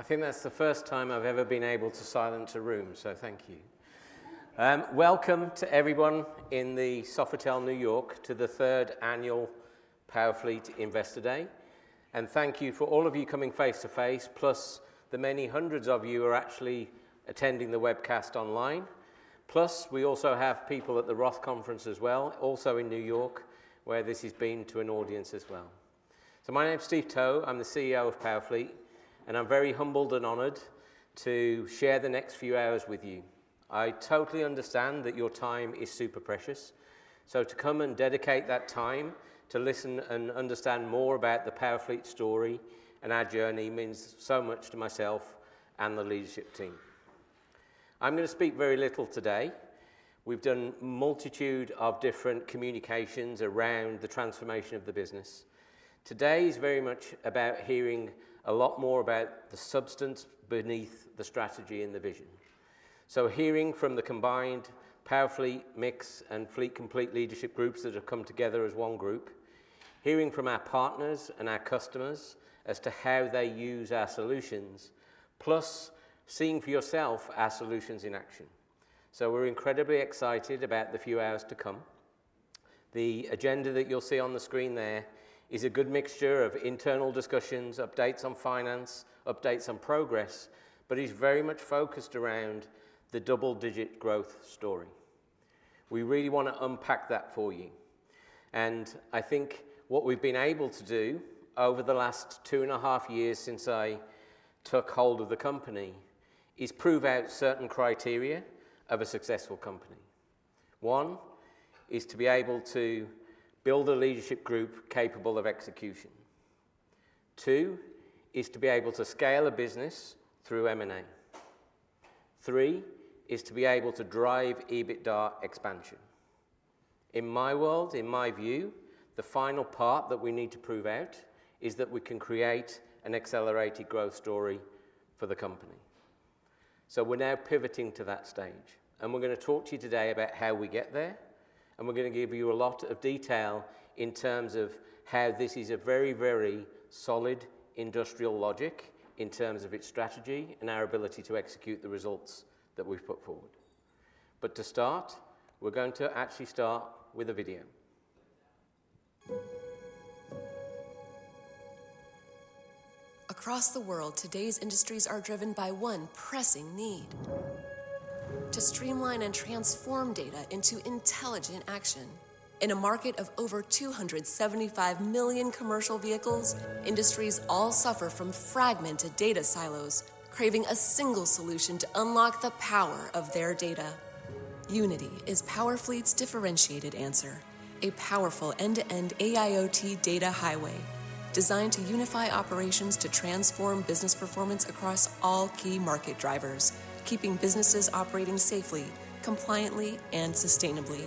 I think that's the first time I've ever been able to silence a room, so thank you. Welcome to everyone in the Sofitel New York to the Third Annual Powerfleet Investor Day, and thank you for all of you coming face to face, plus the many hundreds of you who are actually attending the webcast online. Plus, we also have people at the Roth Conference as well, also in New York, where this has been to an audience as well, so my name's Steve Towe. I'm the CEO of Powerfleet, and I'm very humbled and honored to share the next few hours with you. I totally understand that your time is super precious, so to come and dedicate that time to listen and understand more about the Powerfleet story and our journey means so much to myself and the leadership team. I'm going to speak very little today. We've done a multitude of different communications around the transformation of the business. Today is very much about hearing a lot more about the substance beneath the strategy and the vision. So hearing from the combined Powerfleet, MiX and Fleet Complete leadership groups that have come together as one group, hearing from our partners and our customers as to how they use our solutions, plus seeing for yourself our solutions in action. So we're incredibly excited about the few hours to come. The agenda that you'll see on the screen there is a good mixture of internal discussions, updates on finance, updates on progress, but it's very much focused around the double-digit growth story. We really want to unpack that for you. And I think what we've been able to do over the last two and a half years since I took hold of the company is prove out certain criteria of a successful company. One is to be able to build a leadership group capable of execution. Two is to be able to scale a business through M&A. Three is to be able to drive EBITDA expansion. In my world, in my view, the final part that we need to prove out is that we can create an accelerated growth story for the company. So we're now pivoting to that stage. And we're going to talk to you today about how we get there. And we're going to give you a lot of detail in terms of how this is a very, very solid industrial logic in terms of its strategy and our ability to execute the results that we've put forward. But to start, we're going to actually start with a video. Across the world, today's industries are driven by one pressing need: to streamline and transform data into intelligent action. In a market of over 275 million commercial vehicles, industries all suffer from fragmented data silos, craving a single solution to unlock the power of their data. Unity is Powerfleet's differentiated answer, a powerful end-to-end AIoT data highway designed to unify operations to transform business performance across all key market drivers, keeping businesses operating safely, compliantly, and sustainably.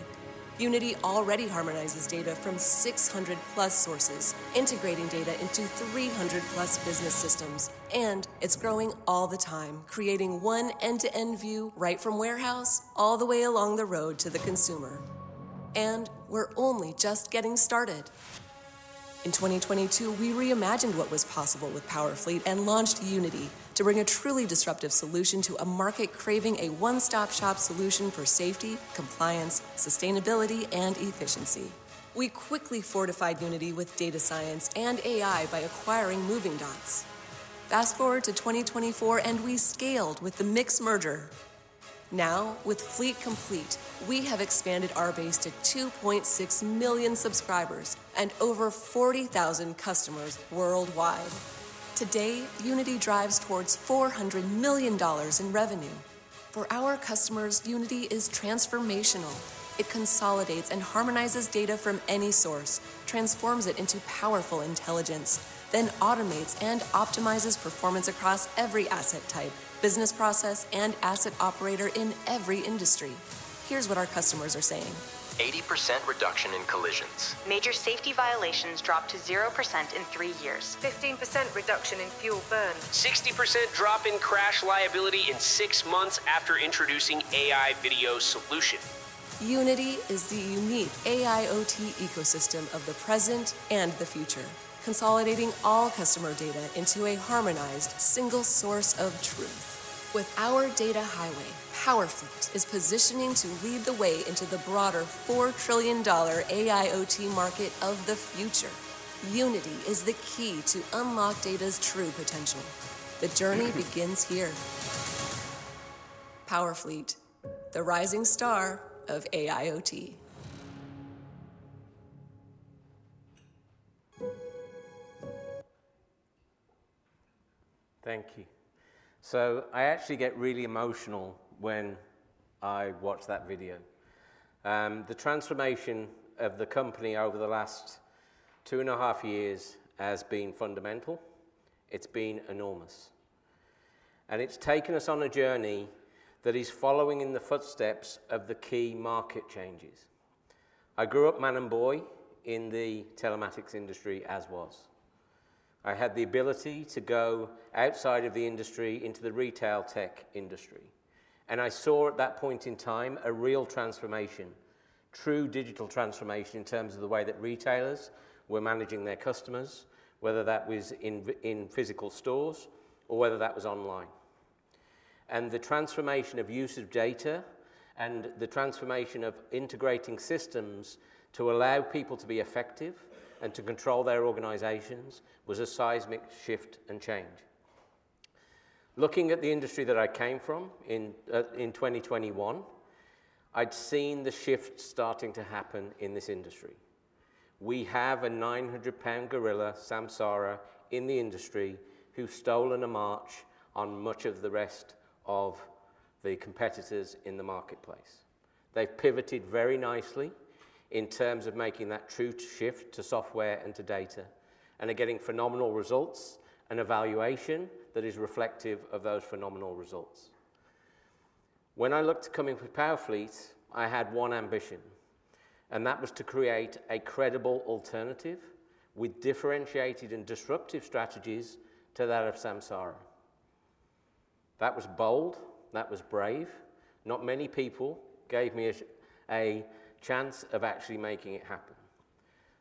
Unity already harmonizes data from 600-plus sources, integrating data into 300-plus business systems. And it's growing all the time, creating one end-to-end view right from warehouse all the way along the road to the consumer. And we're only just getting started. In 2022, we reimagined what was possible with Powerfleet and launched Unity to bring a truly disruptive solution to a market craving a one-stop-shop solution for safety, compliance, sustainability, and efficiency. We quickly fortified Unity with data science and AI by acquiring Movingdots. Fast forward to 2024, and we scaled with the MiX merger. Now, with Fleet Complete, we have expanded our base to 2.6 million subscribers and over 40,000 customers worldwide. Today, Unity drives towards $400 million in revenue. For our customers, Unity is transformational. It consolidates and harmonizes data from any source, transforms it into powerful intelligence, then automates and optimizes performance across every asset type, business process, and asset operator in every industry. Here's what our customers are saying. 80% reduction in collisions. Major safety violations dropped to 0% in three years. 15% reduction in fuel burn. 60% drop in crash liability in six months after introducing AI video solution. Unity is the unique AIoT ecosystem of the present and the future, consolidating all customer data into a harmonized, single source of truth. With our data highway, Powerfleet is positioning to lead the way into the broader $4 trillion AIoT market of the future. Unity is the key to unlock data's true potential. The journey begins here. Powerfleet, the rising star of AIoT. Thank you. So I actually get really emotional when I watch that video. The transformation of the company over the last two and a half years has been fundamental. It's been enormous. And it's taken us on a journey that is following in the footsteps of the key market changes. I grew up man and boy in the telematics industry, as was. I had the ability to go outside of the industry into the retail tech industry. And I saw at that point in time a real transformation, true digital transformation in terms of the way that retailers were managing their customers, whether that was in physical stores or whether that was online. And the transformation of use of data and the transformation of integrating systems to allow people to be effective and to control their organizations was a seismic shift and change. Looking at the industry that I came from in 2021, I'd seen the shift starting to happen in this industry. We have a 900-pound gorilla, Samsara, in the industry who's stolen a march on much of the rest of the competitors in the marketplace. They've pivoted very nicely in terms of making that true shift to software and to data and are getting phenomenal results and a valuation that is reflective of those phenomenal results. When I looked coming to Powerfleet, I had one ambition, and that was to create a credible alternative with differentiated and disruptive strategies to that of Samsara. That was bold. That was brave. Not many people gave me a chance of actually making it happen.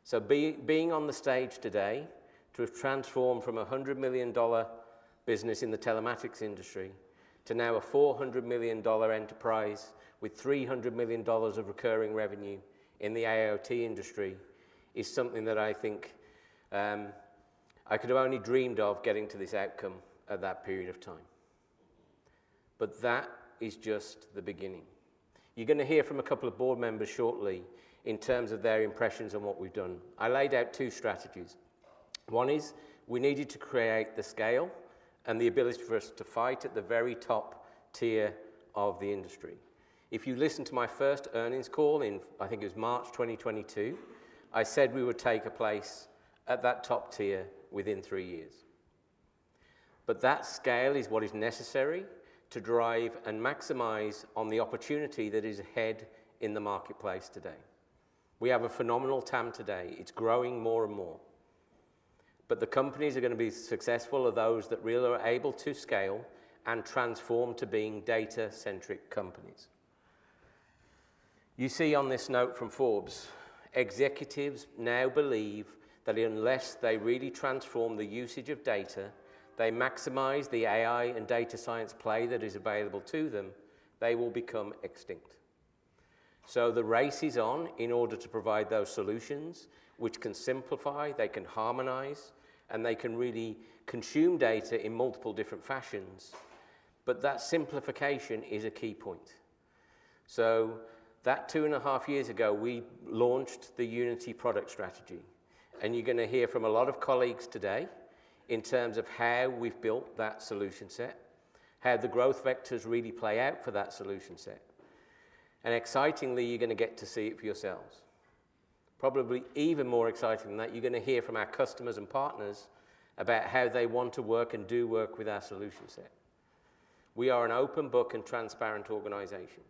So being on the stage today to have transformed from a $100 million business in the telematics industry to now a $400 million enterprise with $300 million of recurring revenue in the AIoT industry is something that I think I could have only dreamed of getting to this outcome at that period of time. But that is just the beginning. You're going to hear from a couple of board members shortly in terms of their impressions on what we've done. I laid out two strategies. One is we needed to create the scale and the ability for us to fight at the very top tier of the industry. If you listen to my first Earnings Call in, I think it was March 2022, I said we would take a place at that top tier within three years. But that scale is what is necessary to drive and maximize on the opportunity that is ahead in the marketplace today. We have a phenomenal TAM today. It's growing more and more, but the companies that are going to be successful are those that really are able to scale and transform to being data-centric companies. You see on this note from Forbes, executives now believe that unless they really transform the usage of data, they maximize the AI and data science play that is available to them, they will become extinct, so the race is on in order to provide those solutions, which can simplify, they can harmonize, and they can really consume data in multiple different fashions. But that simplification is a key point, so that two and a half years ago, we launched the Unity product strategy. You're going to hear from a lot of colleagues today in terms of how we've built that solution set, how the growth vectors really play out for that solution set. Excitingly, you're going to get to see it for yourselves. Probably even more exciting than that, you're going to hear from our customers and partners about how they want to work and do work with our solution set. We are an open book and transparent organization.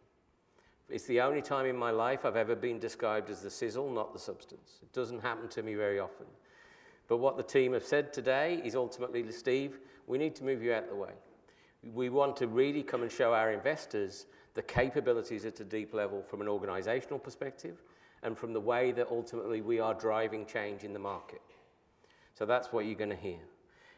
It's the only time in my life I've ever been described as the sizzle, not the substance. It doesn't happen to me very often. What the team have said today is ultimately, "Steve, we need to move you out of the way." We want to really come and show our investors the capabilities at a deep level from an organizational perspective and from the way that ultimately we are driving change in the market. So that's what you're going to hear.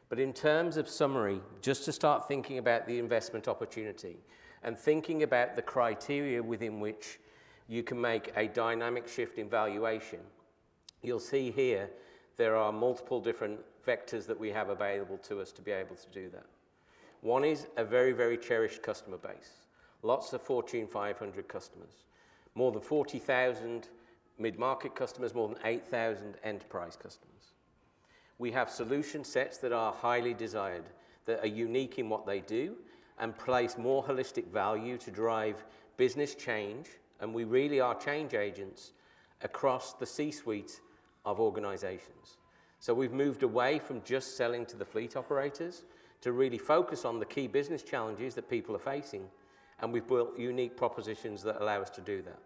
But in terms of summary, just to start thinking about the investment opportunity and thinking about the criteria within which you can make a dynamic shift in valuation, you'll see here there are multiple different vectors that we have available to us to be able to do that. One is a very, very cherished customer base, lots of Fortune 500 customers, more than 40,000 mid-market customers, more than 8,000 enterprise customers. We have solution sets that are highly desired, that are unique in what they do and place more holistic value to drive business change. And we really are change agents across the C-suite of organizations. So we've moved away from just selling to the fleet operators to really focus on the key business challenges that people are facing. And we've built unique propositions that allow us to do that.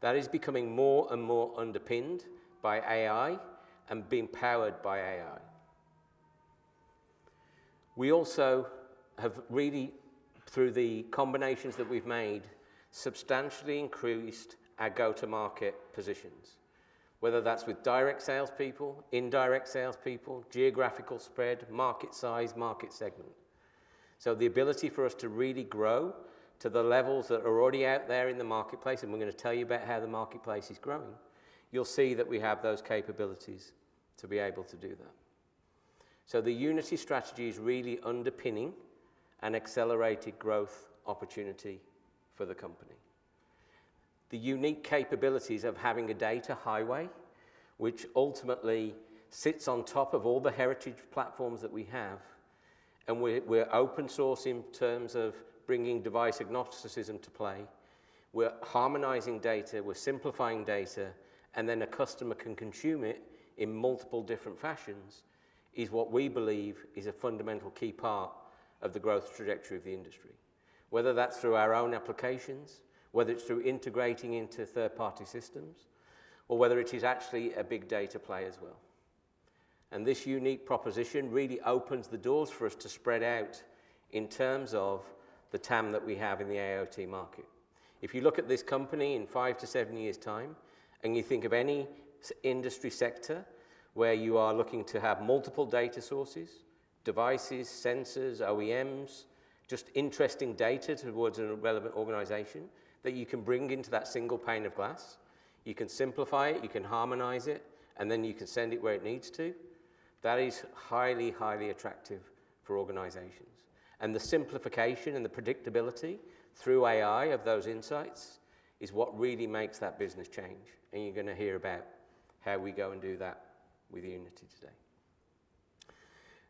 That is becoming more and more underpinned by AI and being powered by AI. We also have really, through the combinations that we've made, substantially increased our go-to-market positions, whether that's with direct salespeople, indirect salespeople, geographical spread, market size, market segment. So the ability for us to really grow to the levels that are already out there in the marketplace, and we're going to tell you about how the marketplace is growing, you'll see that we have those capabilities to be able to do that. So the Unity strategy is really underpinning an accelerated growth opportunity for the company. The unique capabilities of having a data highway, which ultimately sits on top of all the heritage platforms that we have, and we're open sourcing in terms of bringing device agnosticism to play, we're harmonizing data, we're simplifying data, and then a customer can consume it in multiple different fashions is what we believe is a fundamental key part of the growth trajectory of the industry, whether that's through our own applications, whether it's through integrating into third-party systems, or whether it is actually a big data play as well, and this unique proposition really opens the doors for us to spread out in terms of the TAM that we have in the AIoT market. If you look at this company in five to seven years' time and you think of any industry sector where you are looking to have multiple data sources, devices, sensors, OEMs, just interesting data towards a relevant organization that you can bring into that single pane of glass, you can simplify it, you can harmonize it, and then you can send it where it needs to, that is highly, highly attractive for organizations, and the simplification and the predictability through AI of those insights is what really makes that business change, and you're going to hear about how we go and do that with Unity today.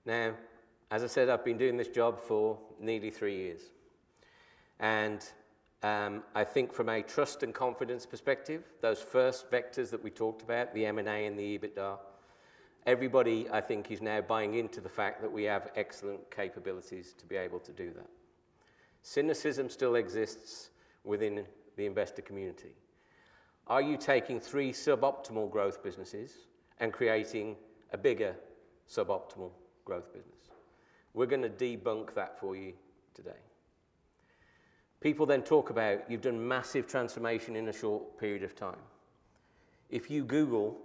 Now, as I said, I've been doing this job for nearly three years. I think from a trust and confidence perspective, those first vectors that we talked about, the M&A and the EBITDA, everybody, I think, is now buying into the fact that we have excellent capabilities to be able to do that. Cynicism still exists within the investor community. Are you taking three suboptimal growth businesses and creating a bigger suboptimal growth business? We're going to debunk that for you today. People then talk about you've done massive transformation in a short period of time. If you Google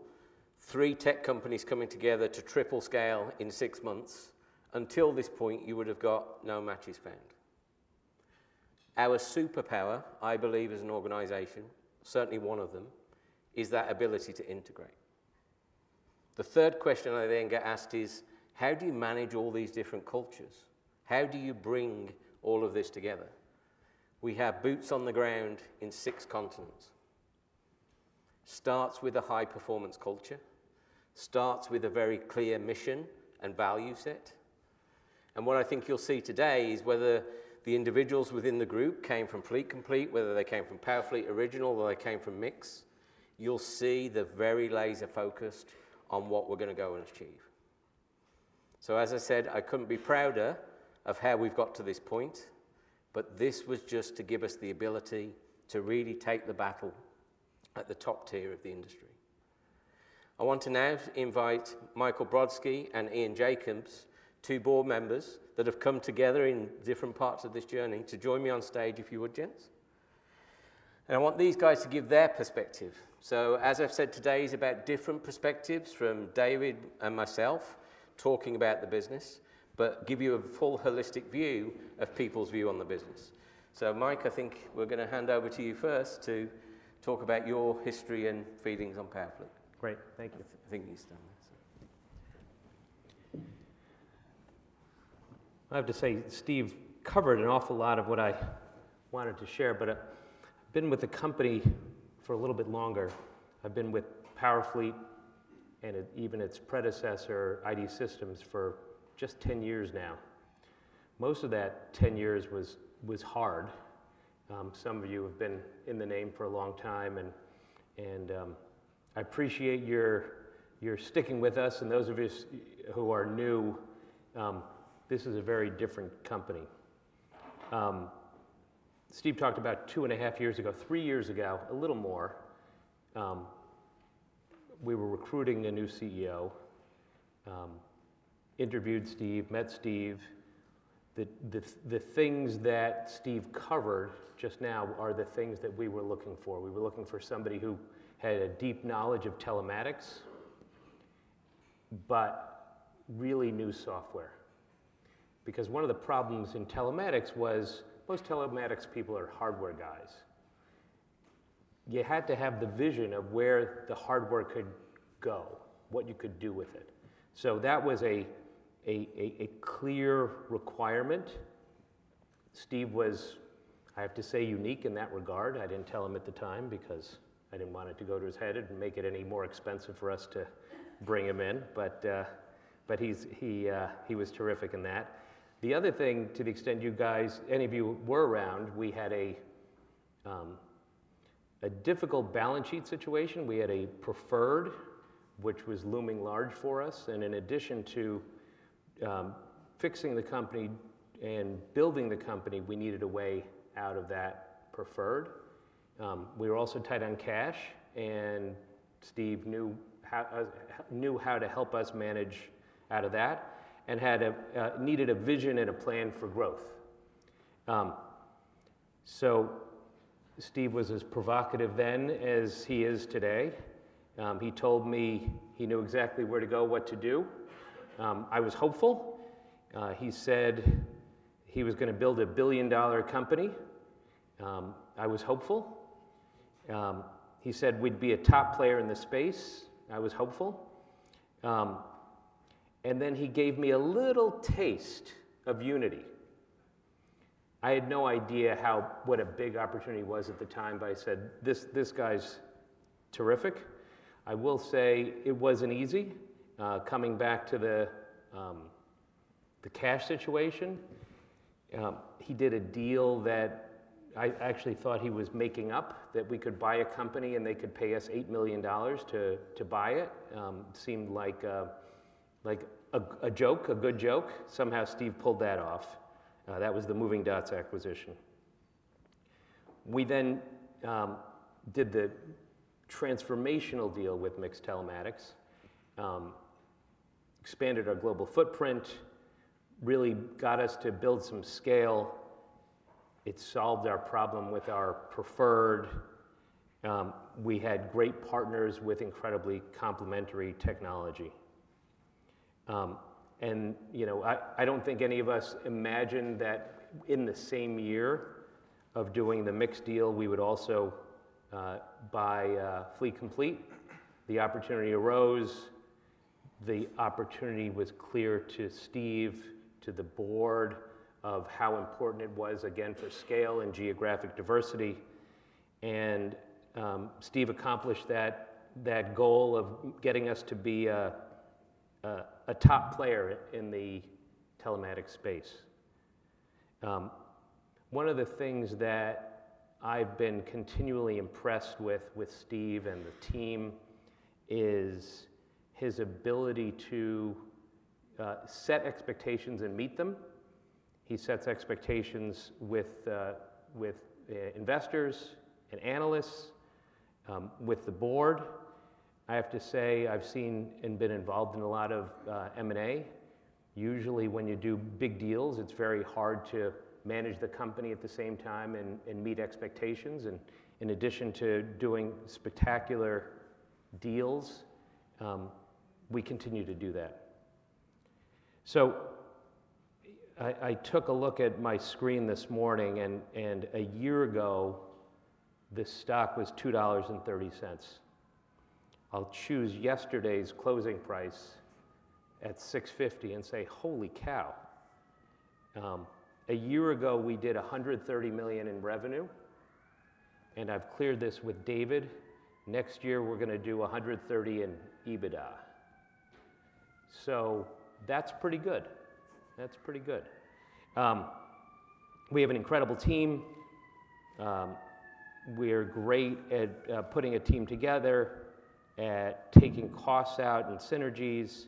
three tech companies coming together to triple scale in six months, until this point, you would have got no matches found. Our superpower, I believe, as an organization, certainly one of them, is that ability to integrate. The third question I then get asked is, how do you manage all these different cultures? How do you bring all of this together? We have boots on the ground in six continents. Starts with a high-performance culture, starts with a very clear mission and value set. And what I think you'll see today is whether the individuals within the group came from Fleet Complete, whether they came from Powerfleet original, or they came from Mix, you'll see they're very laser-focused on what we're going to go and achieve. So, as I said, I couldn't be prouder of how we've got to this point. But this was just to give us the ability to really take the battle at the top tier of the industry. I want to now invite Michael Brodsky and Ian Jacobs, two board members that have come together in different parts of this journey, to join me on stage, if you would, gents. And I want these guys to give their perspective. So, as I've said today, it's about different perspectives from David and myself talking about the business, but give you a full holistic view of people's view on the business. So, Mike, I think we're going to hand over to you first to talk about your history and feelings on Powerfleet. Great. Thank you. I think he's done that. I have to say, Steve covered an awful lot of what I wanted to share. But I've been with the company for a little bit longer. I've been with Powerfleet and even its predecessor, ID Systems, for just 10 years now. Most of that 10 years was hard. Some of you have been in the name for a long time. And I appreciate your sticking with us. And those of you who are new, this is a very different company. Steve talked about two and a half years ago, three years ago, a little more. We were recruiting a new CEO, interviewed Steve, met Steve. The things that Steve covered just now are the things that we were looking for. We were looking for somebody who had a deep knowledge of telematics, but really knew software. Because one of the problems in telematics was most telematics people are hardware guys. You had to have the vision of where the hardware could go, what you could do with it. So that was a clear requirement. Steve was, I have to say, unique in that regard. I didn't tell him at the time because I didn't want it to go to his head and make it any more expensive for us to bring him in. But he was terrific in that. The other thing, to the extent you guys, any of you were around, we had a difficult balance sheet situation. We had a preferred, which was looming large for us. And in addition to fixing the company and building the company, we needed a way out of that preferred. We were also tight on cash. Steve knew how to help us manage out of that and needed a vision and a plan for growth. Steve was as provocative then as he is today. He told me he knew exactly where to go, what to do. I was hopeful. He said he was going to build a billion-dollar company. I was hopeful. He said we'd be a top player in the space. I was hopeful. Then he gave me a little taste of Unity. I had no idea what a big opportunity it was at the time. I said, "This guy's terrific." I will say it wasn't easy. Coming back to the cash situation, he did a deal that I actually thought he was making up, that we could buy a company and they could pay us $8 million to buy it. It seemed like a joke, a good joke. Somehow, Steve pulled that off. That was the MovingDots acquisition. We then did the transformational deal with MiX Telematics, expanded our global footprint, really got us to build some scale. It solved our problem with our preferred. We had great partners with incredibly complementary technology. I don't think any of us imagined that in the same year of doing the MiX deal, we would also buy Fleet Complete. The opportunity arose. The opportunity was clear to Steve, to the board, of how important it was, again, for scale and geographic diversity. Steve accomplished that goal of getting us to be a top player in the telematics space. One of the things that I've been continually impressed with Steve and the team is his ability to set expectations and meet them. He sets expectations with investors and analysts, with the board. I have to say I've seen and been involved in a lot of M&A. Usually, when you do big deals, it's very hard to manage the company at the same time and meet expectations, and in addition to doing spectacular deals, we continue to do that. I took a look at my screen this morning, and a year ago, the stock was $2.30. I'll choose yesterday's closing price at $6.50 and say, "Holy cow." A year ago, we did $130 million in revenue, and I've cleared this with David. Next year, we're going to do $130 million in EBITDA. That's pretty good. That's pretty good. We have an incredible team. We're great at putting a team together, at taking costs out and synergies.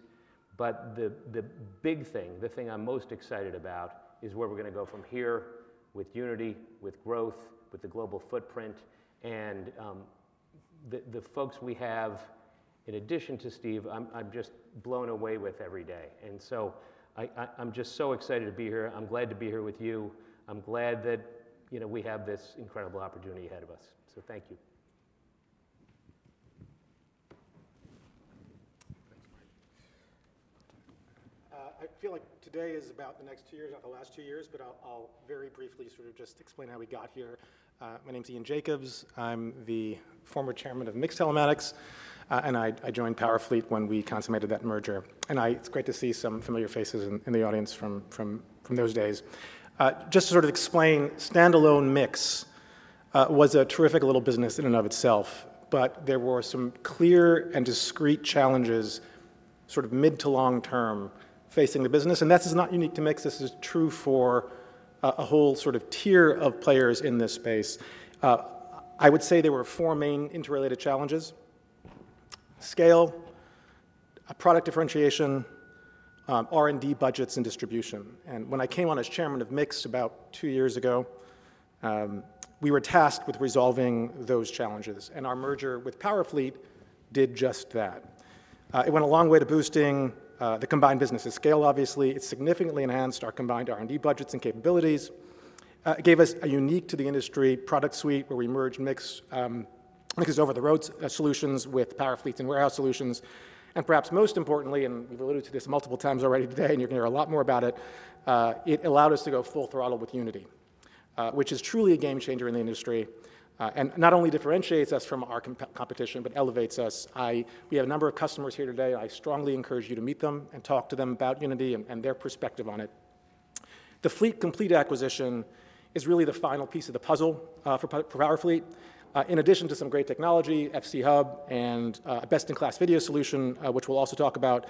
The big thing, the thing I'm most excited about, is where we're going to go from here with Unity, with growth, with the global footprint. And the folks we have, in addition to Steve. I'm just blown away with every day. And so I'm just so excited to be here. I'm glad to be here with you. I'm glad that we have this incredible opportunity ahead of us. So thank you. Thanks, Mike. I feel like today is about the next two years, about the last two years. But I'll very briefly sort of just explain how we got here. My name's Ian Jacobs. I'm the former chairman of MiX Telematics. And I joined Powerfleet when we consummated that merger. And it's great to see some familiar faces in the audience from those days. Just to sort of explain, standalone MiX was a terrific little business in and of itself. But there were some clear and discrete challenges sort of mid to long term facing the business. And this is not unique to MiX. This is true for a whole sort of tier of players in this space. I would say there were four main interrelated challenges: scale, product differentiation, R&D budgets, and distribution. When I came on as chairman of MiX about two years ago, we were tasked with resolving those challenges. Our merger with Powerfleet did just that. It went a long way to boosting the combined business's scale, obviously. It significantly enhanced our combined R&D budgets and capabilities. It gave us a unique to the industry product suite where we merged MiX's over-the-road solutions with Powerfleet's in-warehouse solutions. Perhaps most importantly, and we've alluded to this multiple times already today, and you're going to hear a lot more about it, it allowed us to go full throttle with Unity, which is truly a game changer in the industry and not only differentiates us from our competition, but elevates us. We have a number of customers here today. I strongly encourage you to meet them and talk to them about Unity and their perspective on it. The Fleet Complete acquisition is really the final piece of the puzzle for Powerfleet. In addition to some great technology, FC Hub, and a best-in-class video solution, which we'll also talk about,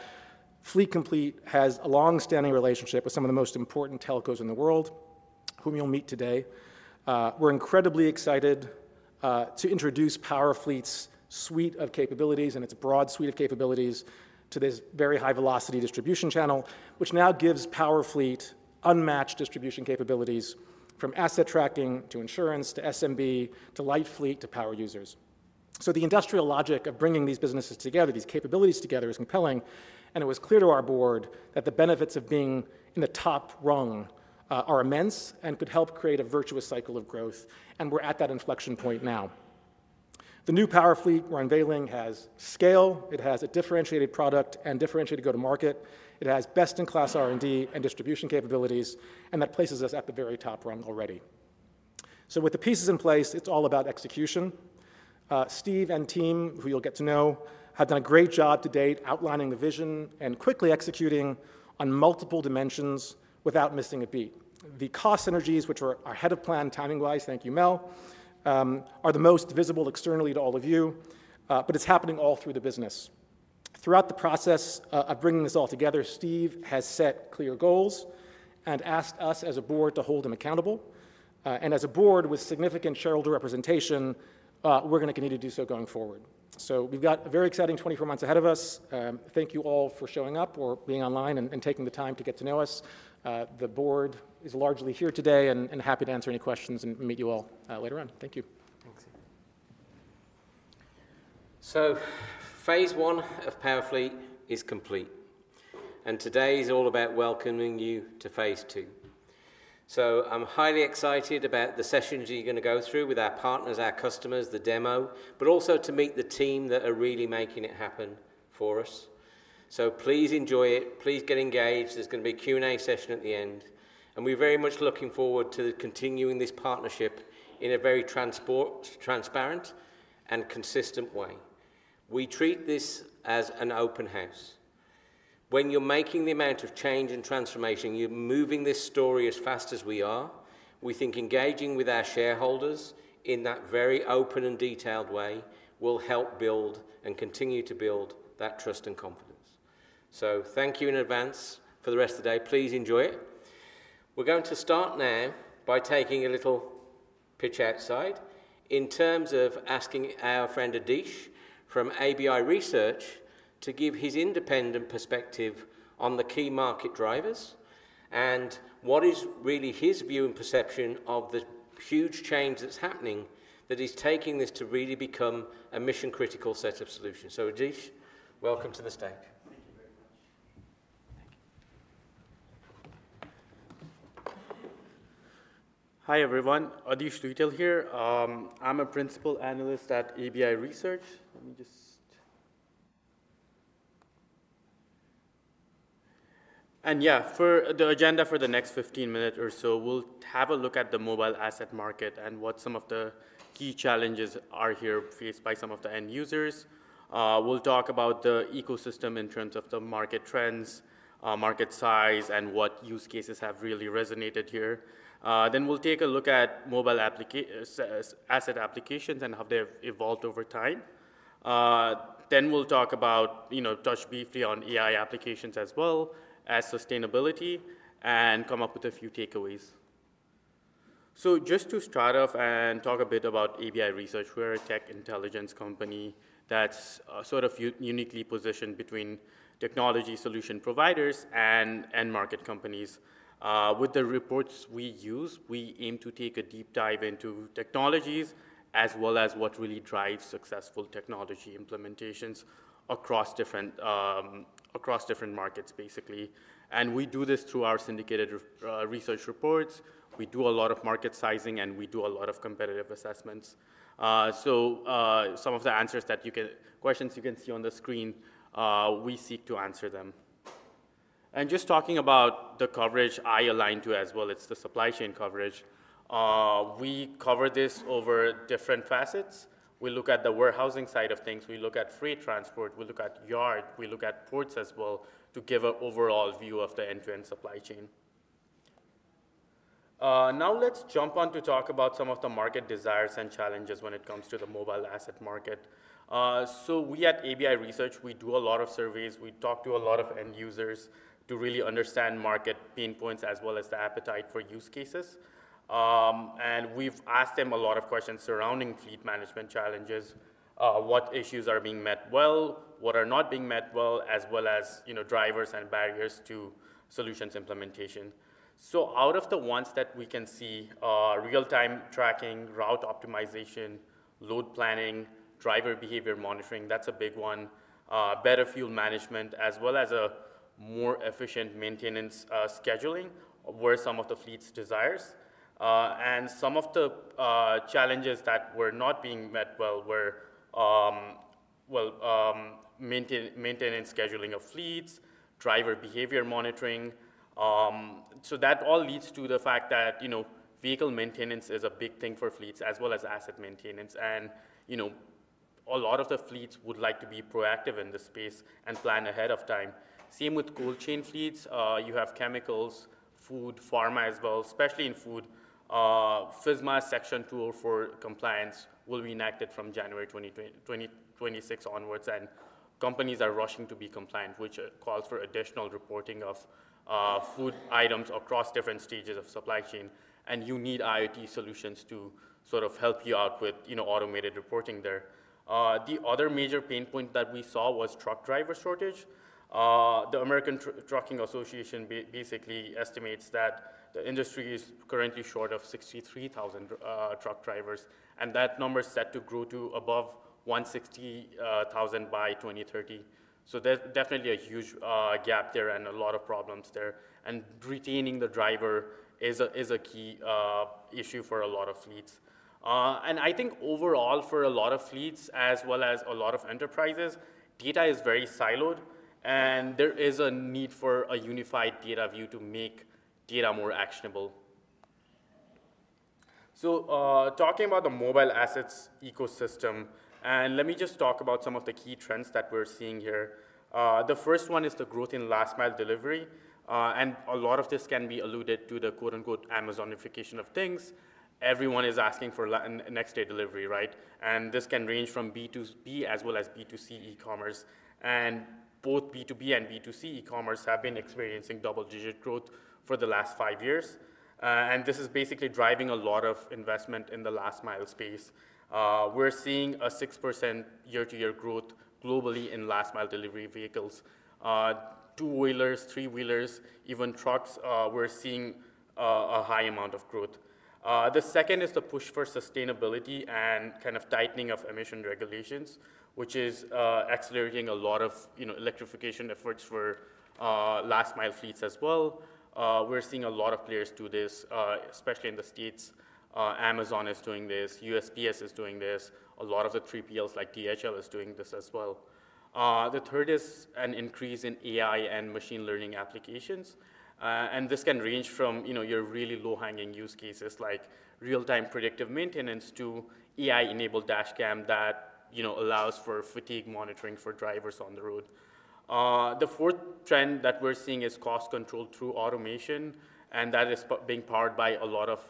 Fleet Complete has a longstanding relationship with some of the most important telcos in the world, whom you'll meet today. We're incredibly excited to introduce Powerfleet's suite of capabilities and its broad suite of capabilities to this very high-velocity distribution channel, which now gives Powerfleet unmatched distribution capabilities from asset tracking to insurance to SMB to Light Fleet to power users. So the industrial logic of bringing these businesses together, these capabilities together, is compelling. And it was clear to our board that the benefits of being in the top rung are immense and could help create a virtuous cycle of growth. And we're at that inflection point now. The new Powerfleet we're unveiling has scale. It has a differentiated product and differentiated go-to-market. It has best-in-class R&D and distribution capabilities. And that places us at the very top rung already. So with the pieces in place, it's all about execution. Steve and team, who you'll get to know, have done a great job to date outlining the vision and quickly executing on multiple dimensions without missing a beat. The cost synergies, which are ahead of plan timing-wise, thank you, Mel, are the most visible externally to all of you. But it's happening all through the business. Throughout the process of bringing this all together, Steve has set clear goals and asked us as a board to hold him accountable. And as a board with significant shareholder representation, we're going to continue to do so going forward. So we've got a very exciting 24 months ahead of us. Thank you all for showing up or being online and taking the time to get to know us. The board is largely here today and happy to answer any questions and meet you all later on. Thank you. Thanks. So phase I of Powerfleet is complete. And today is all about welcoming you to phase II. So I'm highly excited about the sessions you're going to go through with our partners, our customers, the demo, but also to meet the team that are really making it happen for us. So please enjoy it. Please get engaged. There's going to be a Q&A session at the end. And we're very much looking forward to continuing this partnership in a very transparent and consistent way. We treat this as an open house. When you're making the amount of change and transformation, you're moving this story as fast as we are. We think engaging with our shareholders in that very open and detailed way will help build and continue to build that trust and confidence. So thank you in advance for the rest of the day. Please enjoy it. We're going to start now by taking a little pitch outside in terms of asking our friend Adhish from ABI Research to give his independent perspective on the key market drivers and what is really his view and perception of the huge change that's happening that is taking this to really become a mission-critical set of solutions. So Adhish, welcome to the stage. Thank you very much. Thank you. Hi everyone. Adhish Luitel here. I'm a principal analyst at ABI Research. Yeah, for the agenda for the next 15 minutes or so, we'll have a look at the mobile asset market and what some of the key challenges are here faced by some of the end users. We'll talk about the ecosystem in terms of the market trends, market size, and what use cases have really resonated here. Then we'll take a look at mobile asset applications and how they've evolved over time. Then we'll talk about, touch briefly on AI applications as well as sustainability and come up with a few takeaways. So just to start off and talk a bit about ABI Research, we're a tech intelligence company that's sort of uniquely positioned between technology solution providers and market companies. With the reports we use, we aim to take a deep dive into technologies as well as what really drives successful technology implementations across different markets, basically. And we do this through our syndicated research reports. We do a lot of market sizing, and we do a lot of competitive assessments. So some of the questions you can see on the screen, we seek to answer them. And just talking about the coverage I align to as well, it's the supply chain coverage. We cover this over different facets. We look at the warehousing side of things. We look at freight transport. We look at yard. We look at ports as well to give an overall view of the end-to-end supply chain. Now let's jump on to talk about some of the market desires and challenges when it comes to the mobile asset market. We at ABI Research do a lot of surveys. We talk to a lot of end users to really understand market pain points as well as the appetite for use cases. We've asked them a lot of questions surrounding fleet management challenges, what issues are being met well, what are not being met well, as well as drivers and barriers to solutions implementation. Out of the ones that we can see, real-time tracking, route optimization, load planning, driver behavior monitoring, that's a big one, better fuel management, as well as a more efficient maintenance scheduling were some of the fleet's desires. Some of the challenges that were not being met well were maintenance scheduling of fleets, driver behavior monitoring. That all leads to the fact that vehicle maintenance is a big thing for fleets as well as asset maintenance. A lot of the fleets would like to be proactive in this space and plan ahead of time. Same with cold chain fleets. You have chemicals, food, pharma as well, especially in food. FSMA Section 204 compliance will be enacted from January 2026 onwards. Companies are rushing to be compliant, which calls for additional reporting of food items across different stages of supply chain. You need IoT solutions to sort of help you out with automated reporting there. The other major pain point that we saw was truck driver shortage. The American Trucking Associations basically estimates that the industry is currently short of 63,000 truck drivers. That number is set to grow to above 160,000 by 2030. There's definitely a huge gap there and a lot of problems there. Retaining the driver is a key issue for a lot of fleets. I think overall for a lot of fleets, as well as a lot of enterprises, data is very siloed. There is a need for a unified data view to make data more actionable. Talking about the mobile assets ecosystem, let me just talk about some of the key trends that we're seeing here. The first one is the growth in last-mile delivery. A lot of this can be alluded to the quote-unquote "Amazonification of things." Everyone is asking for next-day delivery, right? This can range from B2B as well as B2C e-commerce. Both B2B and B2C e-commerce have been experiencing double-digit growth for the last five years. This is basically driving a lot of investment in the last-mile space. We're seeing a 6% year-to-year growth globally in last-mile delivery vehicles, two-wheelers, three-wheelers, even trucks. We're seeing a high amount of growth. The second is the push for sustainability and kind of tightening of emission regulations, which is accelerating a lot of electrification efforts for last-mile fleets as well. We're seeing a lot of players do this, especially in the States. Amazon is doing this. USPS is doing this. A lot of the 3PLs like DHL are doing this as well. The third is an increase in AI and machine learning applications, and this can range from your really low-hanging use cases like real-time predictive maintenance to AI-enabled dashcam that allows for fatigue monitoring for drivers on the road. The fourth trend that we're seeing is cost control through automation, and that is being powered by a lot of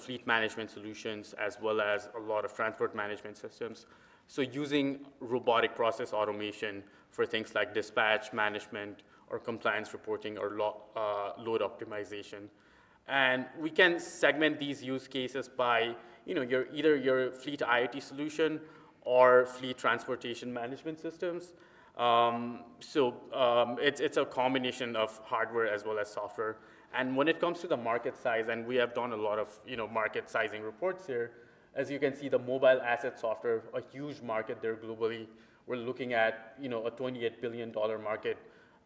fleet management solutions as well as a lot of transport management systems, so using robotic process automation for things like dispatch management or compliance reporting or load optimization. And we can segment these use cases by either your fleet IoT solution or fleet transportation management systems. So it's a combination of hardware as well as software. And when it comes to the market size, and we have done a lot of market sizing reports here, as you can see, the mobile asset software, a huge market there globally. We're looking at a $28 billion market,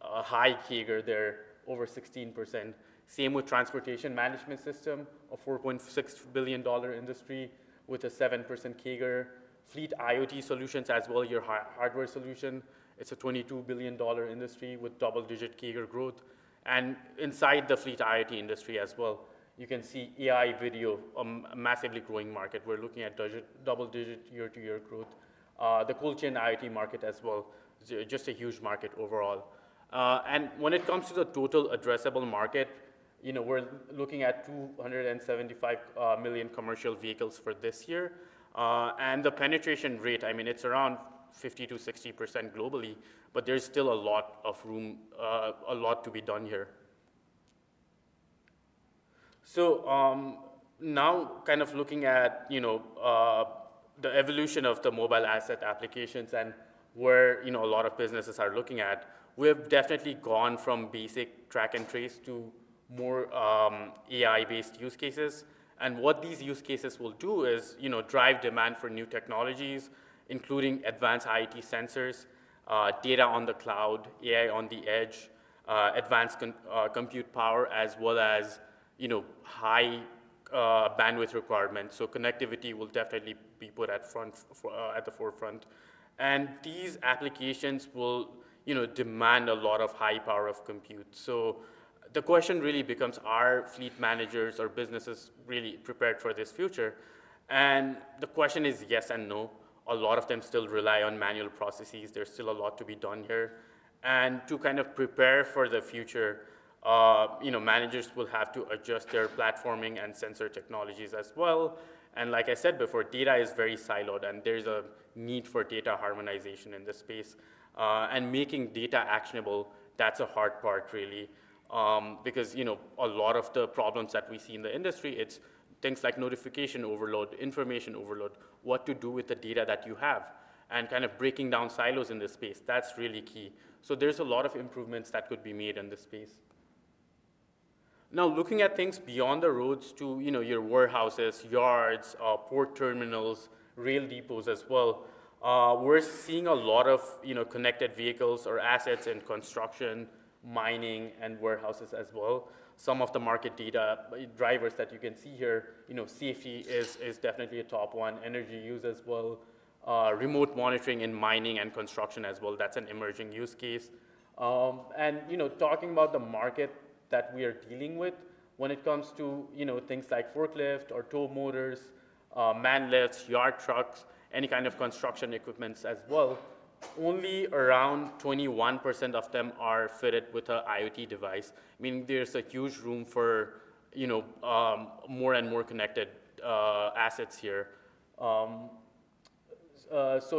a high CAGR there, over 16%. Same with transportation management system, a $4.6 billion industry with a 7% CAGR. Fleet IoT solutions as well, your hardware solution, it's a $22 billion industry with double-digit CAGR growth. And inside the fleet IoT industry as well, you can see AI video, a massively growing market. We're looking at double-digit year-to-year growth. The cold chain IoT market as well, just a huge market overall. When it comes to the total addressable market, we're looking at 275 million commercial vehicles for this year. The penetration rate, I mean, it's around 50%-60% globally, but there's still a lot of room, a lot to be done here. Now kind of looking at the evolution of the mobile asset applications and where a lot of businesses are looking at, we have definitely gone from basic track and trace to more AI-based use cases. What these use cases will do is drive demand for new technologies, including advanced IoT sensors, data on the cloud, AI on the edge, advanced compute power, as well as high bandwidth requirements. Connectivity will definitely be put at the forefront. These applications will demand a lot of high power of compute. The question really becomes, are fleet managers or businesses really prepared for this future? And the question is yes and no. A lot of them still rely on manual processes. There's still a lot to be done here. And to kind of prepare for the future, managers will have to adjust their platforming and sensor technologies as well. And like I said before, data is very siloed, and there's a need for data harmonization in this space. And making data actionable, that's a hard part, really, because a lot of the problems that we see in the industry, it's things like notification overload, information overload, what to do with the data that you have. And kind of breaking down silos in this space, that's really key. So there's a lot of improvements that could be made in this space. Now looking at things beyond the roads to your warehouses, yards, port terminals, rail depots as well, we're seeing a lot of connected vehicles or assets in construction, mining, and warehouses as well. Some of the market data drivers that you can see here, safety is definitely a top one, energy use as well, remote monitoring in mining and construction as well. That's an emerging use case. And talking about the market that we are dealing with, when it comes to things like forklift or tow motors, man lifts, yard trucks, any kind of construction equipments as well, only around 21% of them are fitted with an IoT device, meaning there's a huge room for more and more connected assets here. So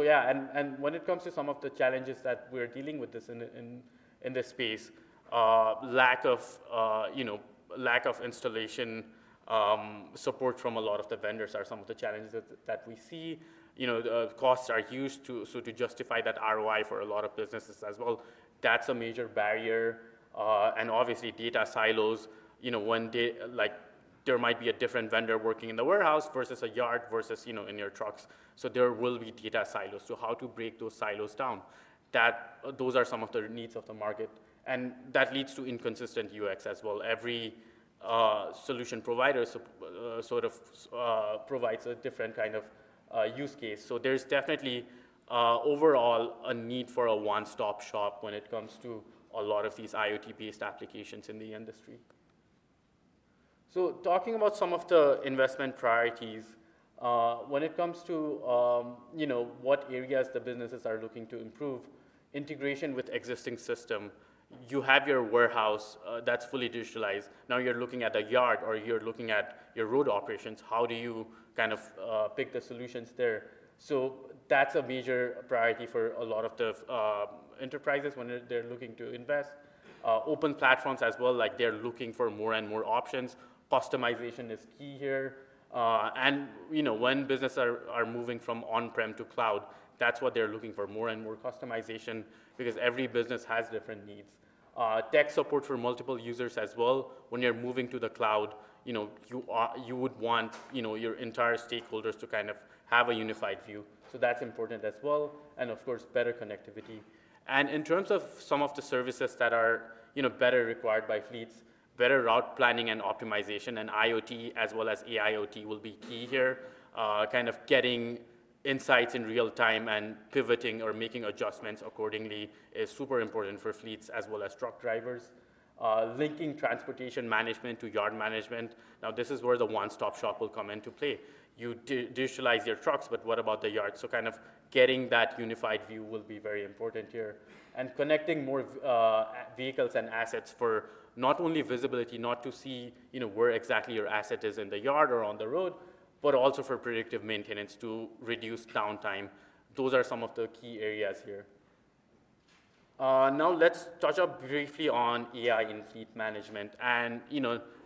yeah, and when it comes to some of the challenges that we're dealing with in this space, lack of installation support from a lot of the vendors are some of the challenges that we see. Costs are used to justify that ROI for a lot of businesses as well. That's a major barrier. And obviously, data silos, there might be a different vendor working in the warehouse versus a yard versus in your trucks. So there will be data silos. So how to break those silos down, those are some of the needs of the market. And that leads to inconsistent UX as well. Every solution provider sort of provides a different kind of use case. So there's definitely overall a need for a one-stop shop when it comes to a lot of these IoT-based applications in the industry. So, talking about some of the investment priorities, when it comes to what areas the businesses are looking to improve, integration with existing system. You have your warehouse that's fully digitalized. Now you're looking at a yard or you're looking at your road operations. How do you kind of pick the solutions there? So that's a major priority for a lot of the enterprises when they're looking to invest. Open platforms as well, like they're looking for more and more options. Customization is key here. And when businesses are moving from on-prem to cloud, that's what they're looking for, more and more customization because every business has different needs. Tech support for multiple users as well. When you're moving to the cloud, you would want your entire stakeholders to kind of have a unified view. So that's important as well. And of course, better connectivity. And in terms of some of the services that are better required by fleets, better route planning and optimization and IoT as well as AIoT will be key here. Kind of getting insights in real time and pivoting or making adjustments accordingly is super important for fleets as well as truck drivers. Linking transportation management to yard management. Now this is where the one-stop shop will come into play. You digitize your trucks, but what about the yard? So kind of getting that unified view will be very important here. And connecting more vehicles and assets for not only visibility, not to see where exactly your asset is in the yard or on the road, but also for predictive maintenance to reduce downtime. Those are some of the key areas here. Now let's touch on briefly on AI in fleet management.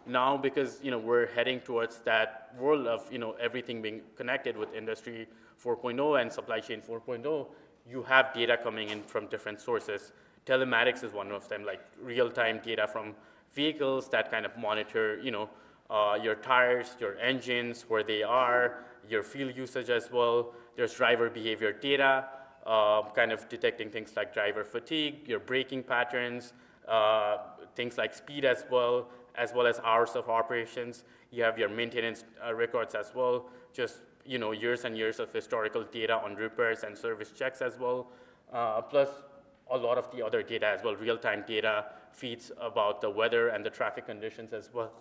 Now, because we're heading towards that world of everything being connected with Industry 4.0 and Supply Chain 4.0, you have data coming in from different sources. Telematics is one of them, like real-time data from vehicles that kind of monitor your tires, your engines, where they are, your fuel usage as well. There's driver behavior data, kind of detecting things like driver fatigue, your braking patterns, things like speed as well, as well as hours of operations. You have your maintenance records as well, just years and years of historical data on repairs and service checks as well, plus a lot of the other data as well, real-time data feeds about the weather and the traffic conditions as well.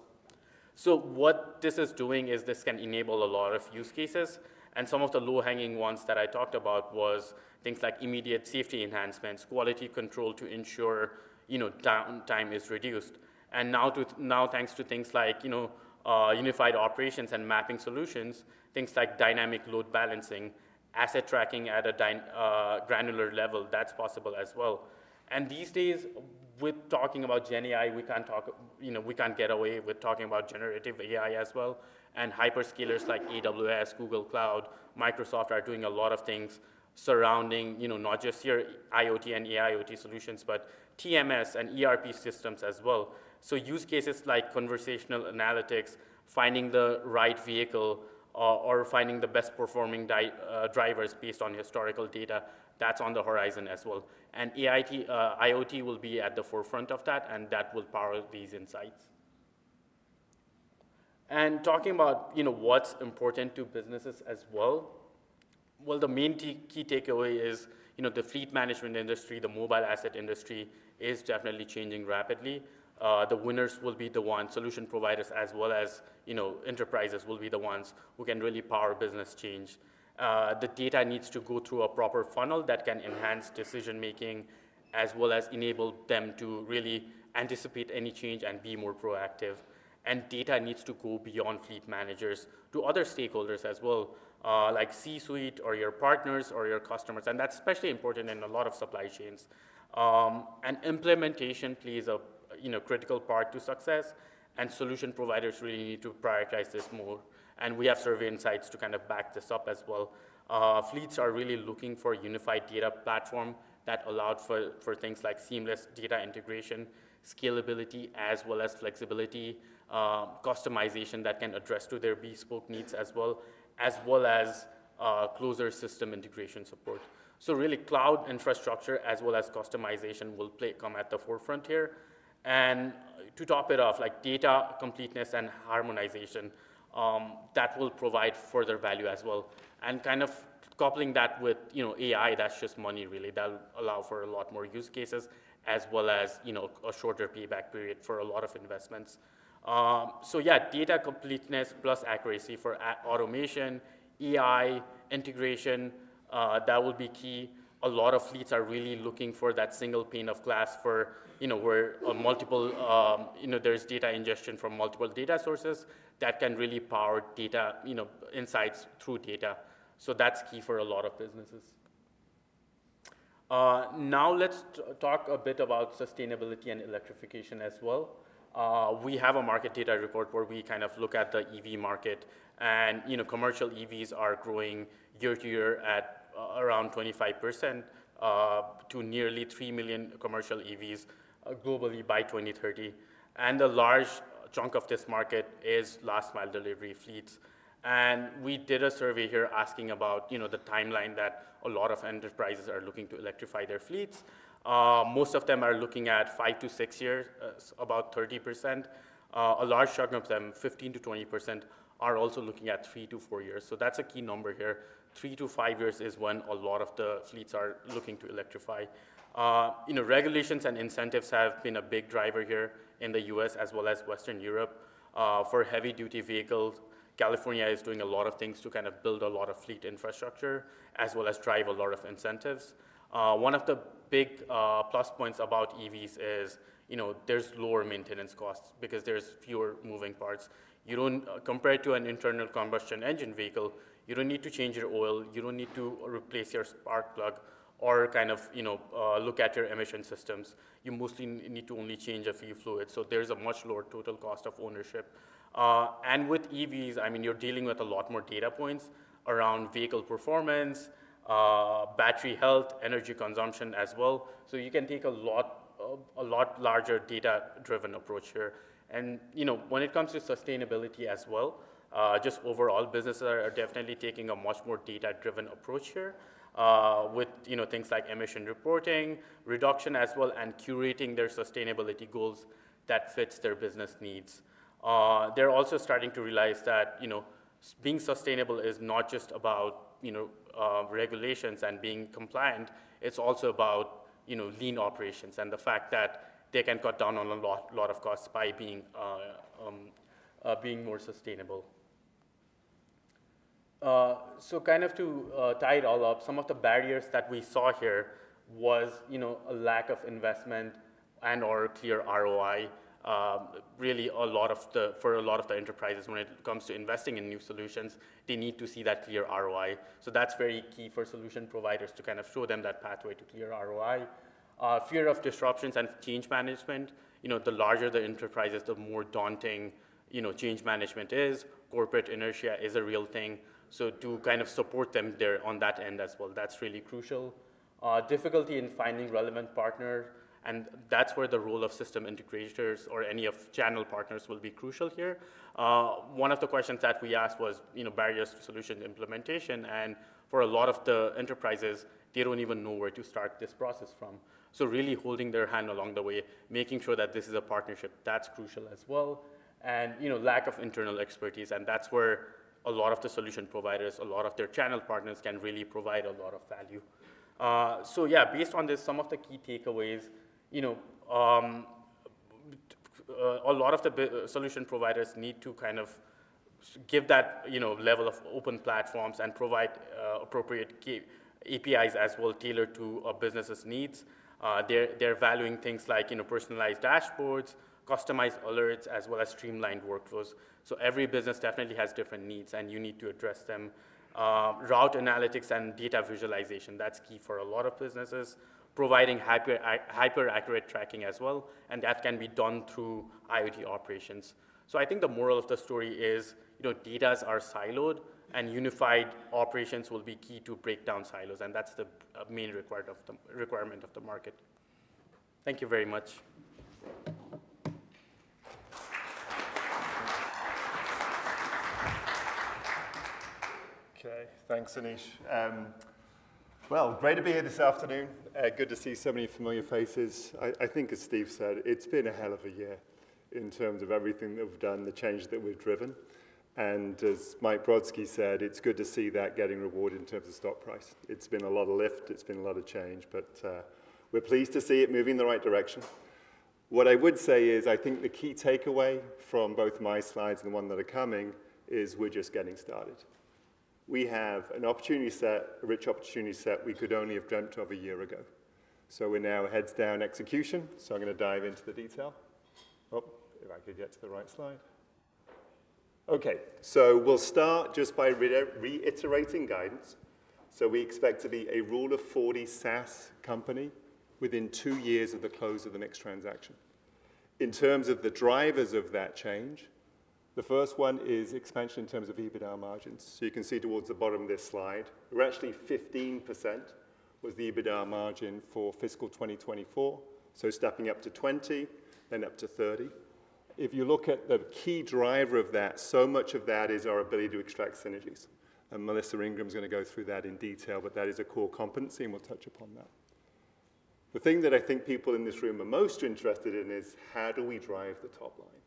What this is doing is this can enable a lot of use cases. And some of the low-hanging ones that I talked about was things like immediate safety enhancements, quality control to ensure downtime is reduced. And now thanks to things like unified operations and mapping solutions, things like dynamic load balancing, asset tracking at a granular level, that's possible as well. And these days, with talking about GenAI, we can't get away with talking about generative AI as well. And hyperscalers like AWS, Google Cloud, Microsoft are doing a lot of things surrounding not just your IoT and AIoT solutions, but TMS and ERP systems as well. So use cases like conversational analytics, finding the right vehicle or finding the best-performing drivers based on historical data, that's on the horizon as well. And IoT will be at the forefront of that, and that will power these insights. Talking about what's important to businesses as well, well, the main key takeaway is the fleet management industry, the mobile asset industry is definitely changing rapidly. The winners will be the one solution providers as well as enterprises will be the ones who can really power business change. The data needs to go through a proper funnel that can enhance decision-making as well as enable them to really anticipate any change and be more proactive. Data needs to go beyond fleet managers to other stakeholders as well, like C-Suite or your partners or your customers. That's especially important in a lot of supply chains. Implementation plays a critical part to success, and solution providers really need to prioritize this more. We have survey insights to kind of back this up as well. Fleets are really looking for a unified data platform that allows for things like seamless data integration, scalability, as well as flexibility, customization that can address their bespoke needs as well, as well as closer system integration support, so really, cloud infrastructure as well as customization will come at the forefront here, and to top it off, like data completeness and harmonization, that will provide further value as well, and kind of coupling that with AI, that's just money, really. That'll allow for a lot more use cases as well as a shorter payback period for a lot of investments, so yeah, data completeness plus accuracy for automation, AI integration, that will be key. A lot of fleets are really looking for that single pane of glass where there's data ingestion from multiple data sources that can really power insights through data, so that's key for a lot of businesses. Now let's talk a bit about sustainability and electrification as well. We have a market data report where we kind of look at the EV market, and commercial EVs are growing year-to-year at around 25% to nearly 3 million commercial EVs globally by 2030, and a large chunk of this market is last-mile delivery fleets, and we did a survey here asking about the timeline that a lot of enterprises are looking to electrify their fleets. Most of them are looking at five to six years, about 30%. A large chunk of them, 15%-20%, are also looking at three to four years, so that's a key number here. Three to five years is when a lot of the fleets are looking to electrify. Regulations and incentives have been a big driver here in the U.S. as well as Western Europe. For heavy-duty vehicles, California is doing a lot of things to kind of build a lot of fleet infrastructure as well as drive a lot of incentives. One of the big plus points about EVs is there's lower maintenance costs because there's fewer moving parts. Compared to an internal combustion engine vehicle, you don't need to change your oil. You don't need to replace your spark plug or kind of look at your emission systems. You mostly need to only change a few fluids. So there's a much lower total cost of ownership, and with EVs, I mean, you're dealing with a lot more data points around vehicle performance, battery health, energy consumption as well, so you can take a lot larger data-driven approach here. When it comes to sustainability as well, just overall, businesses are definitely taking a much more data-driven approach here with things like emission reporting, reduction as well, and curating their sustainability goals that fit their business needs. They're also starting to realize that being sustainable is not just about regulations and being compliant. It's also about lean operations and the fact that they can cut down on a lot of costs by being more sustainable. Kind of to tie it all up, some of the barriers that we saw here was a lack of investment and/or clear ROI. Really, for a lot of the enterprises, when it comes to investing in new solutions, they need to see that clear ROI. That's very key for solution providers to kind of show them that pathway to clear ROI. Fear of disruptions and change management. The larger the enterprise is, the more daunting change management is. Corporate inertia is a real thing, so to kind of support them there on that end as well, that's really crucial. Difficulty in finding relevant partners, and that's where the role of system integrators or any of channel partners will be crucial here. One of the questions that we asked was barriers to solution implementation, and for a lot of the enterprises, they don't even know where to start this process from, so really holding their hand along the way, making sure that this is a partnership, that's crucial as well. And lack of internal expertise, and that's where a lot of the solution providers, a lot of their channel partners can really provide a lot of value. So yeah, based on this, some of the key takeaways, a lot of the solution providers need to kind of give that level of open platforms and provide appropriate APIs as well tailored to a business's needs. They're valuing things like personalized dashboards, customized alerts, as well as streamlined workflows. So every business definitely has different needs, and you need to address them. Route analytics and data visualization, that's key for a lot of businesses, providing hyper-accurate tracking as well. And that can be done through IoT operations. So I think the moral of the story is data are siloed, and unified operations will be key to break down silos. And that's the main requirement of the market. Thank you very much. Okay. Thanks, Adhish. Well, great to be here this afternoon. Good to see so many familiar faces. I think, as Steve said, it's been a hell of a year in terms of everything that we've done, the change that we've driven. And as Mike Brodsky said, it's good to see that getting rewarded in terms of stock price. It's been a lot of lift. It's been a lot of change, but we're pleased to see it moving in the right direction. What I would say is I think the key takeaway from both my slides and the one that are coming is we're just getting started. We have an opportunity set, a rich opportunity set we could only have dreamt of a year ago. So we're now heads down execution. So I'm going to dive into the detail. Oh, if I could get to the right slide. Okay. So we'll start just by reiterating guidance. We expect to be a Rule of 40 SaaS company within two years of the close of the next transaction. In terms of the drivers of that change, the first one is expansion in terms of EBITDA margins. You can see towards the bottom of this slide, we're actually 15% was the EBITDA margin for fiscal 2024. Stepping up to 20%, then up to 30%. If you look at the key driver of that, so much of that is our ability to extract synergies. Melissa Ingram is going to go through that in detail, but that is a core competency, and we'll touch upon that. The thing that I think people in this room are most interested in is how do we drive the top line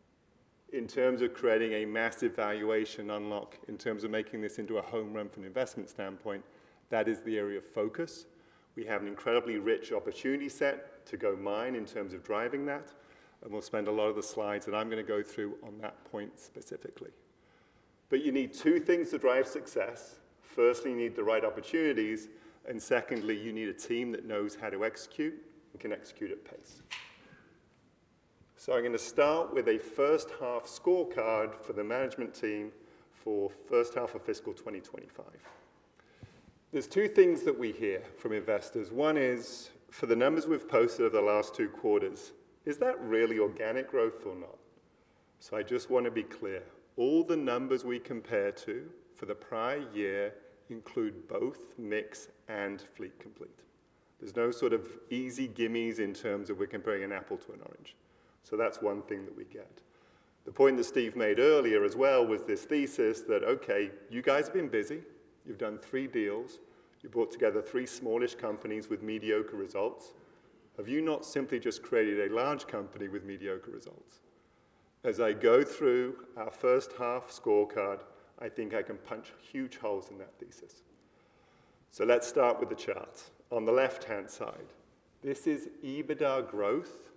in terms of creating a massive valuation unlock in terms of making this into a home run from an investment standpoint. That is the area of focus. We have an incredibly rich opportunity set to go mine in terms of driving that, and we'll spend a lot of the slides that I'm going to go through on that point specifically, but you need two things to drive success. Firstly, you need the right opportunities, and secondly, you need a team that knows how to execute and can execute at pace, so I'm going to start with a first-half scorecard for the management team for first half of fiscal 2025. There's two things that we hear from investors. One is for the numbers we've posted over the last two quarters, is that really organic growth or not? So I just want to be clear. All the numbers we compare to for the prior year include both MiX and Fleet Complete. There's no sort of easy gimmes in terms of we're comparing an apple to an orange. So that's one thing that we get. The point that Steve made earlier as well was this thesis that, okay, you guys have been busy. You've done three deals. You brought together three smallish companies with mediocre results. Have you not simply just created a large company with mediocre results? As I go through our first-half scorecard, I think I can punch huge holes in that thesis. So let's start with the charts. On the left-hand side, this is EBITDA growth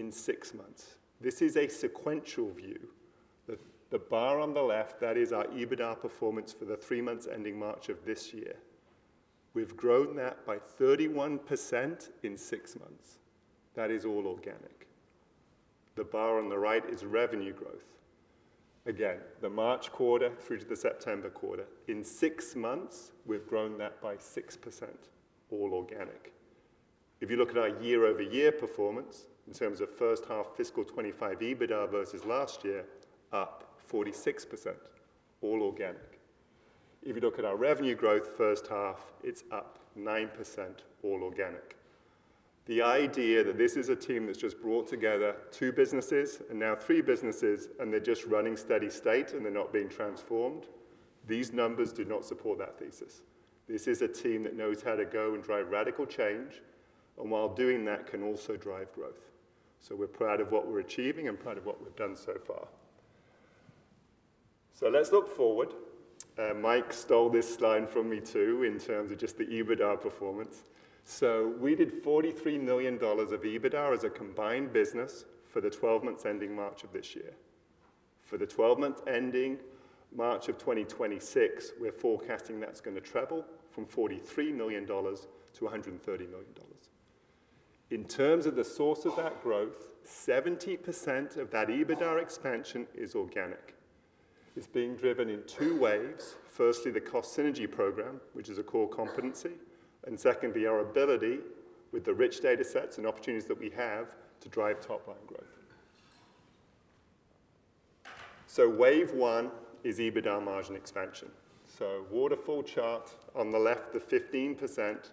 in six months. This is a sequential view. The bar on the left, that is our EBITDA performance for the three months ending March of this year. We've grown that by 31% in six months. That is all organic. The bar on the right is revenue growth. Again, the March quarter through to the September quarter, in six months, we've grown that by 6%, all organic. If you look at our year-over-year performance in terms of first-half fiscal 2025 EBITDA versus last year, up 46%, all organic. If you look at our revenue growth first half, it's up 9%, all organic. The idea that this is a team that's just brought together two businesses and now three businesses, and they're just running steady state and they're not being transformed, these numbers do not support that thesis. This is a team that knows how to go and drive radical change, and while doing that can also drive growth. We're proud of what we're achieving and proud of what we've done so far. So let's look forward. Mike stole this line from me too in terms of just the EBITDA performance. So we did $43 million of EBITDA as a combined business for the 12 months ending March of this year. For the 12 months ending March of 2026, we're forecasting that's going to travel from $43 million to $130 million. In terms of the source of that growth, 70% of that EBITDA expansion is organic. It's being driven in two waves. Firstly, the cost synergy program, which is a core competency. And secondly, our ability with the rich data sets and opportunities that we have to drive top line growth. So wave one is EBITDA margin expansion. So waterfall chart on the left, the 15%,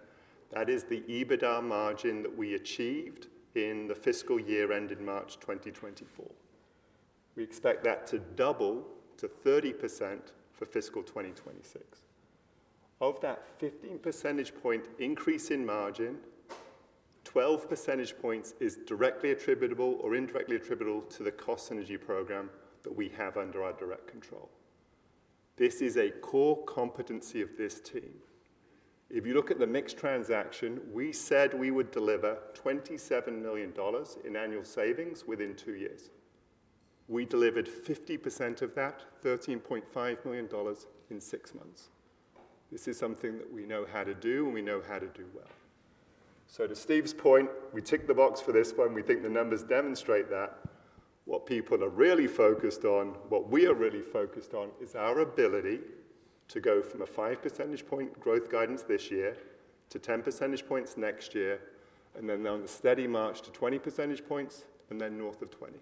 that is the EBITDA margin that we achieved in the fiscal year ended March 2024. We expect that to double to 30% for fiscal 2026. Of that 15 percentage point increase in margin, 12 percentage points is directly attributable or indirectly attributable to the cost synergy program that we have under our direct control. This is a core competency of this team. If you look at the MiX transaction, we said we would deliver $27 million in annual savings within two years. We delivered 50% of that, $13.5 million in six months. This is something that we know how to do, and we know how to do well. So to Steve's point, we tick the box for this one. We think the numbers demonstrate that. What people are really focused on, what we are really focused on, is our ability to go from a 5 percentage point growth guidance this year to 10 percentage points next year, and then on the steady march to 20 percentage points, and then north of 20.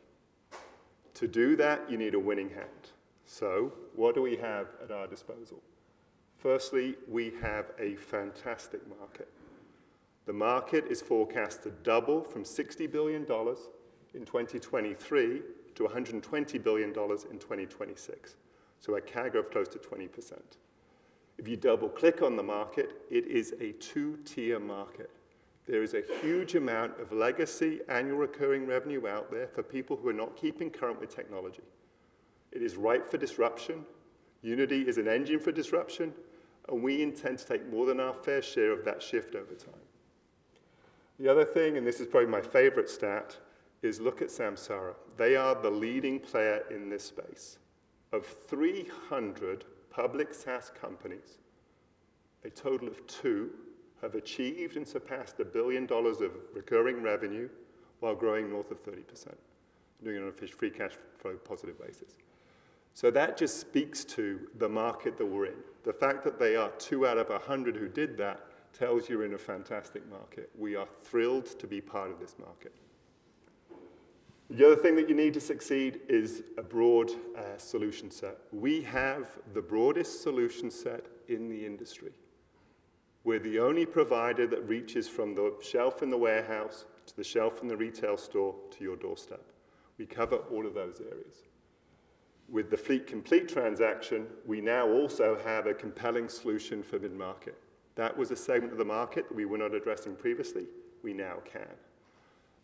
To do that, you need a winning hand. So what do we have at our disposal? Firstly, we have a fantastic market. The market is forecast to double from $60 billion in 2023 to $120 billion in 2026. So a CAGR of close to 20%. If you double-click on the market, it is a two-tier market. There is a huge amount of legacy annual recurring revenue out there for people who are not keeping current with technology. It is ripe for disruption. Unity is an engine for disruption, and we intend to take more than our fair share of that shift over time. The other thing, and this is probably my favorite stat, is look at Samsara. They are the leading player in this space. Of 300 public SaaS companies, a total of two have achieved and surpassed $1 billion of recurring revenue while growing north of 30%, doing it on a free cash flow positive basis. So that just speaks to the market that we're in. The fact that they are two out of 100 who did that tells you we're in a fantastic market. We are thrilled to be part of this market. The other thing that you need to succeed is a broad solution set. We have the broadest solution set in the industry. We're the only provider that reaches from the shelf in the warehouse to the shelf in the retail store to your doorstep. We cover all of those areas. With the Fleet Complete transaction, we now also have a compelling solution for mid-market. That was a segment of the market that we were not addressing previously. We now can.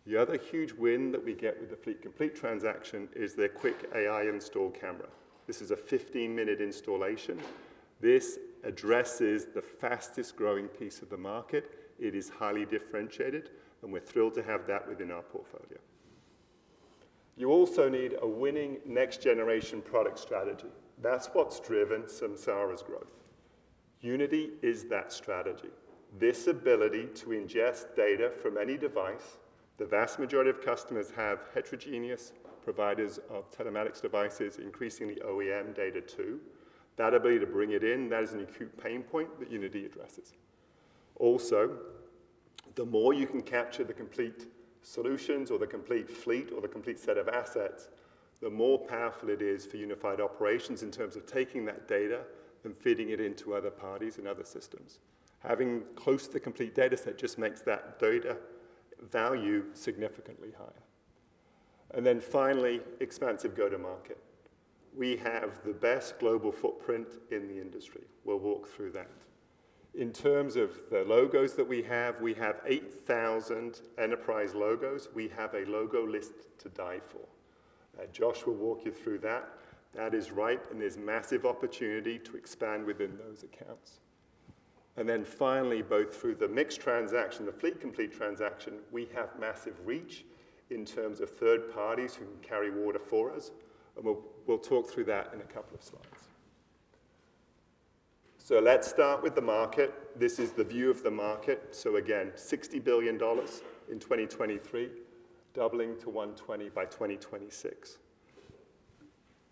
The other huge win that we get with the Fleet Complete transaction is their quick AI install camera. This is a 15-minute installation. This addresses the fastest growing piece of the market. It is highly differentiated, and we're thrilled to have that within our portfolio. You also need a winning next-generation product strategy. That's what's driven Samsara's growth. Unity is that strategy. This ability to ingest data from any device. The vast majority of customers have heterogeneous providers of telematics devices, increasingly OEM data too. That ability to bring it in, that is an acute pain point that Unity addresses. Also, the more you can capture the complete solutions or the complete fleet or the complete set of assets, the more powerful it is for unified operations in terms of taking that data and feeding it into other parties and other systems. Having close to complete data set just makes that data value significantly higher. And then finally, expansive go-to-market. We have the best global footprint in the industry. We'll walk through that. In terms of the logos that we have, we have 8,000 enterprise logos. We have a logo list to die for. Josh will walk you through that. That is ripe and is massive opportunity to expand within those accounts. And then finally, both through the MiX transaction, the Fleet Complete transaction, we have massive reach in terms of third parties who can carry water for us. And we'll talk through that in a couple of slides. So let's start with the market. This is the view of the market. So again, $60 billion in 2023, doubling to $120 billion by 2026.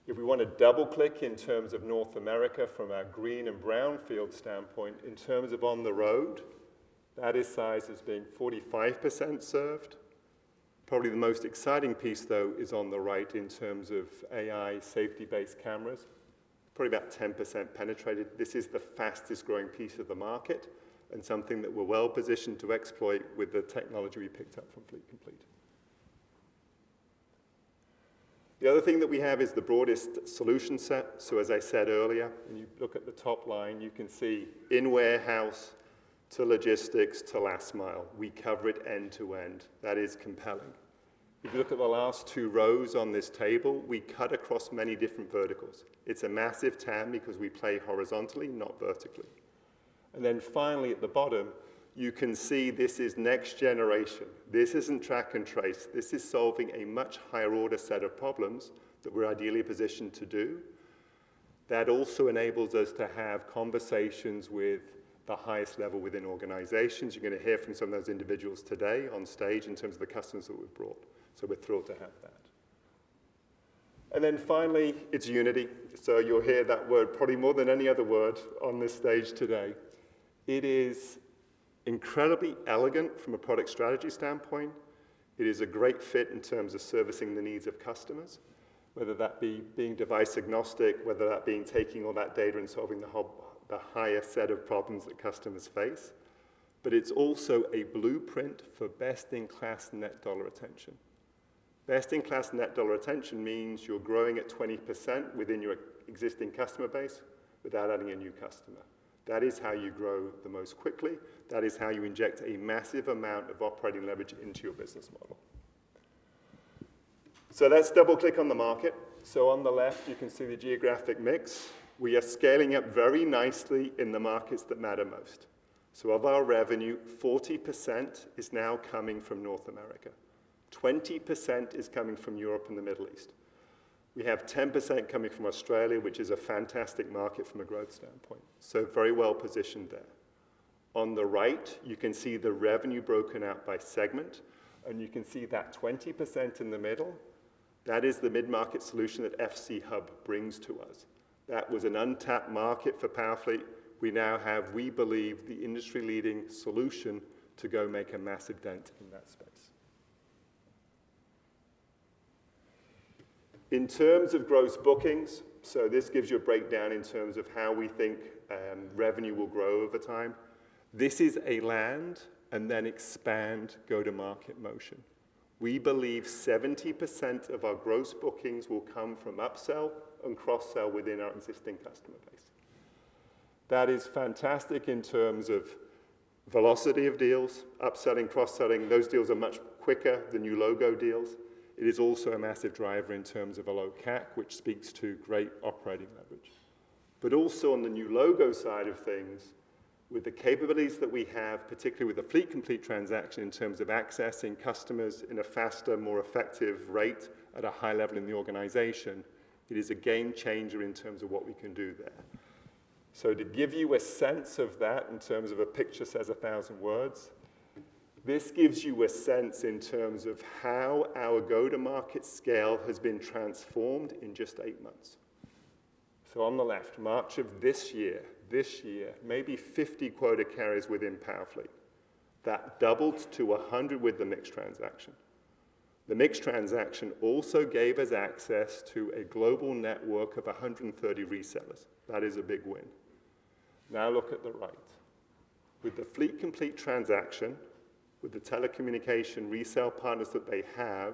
If we want to double-click in terms of North America from our green and brownfield standpoint, in terms of on the road, that is sized as being 45% served. Probably the most exciting piece, though, is on the right in terms of AI safety-based cameras. Probably about 10% penetrated. This is the fastest growing piece of the market and something that we're well positioned to exploit with the technology we picked up from Fleet Complete. The other thing that we have is the broadest solution set. So as I said earlier, when you look at the top line, you can see in warehouse to logistics to last mile. We cover it end to end. That is compelling. If you look at the last two rows on this table, we cut across many different verticals. It's a massive TAM because we play horizontally, not vertically, and then finally, at the bottom, you can see this is next generation. This isn't track and trace. This is solving a much higher order set of problems that we're ideally positioned to do. That also enables us to have conversations with the highest level within organizations. You're going to hear from some of those individuals today on stage in terms of the customers that we've brought, so we're thrilled to have that, and then finally, it's Unity. So you'll hear that word probably more than any other word on this stage today. It is incredibly elegant from a product strategy standpoint. It is a great fit in terms of servicing the needs of customers, whether that be being device agnostic, whether that being taking all that data and solving the highest set of problems that customers face. But it's also a blueprint for best-in-class net dollar retention. Best-in-class net dollar retention means you're growing at 20% within your existing customer base without adding a new customer. That is how you grow the most quickly. That is how you inject a massive amount of operating leverage into your business model. So let's double-click on the market. So on the left, you can see the geographic mix. We are scaling up very nicely in the markets that matter most. So of our revenue, 40% is now coming from North America. 20% is coming from Europe and the Middle East. We have 10% coming from Australia, which is a fantastic market from a growth standpoint. So very well positioned there. On the right, you can see the revenue broken out by segment, and you can see that 20% in the middle. That is the mid-market solution that FC Hub brings to us. That was an untapped market for Powerfleet. We now have, we believe, the industry-leading solution to go make a massive dent in that space. In terms of gross bookings, so this gives you a breakdown in terms of how we think revenue will grow over time. This is a land and then expand go-to-market motion. We believe 70% of our gross bookings will come from upsell and cross-sell within our existing customer base. That is fantastic in terms of velocity of deals, upselling, cross-selling. Those deals are much quicker, the new logo deals. It is also a massive driver in terms of a low CAC, which speaks to great operating leverage. But also on the new logo side of things, with the capabilities that we have, particularly with the Fleet Complete transaction in terms of accessing customers in a faster, more effective rate at a high level in the organization, it is a game changer in terms of what we can do there. So to give you a sense of that in terms of a picture says a thousand words, this gives you a sense in terms of how our go-to-market scale has been transformed in just eight months. So on the left, March of this year, this year, maybe 50 quota carriers within Powerfleet. That doubled to 100 with the MiX transaction. The MiX transaction also gave us access to a global network of 130 resellers. That is a big win. Now look at the right. With the Fleet Complete transaction, with the telecommunication resale partners that they have,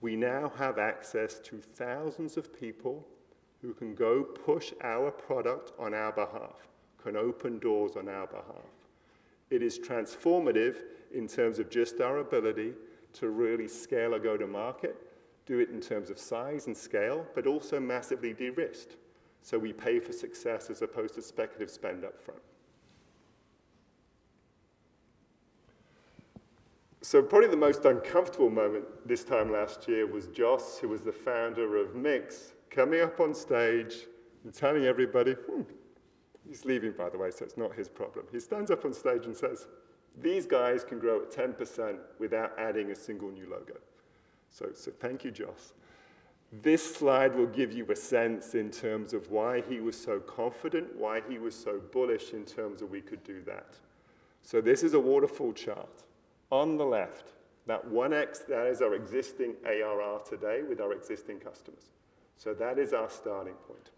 we now have access to thousands of people who can go push our product on our behalf, can open doors on our behalf. It is transformative in terms of just our ability to really scale a go-to-market, do it in terms of size and scale, but also massively de-risked. So we pay for success as opposed to speculative spend upfront. So probably the most uncomfortable moment this time last year was Jos, who was the founder of MiX, coming up on stage and telling everybody, he's leaving, by the way, so it's not his problem. He stands up on stage and says, "These guys can grow at 10% without adding a single new logo." So thank you, Jos. This slide will give you a sense in terms of why he was so confident, why he was so bullish in terms of we could do that. So this is a waterfall chart. On the left, that 1X, that is our existing ARR today with our existing customers. So that is our starting point.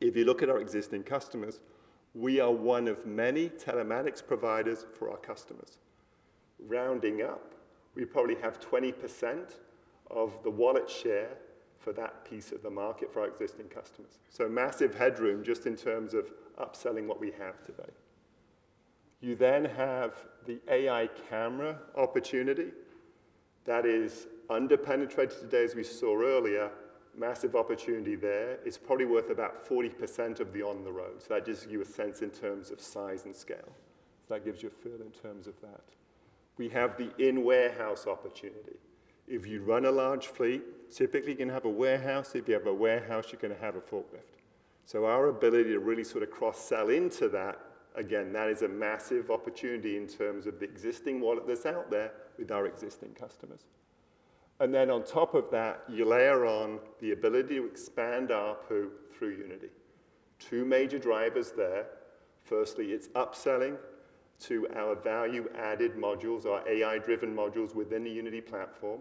If you look at our existing customers, we are one of many telematics providers for our customers. Rounding up, we probably have 20% of the wallet share for that piece of the market for our existing customers. So massive headroom just in terms of upselling what we have today. You then have the AI camera opportunity. That is underpenetrated today, as we saw earlier. Massive opportunity there. It's probably worth about 40% of the on-the-road. So that gives you a sense in terms of size and scale. So that gives you a feel in terms of that. We have the in-warehouse opportunity. If you run a large fleet, typically you're going to have a warehouse. If you have a warehouse, you're going to have a forklift. So our ability to really sort of cross-sell into that, again, that is a massive opportunity in terms of the existing wallet that's out there with our existing customers. And then on top of that, you layer on the ability to expand ARPU through Unity. Two major drivers there. Firstly, it's upselling to our value-added modules, our AI-driven modules within the Unity platform.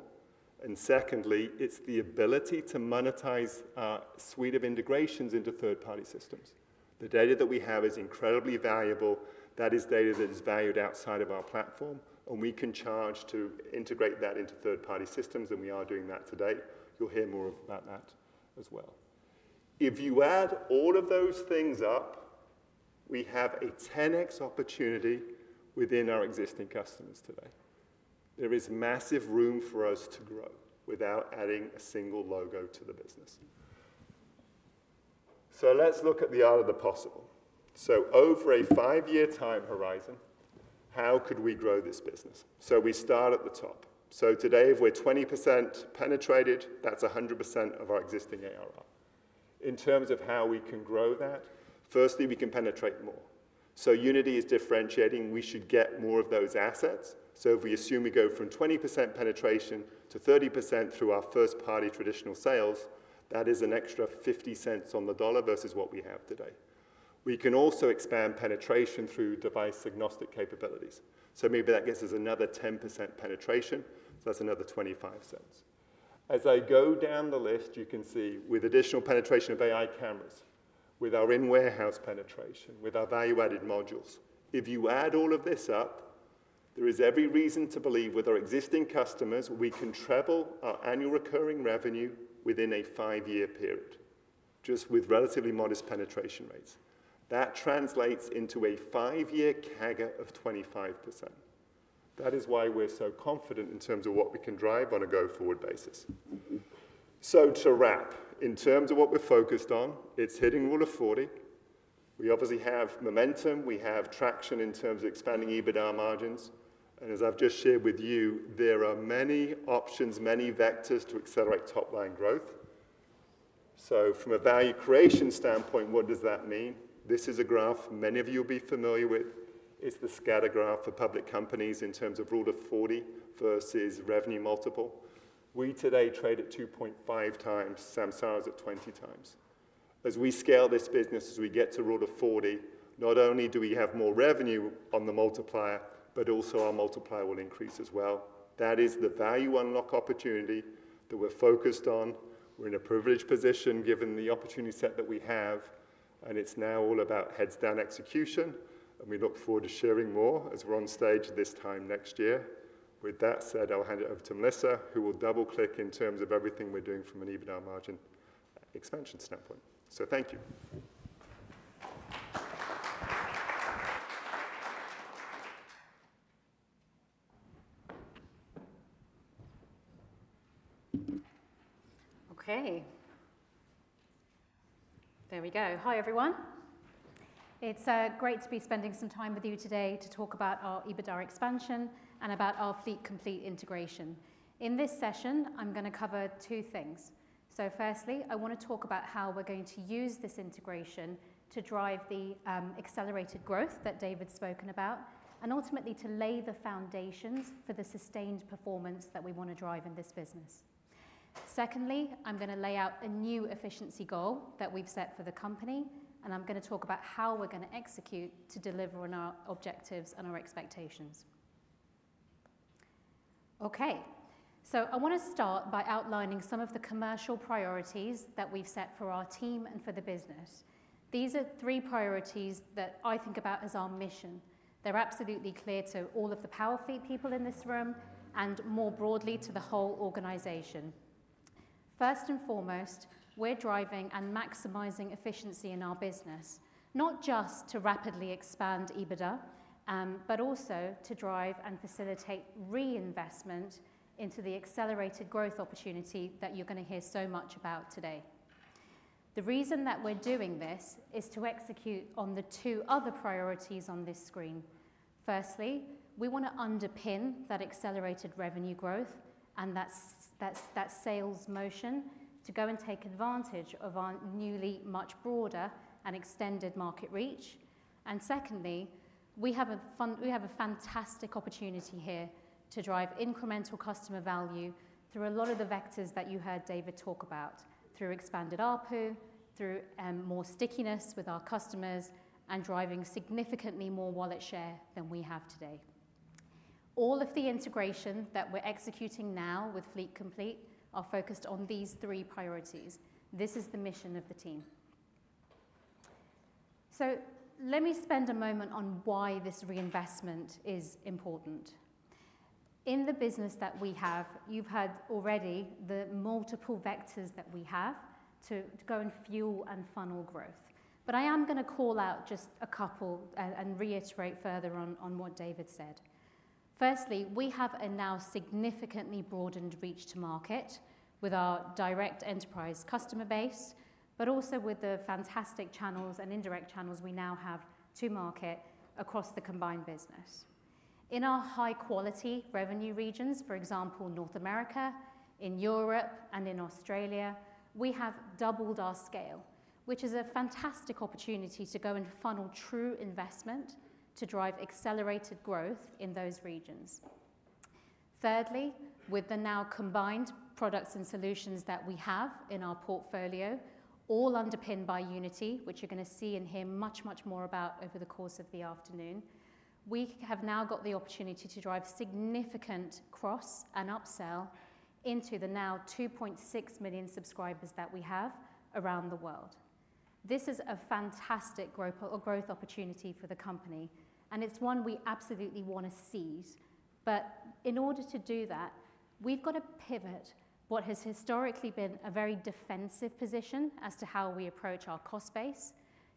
And secondly, it's the ability to monetize our suite of integrations into third-party systems. The data that we have is incredibly valuable. That is data that is valued outside of our platform, and we can charge to integrate that into third-party systems, and we are doing that today. You'll hear more about that as well. If you add all of those things up, we have a 10X opportunity within our existing customers today. There is massive room for us to grow without adding a single logo to the business. So let's look at the art of the possible. So over a five-year time horizon, how could we grow this business? So we start at the top. So today, if we're 20% penetrated, that's 100% of our existing ARR. In terms of how we can grow that, firstly, we can penetrate more. So Unity is differentiating. We should get more of those assets. So if we assume we go from 20% penetration to 30% through our first-party traditional sales, that is an extra 50 cents on the dollar versus what we have today. We can also expand penetration through device agnostic capabilities. So maybe that gives us another 10% penetration. So that's another $0.25. As I go down the list, you can see with additional penetration of AI cameras, with our in-warehouse penetration, with our value-added modules. If you add all of this up, there is every reason to believe with our existing customers, we can triple our annual recurring revenue within a five-year period, just with relatively modest penetration rates. That translates into a five-year CAGR of 25%. That is why we're so confident in terms of what we can drive on a go-forward basis. So to wrap, in terms of what we're focused on, it's hitting Rule of 40. We obviously have momentum. We have traction in terms of expanding EBITDA margins. And as I've just shared with you, there are many options, many vectors to accelerate top-line growth. So from a value creation standpoint, what does that mean? This is a graph many of you will be familiar with. It's the scatter graph for public companies in terms of Rule of 40 versus revenue multiple. We today trade at 2.5 times. Samsara is at 20 times. As we scale this business, as we get to Rule of 40, not only do we have more revenue on the multiplier, but also our multiplier will increase as well. That is the value unlock opportunity that we're focused on. We're in a privileged position given the opportunity set that we have, and it's now all about heads-down execution, and we look forward to sharing more as we're on stage this time next year. With that said, I'll hand it over to Melissa, who will double-click in terms of everything we're doing from an EBITDA margin expansion standpoint, so thank you. Okay. There we go. Hi, everyone. It's great to be spending some time with you today to talk about our EBITDA expansion and about our Fleet Complete integration. In this session, I'm going to cover two things. So firstly, I want to talk about how we're going to use this integration to drive the accelerated growth that David's spoken about, and ultimately to lay the foundations for the sustained performance that we want to drive in this business. Secondly, I'm going to lay out a new efficiency goal that we've set for the company, and I'm going to talk about how we're going to execute to deliver on our objectives and our expectations. Okay. So I want to start by outlining some of the commercial priorities that we've set for our team and for the business. These are three priorities that I think about as our mission. They're absolutely clear to all of the Powerfleet people in this room and more broadly to the whole organization. First and foremost, we're driving and maximizing efficiency in our business, not just to rapidly expand EBITDA, but also to drive and facilitate reinvestment into the accelerated growth opportunity that you're going to hear so much about today. The reason that we're doing this is to execute on the two other priorities on this screen. Firstly, we want to underpin that accelerated revenue growth and that sales motion to go and take advantage of our newly much broader and extended market reach, and secondly, we have a fantastic opportunity here to drive incremental customer value through a lot of the vectors that you heard David talk about, through expanded ARPU, through more stickiness with our customers, and driving significantly more wallet share than we have today. All of the integration that we're executing now with Fleet Complete are focused on these three priorities. This is the mission of the team. So let me spend a moment on why this reinvestment is important. In the business that we have, you've heard already the multiple vectors that we have to go and fuel and funnel growth. But I am going to call out just a couple and reiterate further on what David said. Firstly, we have a now significantly broadened reach to market with our direct enterprise customer base, but also with the fantastic channels and indirect channels we now have to market across the combined business. In our high-quality revenue regions, for example, North America, in Europe, and in Australia, we have doubled our scale, which is a fantastic opportunity to go and funnel true investment to drive accelerated growth in those regions. Thirdly, with the now combined products and solutions that we have in our portfolio, all underpinned by Unity, which you're going to see and hear much, much more about over the course of the afternoon, we have now got the opportunity to drive significant cross and upsell into the now 2.6 million subscribers that we have around the world. This is a fantastic growth opportunity for the company, and it's one we absolutely want to seize. But in order to do that, we've got to pivot what has historically been a very defensive position as to how we approach our cost base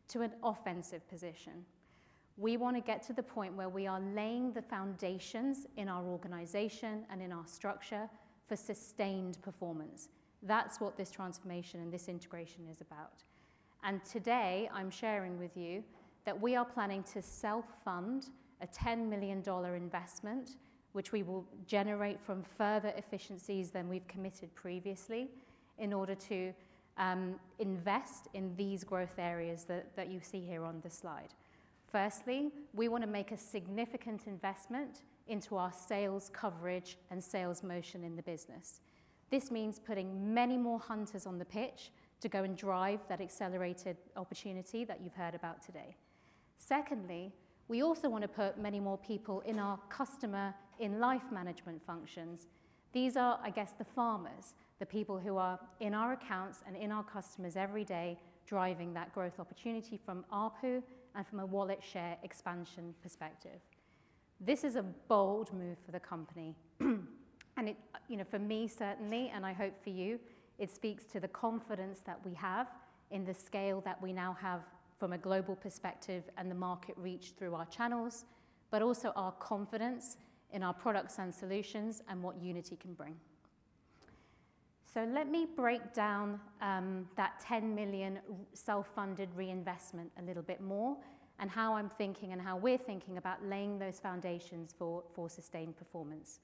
to an offensive position. We want to get to the point where we are laying the foundations in our organization and in our structure for sustained performance. That's what this transformation and this integration is about. Today, I'm sharing with you that we are planning to self-fund a $10 million investment, which we will generate from further efficiencies than we've committed previously in order to invest in these growth areas that you see here on the slide. Firstly, we want to make a significant investment into our sales coverage and sales motion in the business. This means putting many more hunters on the pitch to go and drive that accelerated opportunity that you've heard about today. Secondly, we also want to put many more people in our customer in management functions. These are, I guess, the farmers, the people who are in our accounts and in our customers every day driving that growth opportunity from ARPU and from a wallet share expansion perspective. This is a bold move for the company. And for me, certainly, and I hope for you, it speaks to the confidence that we have in the scale that we now have from a global perspective and the market reach through our channels, but also our confidence in our products and solutions and what Unity can bring. So let me break down that $10 million self-funded reinvestment a little bit more and how I'm thinking and how we're thinking about laying those foundations for sustained performance.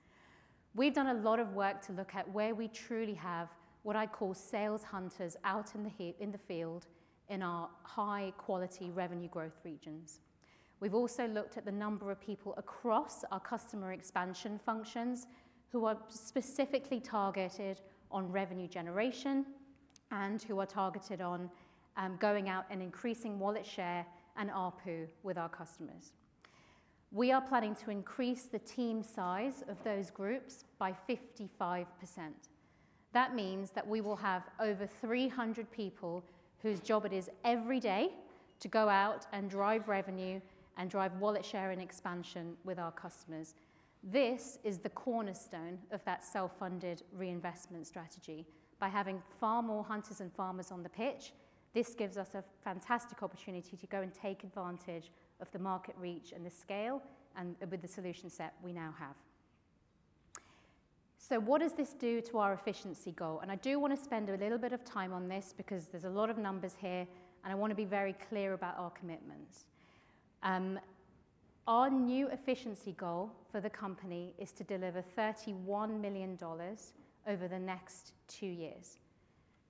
We've done a lot of work to look at where we truly have what I call sales hunters out in the field in our high-quality revenue growth regions. We've also looked at the number of people across our customer expansion functions who are specifically targeted on revenue generation and who are targeted on going out and increasing wallet share and ARPU with our customers. We are planning to increase the team size of those groups by 55%. That means that we will have over 300 people whose job it is every day to go out and drive revenue and drive wallet share and expansion with our customers. This is the cornerstone of that self-funded reinvestment strategy. By having far more hunters and farmers on the pitch, this gives us a fantastic opportunity to go and take advantage of the market reach and the scale and with the solution set we now have. So what does this do to our efficiency goal? And I do want to spend a little bit of time on this because there's a lot of numbers here, and I want to be very clear about our commitments. Our new efficiency goal for the company is to deliver $31 million over the next two years.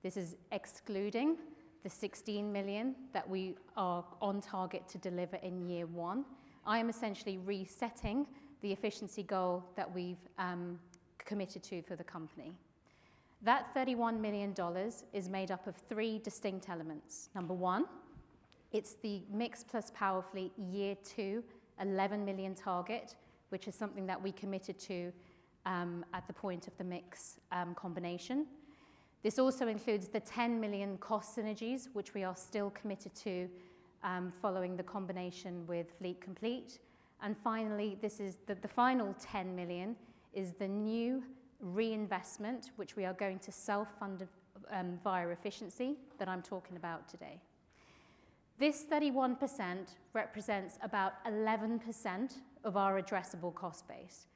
This is excluding the $16 million that we are on target to deliver in year one. I am essentially resetting the efficiency goal that we've committed to for the company. That $31 million is made up of three distinct elements. Number one, it's the MiX plus Powerfleet year two, $11 million target, which is something that we committed to at the point of the MiX combination. This also includes the $10 million cost synergies, which we are still committed to following the combination with Fleet Complete, and finally, the final $10 million is the new reinvestment, which we are going to self-fund via efficiency that I'm talking about today. This 31% represents about 11% of our addressable cost base.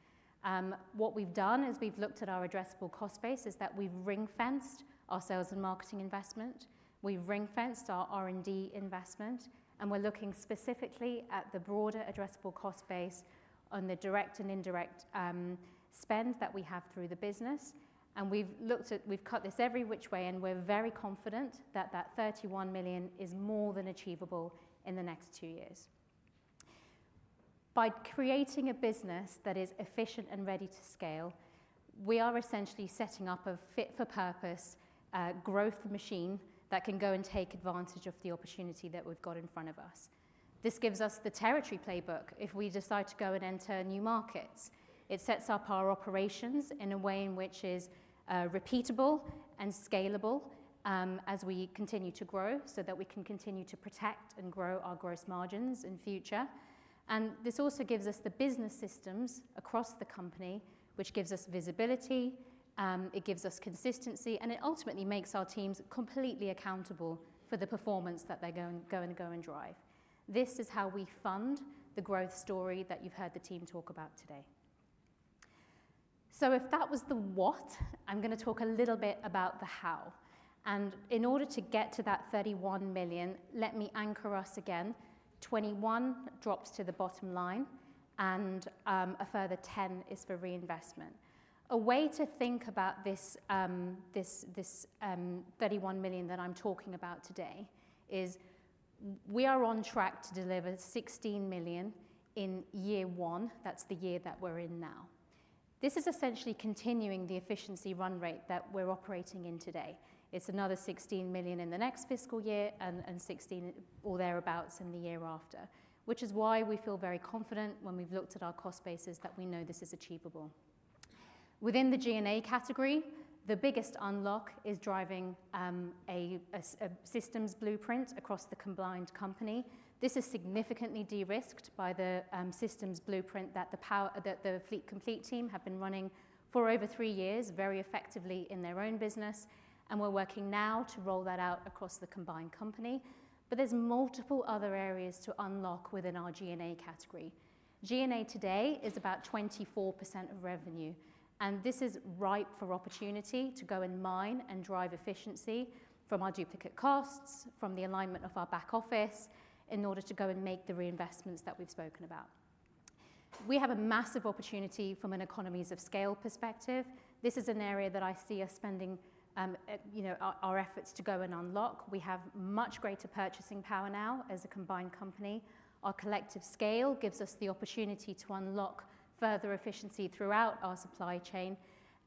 What we've done is we've looked at our addressable cost base. That is, we've ring-fenced our sales and marketing investment. We've ring-fenced our R&D investment, and we're looking specifically at the broader addressable cost base on the direct and indirect spend that we have through the business. And we've cut this every which way, and we're very confident that that $31 million is more than achievable in the next two years. By creating a business that is efficient and ready to scale, we are essentially setting up a fit-for-purpose growth machine that can go and take advantage of the opportunity that we've got in front of us. This gives us the territory playbook if we decide to go and enter new markets. It sets up our operations in a way in which is repeatable and scalable as we continue to grow so that we can continue to protect and grow our gross margins in future. And this also gives us the business systems across the company, which gives us visibility. It gives us consistency, and it ultimately makes our teams completely accountable for the performance that they're going to go and drive. This is how we fund the growth story that you've heard the team talk about today. So if that was the what, I'm going to talk a little bit about the how. And in order to get to that $31 million, let me anchor us again. $21 drops to the bottom line, and a further $10 is for reinvestment. A way to think about this $31 million that I'm talking about today is we are on track to deliver $16 million in year one. That's the year that we're in now. This is essentially continuing the efficiency run rate that we're operating in today. It's another $16 million in the next fiscal year and $16 or thereabouts in the year after, which is why we feel very confident when we've looked at our cost bases that we know this is achievable. Within the G&A category, the biggest unlock is driving a systems blueprint across the combined company. This is significantly de-risked by the systems blueprint that the Fleet Complete team have been running for over three years very effectively in their own business, and we're working now to roll that out across the combined company. But there's multiple other areas to unlock within our G&A category. G&A today is about 24% of revenue, and this is ripe for opportunity to go and mine and drive efficiency from our duplicate costs, from the alignment of our back office in order to go and make the reinvestments that we've spoken about. We have a massive opportunity from an economies of scale perspective. This is an area that I see us spending our efforts to go and unlock. We have much greater purchasing power now as a combined company. Our collective scale gives us the opportunity to unlock further efficiency throughout our supply chain,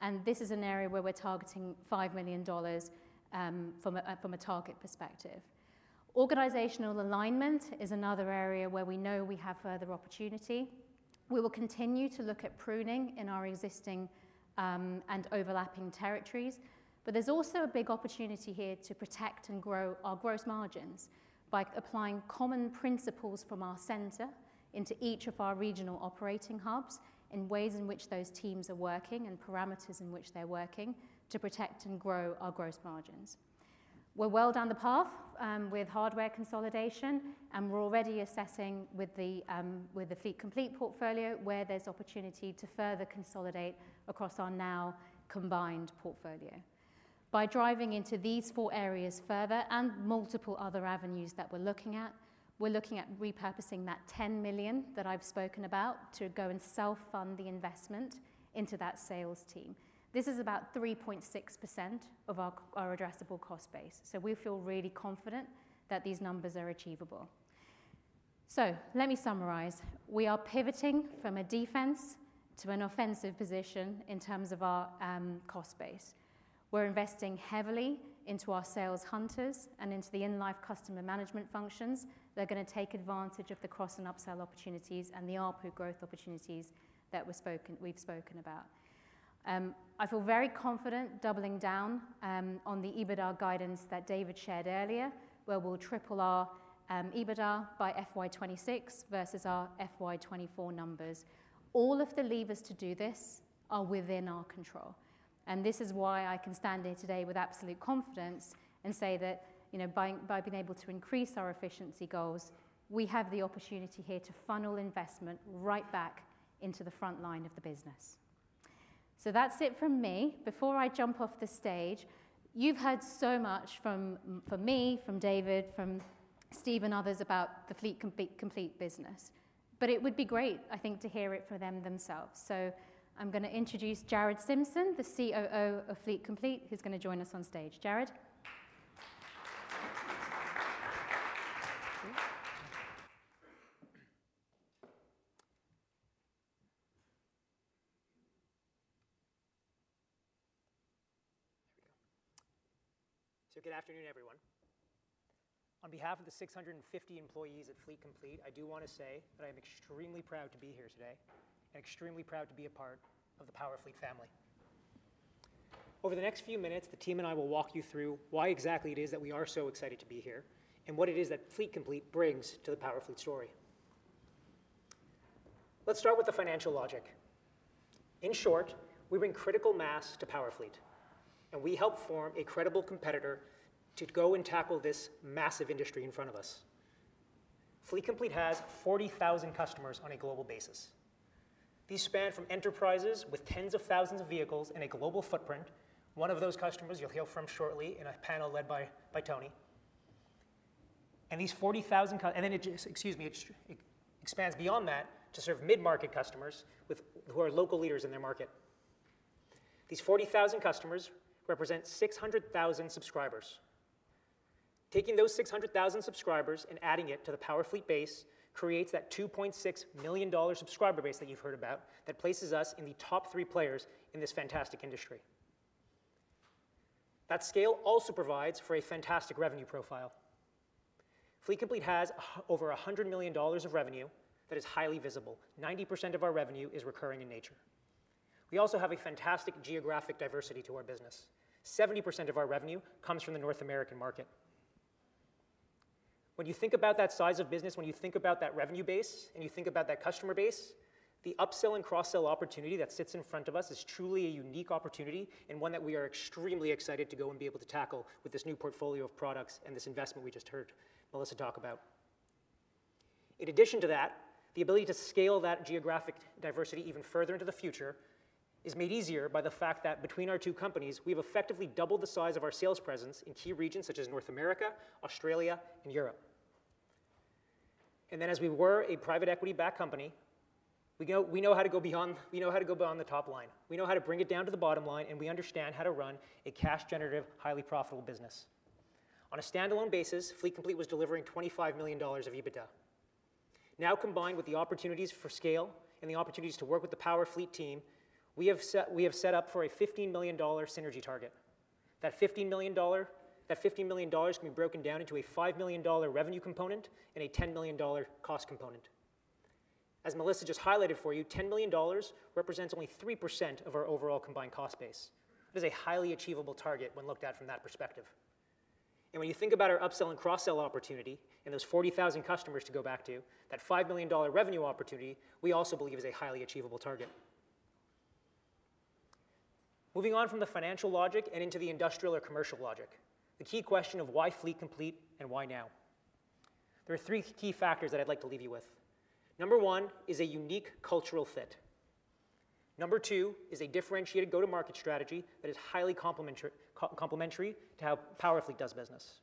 and this is an area where we're targeting $5 million from a target perspective. Organizational alignment is another area where we know we have further opportunity. We will continue to look at pruning in our existing and overlapping territories, but there's also a big opportunity here to protect and grow our gross margins by applying common principles from our center into each of our regional operating hubs in ways in which those teams are working and parameters in which they're working to protect and grow our gross margins. We're well down the path with hardware consolidation, and we're already assessing with the Fleet Complete portfolio where there's opportunity to further consolidate across our now combined portfolio. By driving into these four areas further and multiple other avenues that we're looking at, we're looking at repurposing that $10 million that I've spoken about to go and self-fund the investment into that sales team. This is about 3.6% of our addressable cost base, so we feel really confident that these numbers are achievable. So let me summarize. We are pivoting from a defense to an offensive position in terms of our cost base. We're investing heavily into our sales hunters and into the in-life customer management functions. They're going to take advantage of the cross and upsell opportunities and the ARPU growth opportunities that we've spoken about. I feel very confident doubling down on the EBITDA guidance that David shared earlier, where we'll triple our EBITDA by FY 2026 versus our FY 2024 numbers. All of the levers to do this are within our control, and this is why I can stand here today with absolute confidence and say that by being able to increase our efficiency goals, we have the opportunity here to funnel investment right back into the front line of the business. So that's it from me. Before I jump off the stage, you've heard so much from me, from David, from Steve, and others about the Fleet Complete business, but it would be great, I think, to hear it from them themselves. So I'm going to introduce Jarrad Simpson, the COO of Fleet Complete, who's going to join us on stage. Jarrad. So good afternoon, everyone. On behalf of the 650 employees at Fleet Complete, I do want to say that I am extremely proud to be here today and extremely proud to be a part of the Powerfleet family. Over the next few minutes, the team and I will walk you through why exactly it is that we are so excited to be here and what it is that Fleet Complete brings to the Powerfleet story. Let's start with the financial logic. In short, we bring critical mass to Powerfleet, and we help form a credible competitor to go and tackle this massive industry in front of us. Fleet Complete has 40,000 customers on a global basis. These span from enterprises with tens of thousands of vehicles and a global footprint. One of those customers you'll hear from shortly in a panel led by Tony. And these 40,000 customers, and then, excuse me, it expands beyond that to serve mid-market customers who are local leaders in their market. These 40,000 customers represent 600,000 subscribers. Taking those 600,000 subscribers and adding it to the Powerfleet base creates that 2.6 million subscriber base that you've heard about that places us in the top three players in this fantastic industry. That scale also provides for a fantastic revenue profile. Fleet Complete has over $100 million of revenue that is highly visible. 90% of our revenue is recurring in nature. We also have a fantastic geographic diversity to our business. 70% of our revenue comes from the North American market. When you think about that size of business, when you think about that revenue base, and you think about that customer base, the upsell and cross-sell opportunity that sits in front of us is truly a unique opportunity and one that we are extremely excited to go and be able to tackle with this new portfolio of products and this investment we just heard Melissa talk about. In addition to that, the ability to scale that geographic diversity even further into the future is made easier by the fact that between our two companies, we have effectively doubled the size of our sales presence in key regions such as North America, Australia, and Europe, and then as we were a private equity-backed company, we know how to go beyond the top line. We know how to bring it down to the bottom line, and we understand how to run a cash-generative, highly profitable business. On a standalone basis, Fleet Complete was delivering $25 million of EBITDA. Now combined with the opportunities for scale and the opportunities to work with the Powerfleet team, we have set up for a $15 million synergy target. That $15 million can be broken down into a $5 million revenue component and a $10 million cost component. As Melissa just highlighted for you, $10 million represents only 3% of our overall combined cost base. That is a highly achievable target when looked at from that perspective, and when you think about our upsell and cross-sell opportunity and those 40,000 customers to go back to, that $5 million revenue opportunity we also believe is a highly achievable target. Moving on from the financial logic and into the industrial or commercial logic, the key question of why Fleet Complete and why now. There are three key factors that I'd like to leave you with. Number one is a unique cultural fit. Number two is a differentiated go-to-market strategy that is highly complementary to how Powerfleet does business.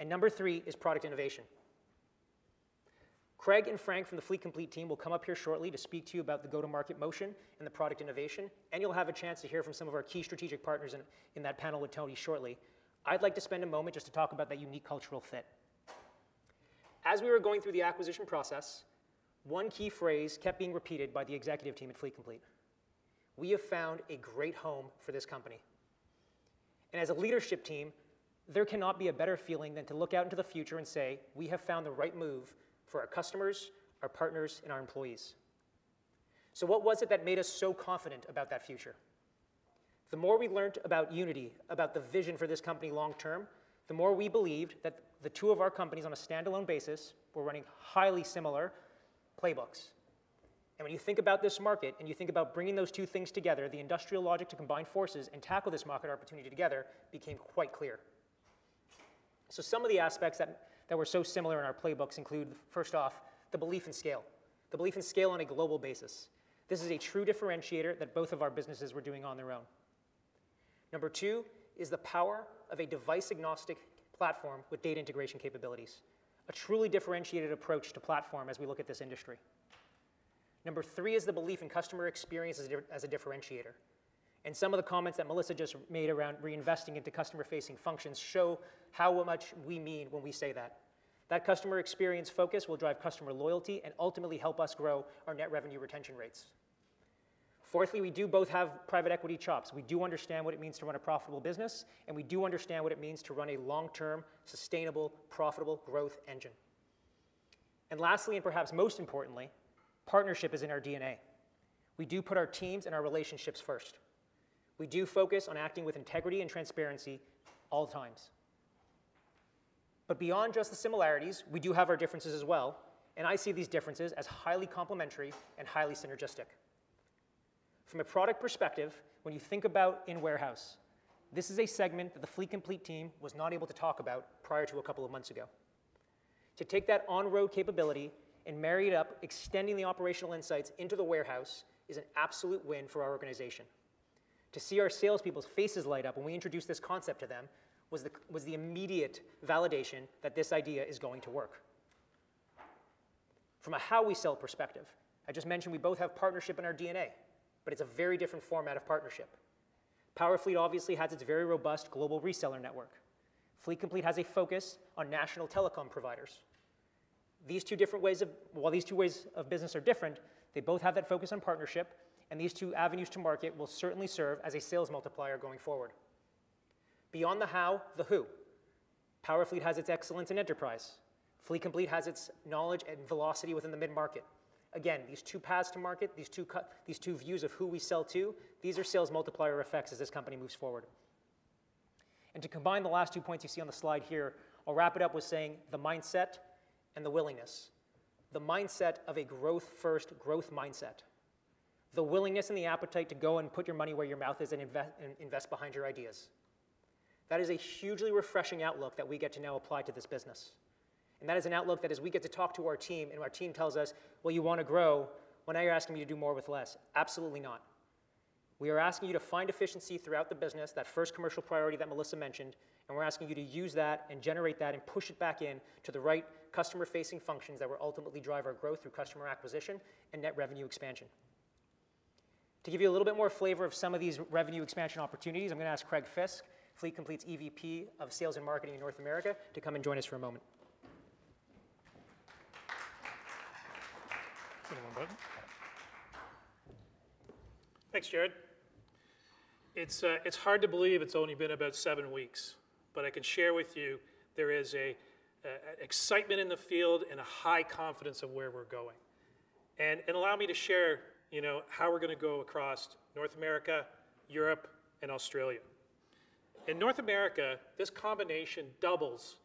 And number three is product innovation. Craig and Frank from the Fleet Complete team will come up here shortly to speak to you about the go-to-market motion and the product innovation, and you'll have a chance to hear from some of our key strategic partners in that panel with Tony shortly. I'd like to spend a moment just to talk about that unique cultural fit. As we were going through the acquisition process, one key phrase kept being repeated by the executive team at Fleet Complete. We have found a great home for this company. And as a leadership team, there cannot be a better feeling than to look out into the future and say, "We have found the right move for our customers, our partners, and our employees." So what was it that made us so confident about that future? The more we learned about Unity, about the vision for this company long-term, the more we believed that the two of our companies on a standalone basis were running highly similar playbooks. And when you think about this market and you think about bringing those two things together, the industrial logic to combine forces and tackle this market opportunity together became quite clear. So some of the aspects that were so similar in our playbooks include, first off, the belief in scale. The belief in scale on a global basis. This is a true differentiator that both of our businesses were doing on their own. Number two is the power of a device-agnostic platform with data integration capabilities. A truly differentiated approach to platform as we look at this industry. Number three is the belief in customer experience as a differentiator. And some of the comments that Melissa just made around reinvesting into customer-facing functions show how much we mean when we say that. That customer experience focus will drive customer loyalty and ultimately help us grow our net revenue retention rates. Fourthly, we do both have private equity chops. We do understand what it means to run a profitable business, and we do understand what it means to run a long-term, sustainable, profitable growth engine. And lastly, and perhaps most importantly, partnership is in our DNA. We do put our teams and our relationships first. We do focus on acting with integrity and transparency at all times. But beyond just the similarities, we do have our differences as well, and I see these differences as highly complementary and highly synergistic. From a product perspective, when you think about in-warehouse, this is a segment that the Fleet Complete team was not able to talk about prior to a couple of months ago. To take that on-road capability and marry it up, extending the operational insights into the warehouse is an absolute win for our organization. To see our salespeople's faces light up when we introduced this concept to them was the immediate validation that this idea is going to work. From a how we sell perspective, I just mentioned we both have partnership in our DNA, but it's a very different format of partnership. Powerfleet obviously has its very robust global reseller network. Fleet Complete has a focus on national telecom providers. While these two ways of business are different, they both have that focus on partnership, and these two avenues to market will certainly serve as a sales multiplier going forward. Beyond the how, the who. Powerfleet has its excellence in enterprise. Fleet Complete has its knowledge and velocity within the mid-market. Again, these two paths to market, these two views of who we sell to, these are sales multiplier effects as this company moves forward. And to combine the last two points you see on the slide here, I'll wrap it up with saying the mindset and the willingness. The mindset of a growth-first, growth mindset. The willingness and the appetite to go and put your money where your mouth is and invest behind your ideas. That is a hugely refreshing outlook that we get to now apply to this business, and that is an outlook that as we get to talk to our team and our team tells us, "Well, you want to grow, why now you're asking me to do more with less?" Absolutely not. We are asking you to find efficiency throughout the business, that first commercial priority that Melissa mentioned, and we're asking you to use that and generate that and push it back into the right customer-facing functions that will ultimately drive our growth through customer acquisition and net revenue expansion. To give you a little bit more flavor of some of these revenue expansion opportunities, I'm going to ask Craig Fisk, Fleet Complete's EVP of Sales and Marketing in North America, to come and join us for a moment. Thanks, Jarrad. It's hard to believe it's only been about seven weeks, but I can share with you there is an excitement in the field and a high confidence of where we're going. And allow me to share how we're going to go across North America, Europe, and Australia. In North America, this combination doubles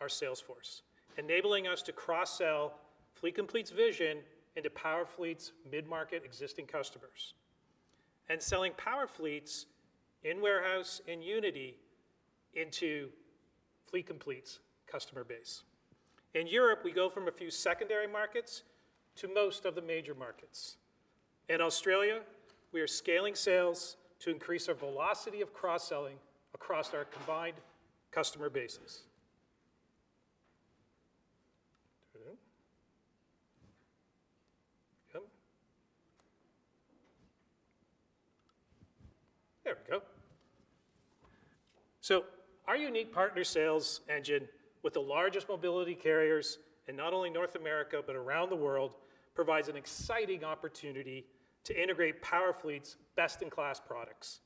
our sales force, enabling us to cross-sell Fleet Complete's Vision into Powerfleet's mid-market existing customers and selling Powerfleet's in-warehouse and Unity into Fleet Complete's customer base. In Europe, we go from a few secondary markets to most of the major markets. In Australia, we are scaling sales to increase our velocity of cross-selling across our combined customer bases. There we go. So our unique partner sales engine with the largest mobility carriers in not only North America but around the world provides an exciting opportunity to integrate Powerfleet's best-in-class products.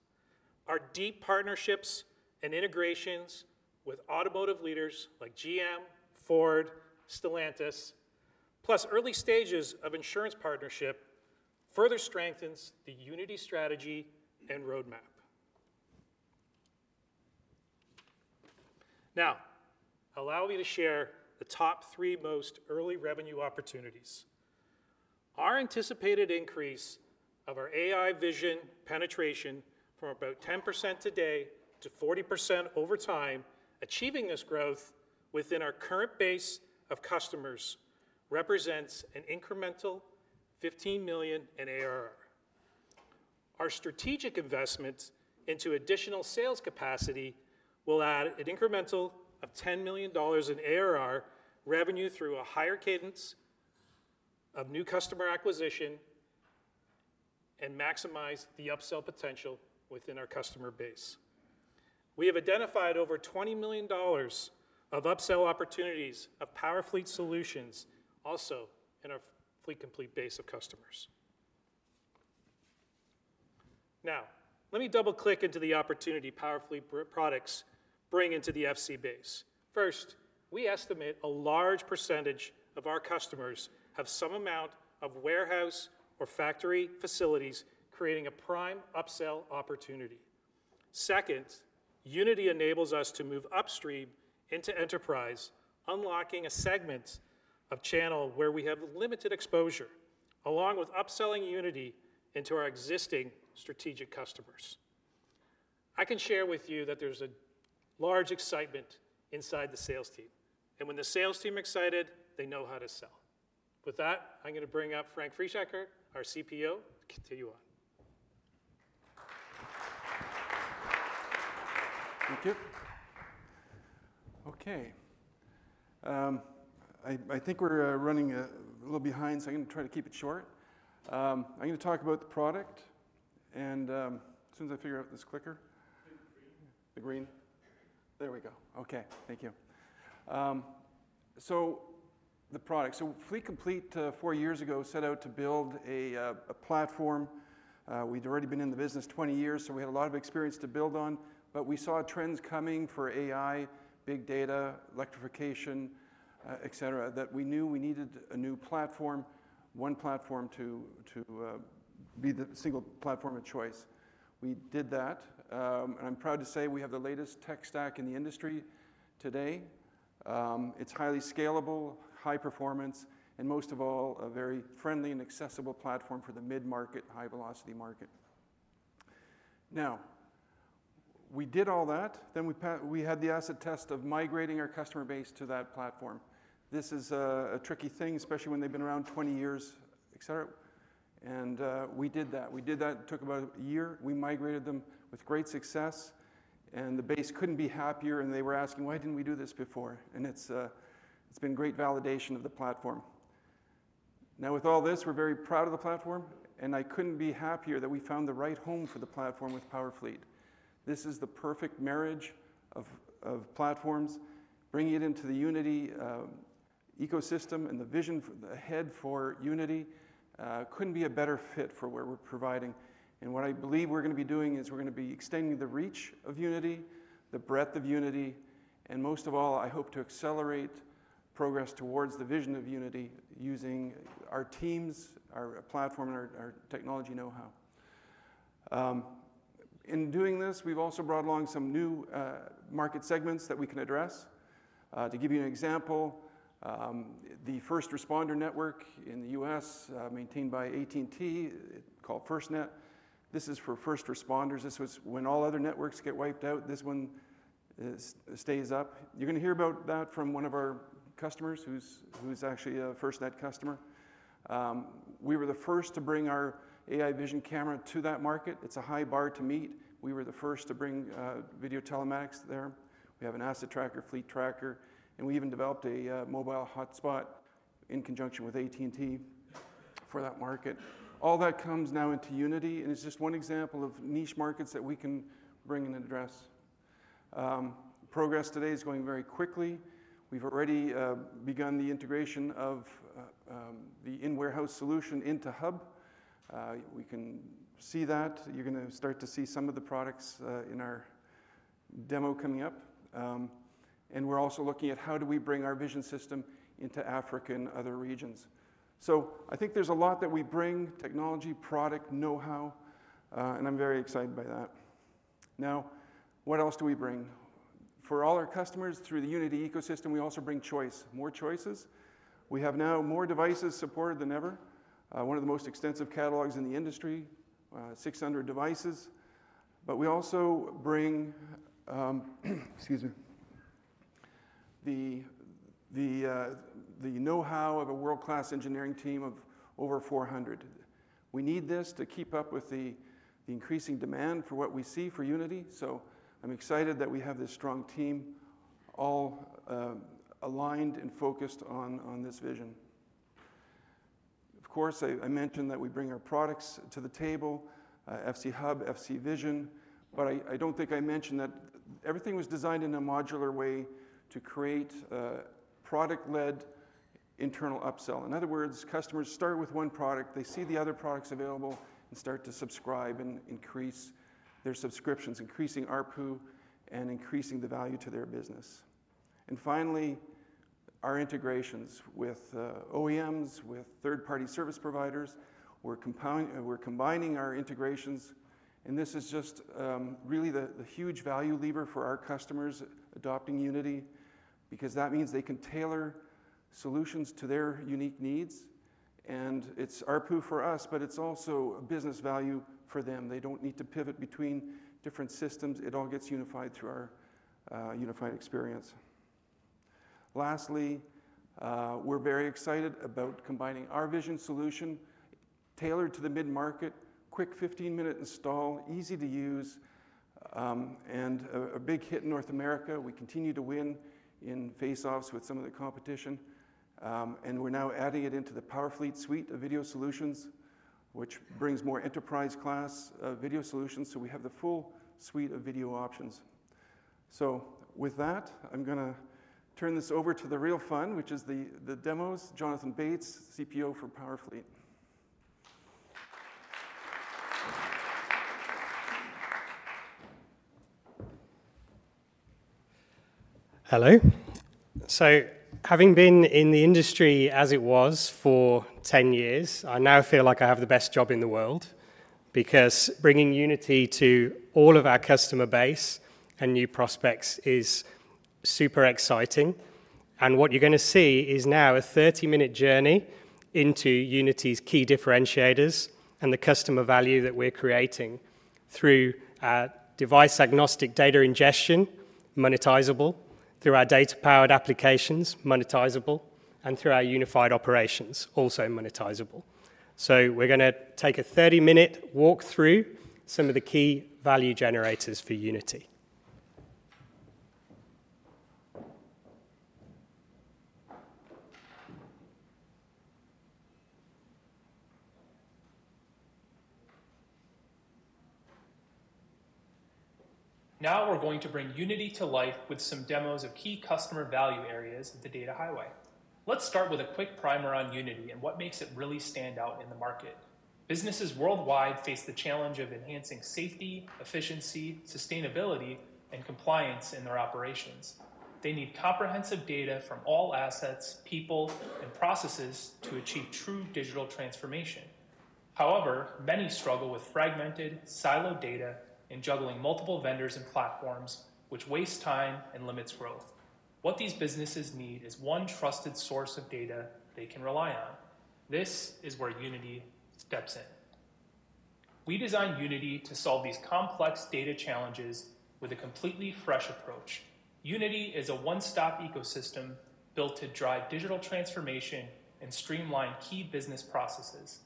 Our deep partnerships and integrations with automotive leaders like GM, Ford, Stellantis, plus early stages of insurance partnership further strengthens the unity strategy and roadmap. Now, allow me to share the top three most early revenue opportunities. Our anticipated increase of our AI vision penetration from about 10% today to 40% over time, achieving this growth within our current base of customers, represents an incremental $15 million in ARR. Our strategic investment into additional sales capacity will add an incremental of $10 million in ARR revenue through a higher cadence of new customer acquisition and maximize the upsell potential within our customer base. We have identified over $20 million of upsell opportunities of Powerfleet solutions also in our Fleet Complete base of customers. Now, let me double-click into the opportunity Powerfleet products bring into the FC base. First, we estimate a large percentage of our customers have some amount of warehouse or factory facilities creating a prime upsell opportunity. Second, Unity enables us to move upstream into enterprise, unlocking a segment of channel where we have limited exposure along with upselling Unity into our existing strategic customers. I can share with you that there's a large excitement inside the sales team. And when the sales team is excited, they know how to sell. With that, I'm going to bring up Frank Friesacher, our CPO. Continue on. Thank you. Okay. I think we're running a little behind, so I'm going to try to keep it short. I'm going to talk about the product and as soon as I figure out this clicker. The green. The green. There we go. Okay. Thank you. So the product. So Fleet Complete four years ago set out to build a platform. We'd already been in the business 20 years, so we had a lot of experience to build on. But we saw trends coming for AI, big data, electrification, etc., that we knew we needed a new platform, one platform to be the single platform of choice. We did that. And I'm proud to say we have the latest tech stack in the industry today. It's highly scalable, high performance, and most of all, a very friendly and accessible platform for the mid-market, high-velocity market. Now, we did all that. Then we had the acid test of migrating our customer base to that platform. This is a tricky thing, especially when they've been around 20 years, etc. And we did that. We did that. It took about a year. We migrated them with great success. And the base couldn't be happier, and they were asking, "Why didn't we do this before?" And it's been great validation of the platform. Now, with all this, we're very proud of the platform, and I couldn't be happier that we found the right home for the platform with Powerfleet. This is the perfect marriage of platforms. Bringing it into the Unity ecosystem and the vision ahead for Unity couldn't be a better fit for what we're providing. And what I believe we're going to be doing is we're going to be extending the reach of Unity, the breadth of Unity, and most of all, I hope to accelerate progress towards the vision of Unity using our teams, our platform, and our technology know-how. In doing this, we've also brought along some new market segments that we can address. To give you an example, the first responder network in the U.S. maintained by AT&T called FirstNet. This is for first responders. This was when all other networks get wiped out, this one stays up. You're going to hear about that from one of our customers who's actually a FirstNet customer. We were the first to bring our AI vision camera to that market. It's a high bar to meet. We were the first to bring video telematics there. We have an asset tracker, fleet tracker, and we even developed a mobile hotspot in conjunction with AT&T for that market. All that comes now into Unity, and it's just one example of niche markets that we can bring and address. Progress today is going very quickly. We've already begun the integration of the in-warehouse solution into Hub. We can see that. You're going to start to see some of the products in our demo coming up, and we're also looking at how do we bring our vision system into Africa and other regions, so I think there's a lot that we bring: technology, product, know-how, and I'm very excited by that. Now, what else do we bring? For all our customers through the Unity ecosystem, we also bring choice, more choices. We have now more devices supported than ever. One of the most extensive catalogs in the industry, 600 devices. But we also bring, excuse me, the know-how of a world-class engineering team of over 400. We need this to keep up with the increasing demand for what we see for Unity, so I'm excited that we have this strong team all aligned and focused on this vision. Of course, I mentioned that we bring our products to the table: FC Hub, FC Vision. But I don't think I mentioned that everything was designed in a modular way to create product-led internal upsell. In other words, customers start with one product, they see the other products available, and start to subscribe and increase their subscriptions, increasing ARPU and increasing the value to their business. And finally, our integrations with OEMs, with third-party service providers. We're combining our integrations, and this is just really the huge value lever for our customers adopting Unity because that means they can tailor solutions to their unique needs. And it's ARPU for us, but it's also a business value for them. They don't need to pivot between different systems. It all gets unified through our unified experience. Lastly, we're very excited about combining our vision solution tailored to the mid-market, quick 15-minute install, easy to use, and a big hit in North America. We continue to win in face-offs with some of the competition. And we're now adding it into the Powerfleet suite of video solutions, which brings more enterprise-class video solutions. So we have the full suite of video options. So with that, I'm going to turn this over to the real fun, which is the demos. Jonathan Bates, CPO for Powerfleet. Hello. So having been in the industry as it was for 10 years, I now feel like I have the best job in the world because bringing Unity to all of our customer base and new prospects is super exciting. What you're going to see is now a 30-minute journey into Unity's key differentiators and the customer value that we're creating through device-agnostic data ingestion, monetizable, through our data-powered applications, monetizable, and through our unified operations, also monetizable. So we're going to take a 30-minute walk through some of the key value generators for Unity. Now we're going to bring Unity to life with some demos of key customer value areas of the data highway. Let's start with a quick primer on Unity and what makes it really stand out in the market. Businesses worldwide face the challenge of enhancing safety, efficiency, sustainability, and compliance in their operations. They need comprehensive data from all assets, people, and processes to achieve true digital transformation. However, many struggle with fragmented, siloed data and juggling multiple vendors and platforms, which wastes time and limits growth. What these businesses need is one trusted source of data they can rely on. This is where Unity steps in. We designed Unity to solve these complex data challenges with a completely fresh approach. Unity is a one-stop ecosystem built to drive digital transformation and streamline key business processes.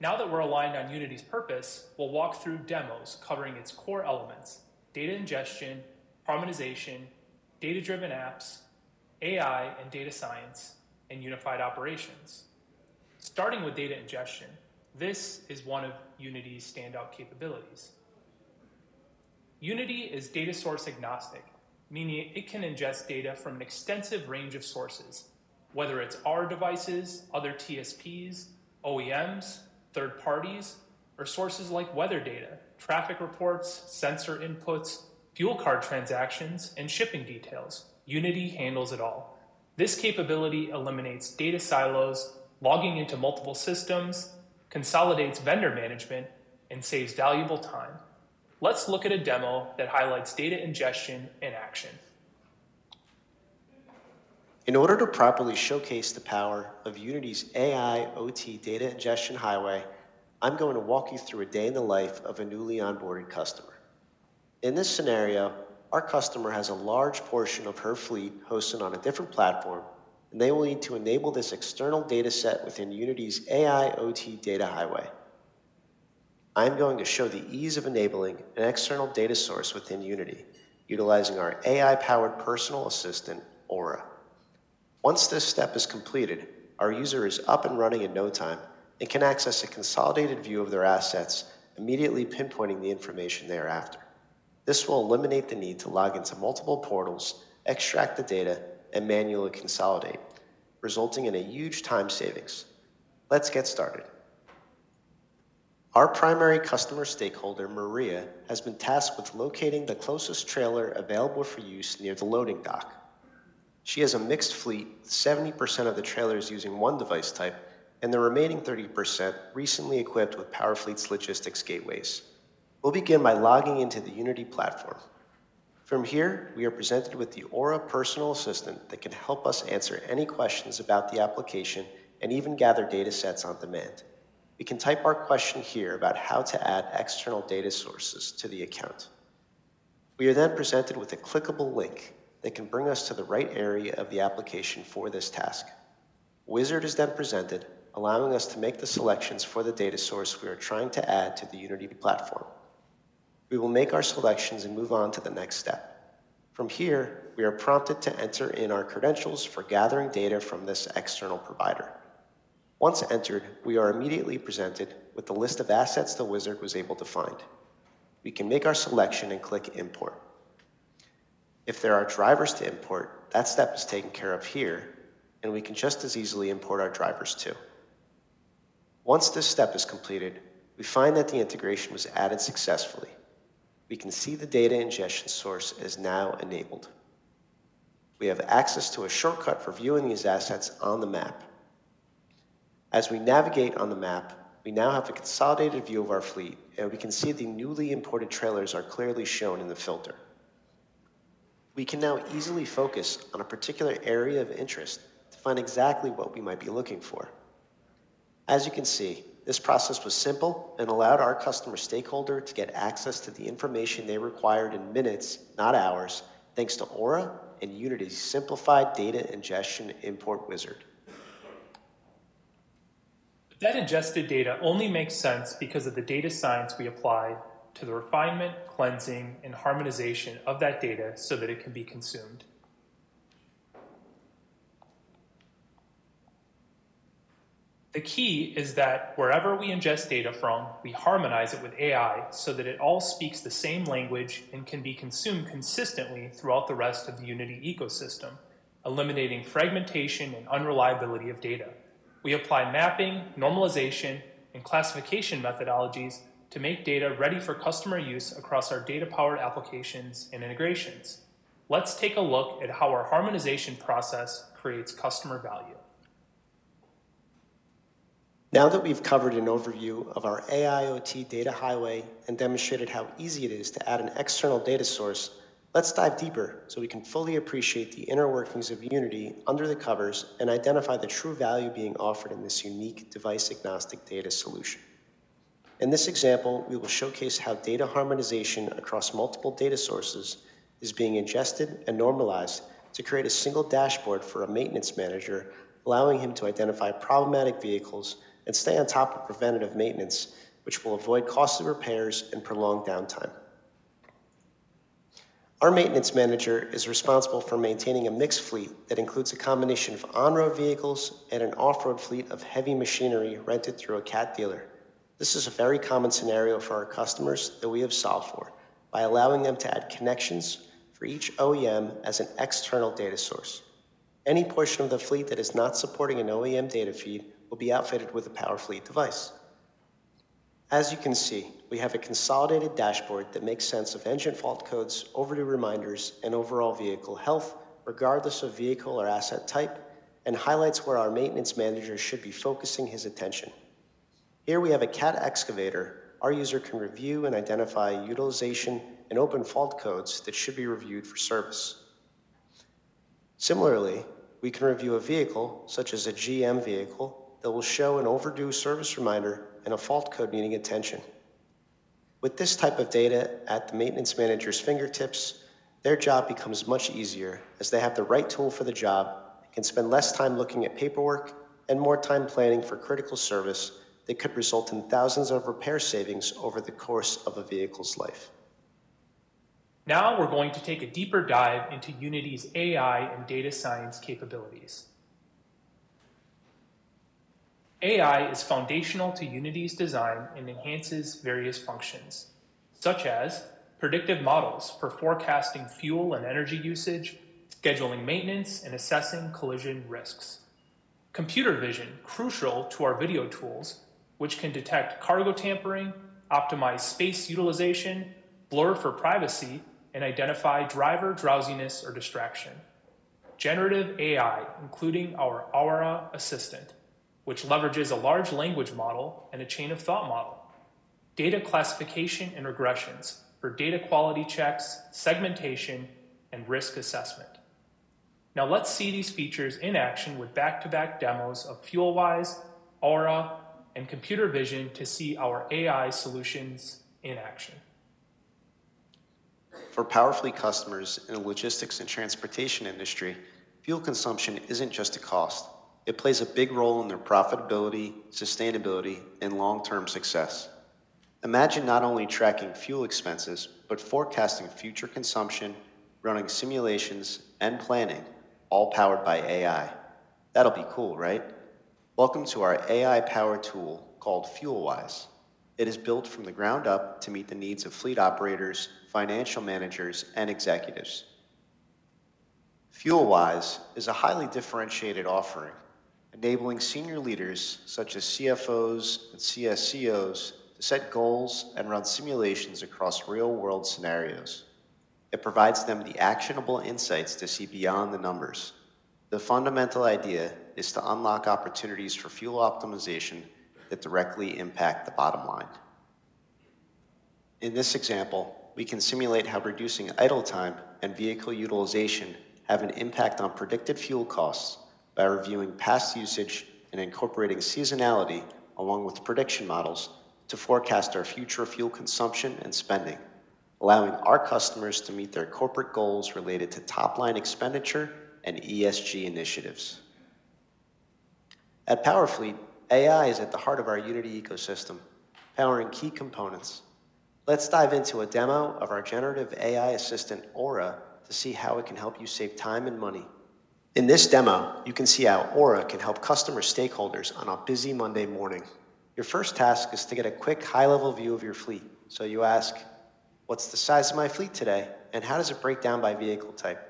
Now that we're aligned on Unity's purpose, we'll walk through demos covering its core elements: data ingestion, harmonization, data-driven apps, AI and data science, and unified operations. Starting with data ingestion, this is one of Unity's standout capabilities. Unity is data source agnostic, meaning it can ingest data from an extensive range of sources, whether it's our devices, other TSPs, OEMs, third parties, or sources like weather data, traffic reports, sensor inputs, fuel card transactions, and shipping details. Unity handles it all. This capability eliminates data silos, logging into multiple systems, consolidates vendor management, and saves valuable time. Let's look at a demo that highlights data ingestion in action. In order to properly showcase the power of Unity's AIoT data ingestion highway, I'm going to walk you through a day in the life of a newly onboarded customer. In this scenario, our customer has a large portion of her fleet hosted on a different platform, and they will need to enable this external data set within Unity's AIoT data highway. I'm going to show the ease of enabling an external data source within Unity utilizing our AI-powered personal assistant, Aura. Once this step is completed, our user is up and running in no time and can access a consolidated view of their assets, immediately pinpointing the information thereafter. This will eliminate the need to log into multiple portals, extract the data, and manually consolidate, resulting in a huge time savings. Let's get started. Our primary customer stakeholder, Maria, has been tasked with locating the closest trailer available for use near the loading dock. She has a mixed fleet, 70% of the trailers using one device type, and the remaining 30% recently equipped with Powerfleet's logistics gateways. We'll begin by logging into the Unity platform. From here, we are presented with the Aura personal assistant that can help us answer any questions about the application and even gather data sets on demand. We can type our question here about how to add external data sources to the account. We are then presented with a clickable link that can bring us to the right area of the application for this task. Wizard is then presented, allowing us to make the selections for the data source we are trying to add to the Unity platform. We will make our selections and move on to the next step. From here, we are prompted to enter in our credentials for gathering data from this external provider. Once entered, we are immediately presented with the list of assets the wizard was able to find. We can make our selection and click import. If there are drivers to import, that step is taken care of here, and we can just as easily import our drivers too. Once this step is completed, we find that the integration was added successfully. We can see the data ingestion source is now enabled. We have access to a shortcut for viewing these assets on the map. As we navigate on the map, we now have a consolidated view of our fleet, and we can see the newly imported trailers are clearly shown in the filter. We can now easily focus on a particular area of interest to find exactly what we might be looking for. As you can see, this process was simple and allowed our customer stakeholder to get access to the information they required in minutes, not hours, thanks to Aura and Unity's simplified data ingestion import wizard. That ingested data only makes sense because of the data science we applied to the refinement, cleansing, and harmonization of that data so that it can be consumed. The key is that wherever we ingest data from, we harmonize it with AI so that it all speaks the same language and can be consumed consistently throughout the rest of the Unity ecosystem, eliminating fragmentation and unreliability of data. We apply mapping, normalization, and classification methodologies to make data ready for customer use across our data-powered applications and integrations. Let's take a look at how our harmonization process creates customer value. Now that we've covered an overview of our AIoT data highway and demonstrated how easy it is to add an external data source, let's dive deeper so we can fully appreciate the inner workings of Unity under the covers and identify the true value being offered in this unique device-agnostic data solution. In this example, we will showcase how data harmonization across multiple data sources is being ingested and normalized to create a single dashboard for a maintenance manager, allowing him to identify problematic vehicles and stay on top of preventative maintenance, which will avoid costly repairs and prolonged downtime. Our maintenance manager is responsible for maintaining a mixed fleet that includes a combination of on-road vehicles and an off-road fleet of heavy machinery rented through a Cat dealer. This is a very common scenario for our customers that we have solved for by allowing them to add connections for each OEM as an external data source. Any portion of the fleet that is not supporting an OEM data feed will be outfitted with a Powerfleet device. As you can see, we have a consolidated dashboard that makes sense of engine fault codes, overdue reminders, and overall vehicle health, regardless of vehicle or asset type, and highlights where our maintenance manager should be focusing his attention. Here, we have a Cat excavator. Our user can review and identify utilization and open fault codes that should be reviewed for service. Similarly, we can review a vehicle, such as a GM vehicle, that will show an overdue service reminder and a fault code needing attention. With this type of data at the maintenance manager's fingertips, their job becomes much easier as they have the right tool for the job and can spend less time looking at paperwork and more time planning for critical service that could result in thousands of repair savings over the course of a vehicle's life. Now we're going to take a deeper dive into Unity's AI and data science capabilities. AI is foundational to Unity's design and enhances various functions, such as predictive models for forecasting fuel and energy usage, scheduling maintenance, and assessing collision risks. Computer Vision, crucial to our video tools, which can detect cargo tampering, optimize space utilization, blur for privacy, and identify driver drowsiness or distraction. Generative AI, including our Aura assistant, which leverages a large language model and a chain-of-thought model. Data classification and regressions for data quality checks, segmentation, and risk assessment. Now let's see these features in action with back-to-back demos of FuelWise, Aura, and computer vision to see our AI solutions in action. For Powerfleet customers in the logistics and transportation industry, fuel consumption isn't just a cost. It plays a big role in their profitability, sustainability, and long-term success. Imagine not only tracking fuel expenses, but forecasting future consumption, running simulations, and planning, all powered by AI. That'll be cool, right? Welcome to our AI-powered tool called FuelWise. It is built from the ground up to meet the needs of fleet operators, financial managers, and executives. FuelWise is a highly differentiated offering, enabling senior leaders such as CFOs and CSCOs to set goals and run simulations across real-world scenarios. It provides them the actionable insights to see beyond the numbers. The fundamental idea is to unlock opportunities for fuel optimization that directly impact the bottom line. In this example, we can simulate how reducing idle time and vehicle utilization have an impact on predicted fuel costs by reviewing past usage and incorporating seasonality along with prediction models to forecast our future fuel consumption and spending, allowing our customers to meet their corporate goals related to top-line expenditure and ESG initiatives. At Powerfleet, AI is at the heart of our Unity ecosystem, powering key components. Let's dive into a demo of our generative AI assistant, Aura, to see how it can help you save time and money. In this demo, you can see how Aura can help customer stakeholders on a busy Monday morning. Your first task is to get a quick high-level view of your fleet. So you ask, "What's the size of my fleet today, and how does it break down by vehicle type?"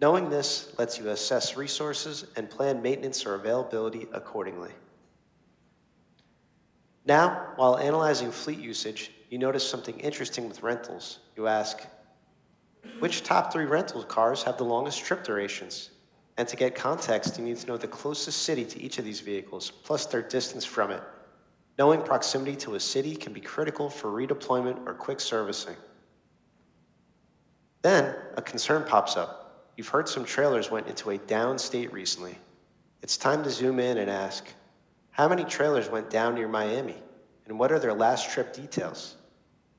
Knowing this lets you assess resources and plan maintenance or availability accordingly. Now, while analyzing fleet usage, you notice something interesting with rentals. You ask, "Which top three rental cars have the longest trip durations?" And to get context, you need to know the closest city to each of these vehicles, plus their distance from it. Knowing proximity to a city can be critical for redeployment or quick servicing. Then a concern pops up. You've heard some trailers went into a downstate recently. It's time to zoom in and ask, "How many trailers went down near Miami, and what are their last trip details?"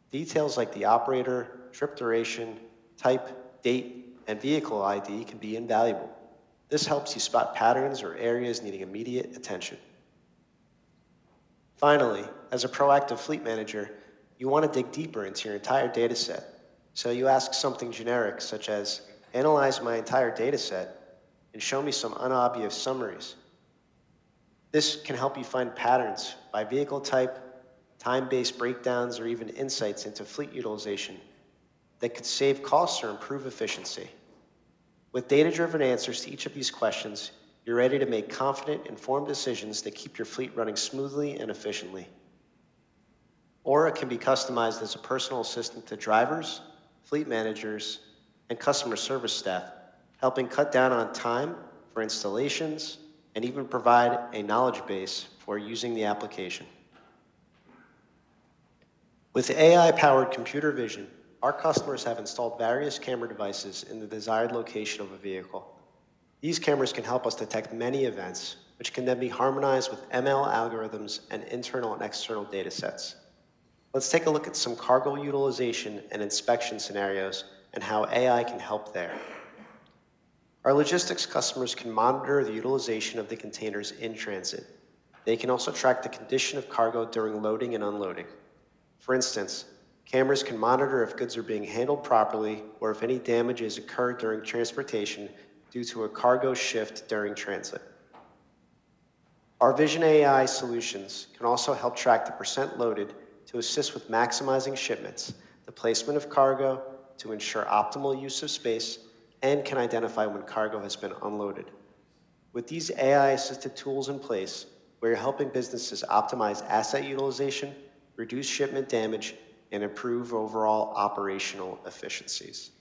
Details like the operator, trip duration, type, date, and vehicle ID can be invaluable. This helps you spot patterns or areas needing immediate attention. Finally, as a proactive fleet manager, you want to dig deeper into your entire data set. So you ask something generic such as, "Analyze my entire data set and show me some unobvious summaries." This can help you find patterns by vehicle type, time-based breakdowns, or even insights into fleet utilization that could save costs or improve efficiency. With data-driven answers to each of these questions, you're ready to make confident, informed decisions that keep your fleet running smoothly and efficiently. Aura can be customized as a personal assistant to drivers, fleet managers, and customer service staff, helping cut down on time for installations and even provide a knowledge base for using the application. With AI-powered computer vision, our customers have installed various camera devices in the desired location of a vehicle. These cameras can help us detect many events, which can then be harmonized with ML algorithms and internal and external data sets. Let's take a look at some cargo utilization and inspection scenarios and how AI can help there. Our logistics customers can monitor the utilization of the containers in transit. They can also track the condition of cargo during loading and unloading. For instance, cameras can monitor if goods are being handled properly or if any damages occur during transportation due to a cargo shift during transit. Our vision AI solutions can also help track the percent loaded to assist with maximizing shipments, the placement of cargo to ensure optimal use of space, and can identify when cargo has been unloaded. With these AI-assisted tools in place, we're helping businesses optimize asset utilization, reduce shipment damage, and improve overall operational efficiencies.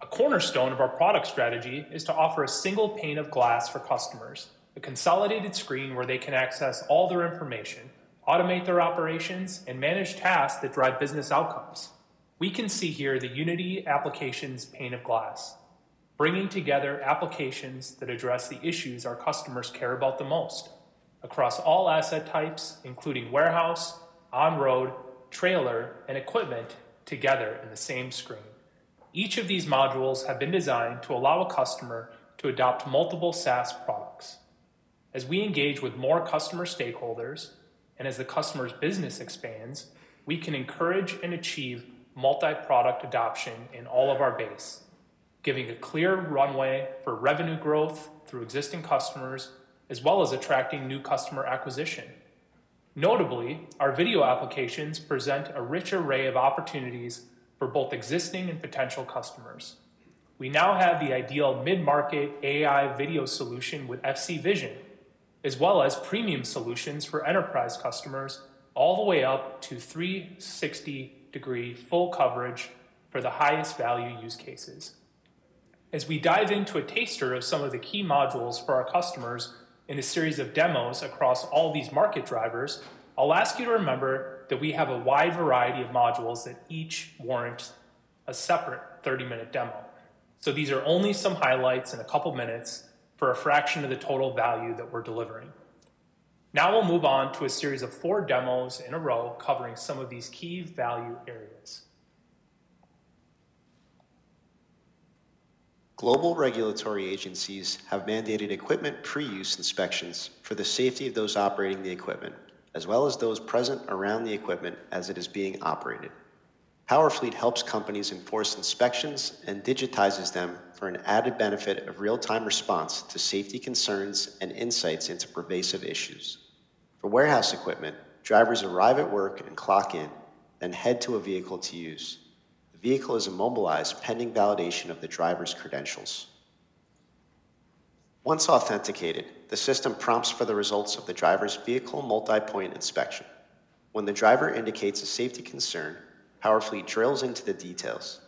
A cornerstone of our product strategy is to offer a single pane of glass for customers, a consolidated screen where they can access all their information, automate their operations, and manage tasks that drive business outcomes. We can see here the Unity application's pane of glass, bringing together applications that address the issues our customers care about the most across all asset types, including warehouse, on-road, trailer, and equipment together in the same screen. Each of these modules has been designed to allow a customer to adopt multiple SaaS products. As we engage with more customer stakeholders and as the customer's business expands, we can encourage and achieve multi-product adoption in all of our base, giving a clear runway for revenue growth through existing customers, as well as attracting new customer acquisition. Notably, our video applications present a rich array of opportunities for both existing and potential customers. We now have the ideal mid-market AI video solution with FC Vision, as well as premium solutions for enterprise customers, all the way up to 360-degree full coverage for the highest value use cases. As we dive into a taster of some of the key modules for our customers in a series of demos across all these market drivers, I'll ask you to remember that we have a wide variety of modules that each warrant a separate 30-minute demo. So these are only some highlights in a couple of minutes for a fraction of the total value that we're delivering. Now we'll move on to a series of four demos in a row covering some of these key value areas. Global regulatory agencies have mandated equipment pre-use inspections for the safety of those operating the equipment, as well as those present around the equipment as it is being operated. Powerfleet helps companies enforce inspections and digitizes them for an added benefit of real-time response to safety concerns and insights into pervasive issues. For warehouse equipment, drivers arrive at work and clock in, then head to a vehicle to use. The vehicle is immobilized pending validation of the driver's credentials. Once authenticated, the system prompts for the results of the driver's vehicle multi-point inspection. When the driver indicates a safety concern, Powerfleet drills into the details.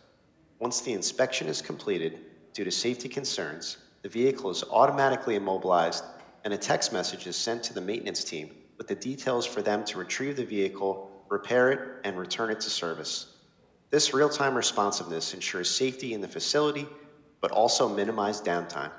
Once the inspection is completed due to safety concerns, the vehicle is automatically immobilized, and a text message is sent to the maintenance team with the details for them to retrieve the vehicle, repair it, and return it to service. This real-time responsiveness ensures safety in the facility, but also minimizes downtime.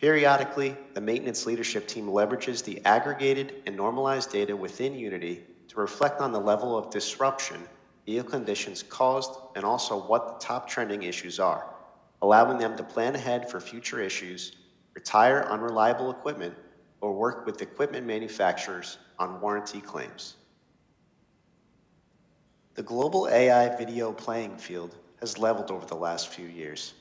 Periodically, the maintenance leadership team leverages the aggregated and normalized data within Unity to reflect on the level of disruption, vehicle conditions caused, and also what the top trending issues are, allowing them to plan ahead for future issues, retire unreliable equipment, or work with equipment manufacturers on warranty claims. The global AI video playing field has leveled over the last few years.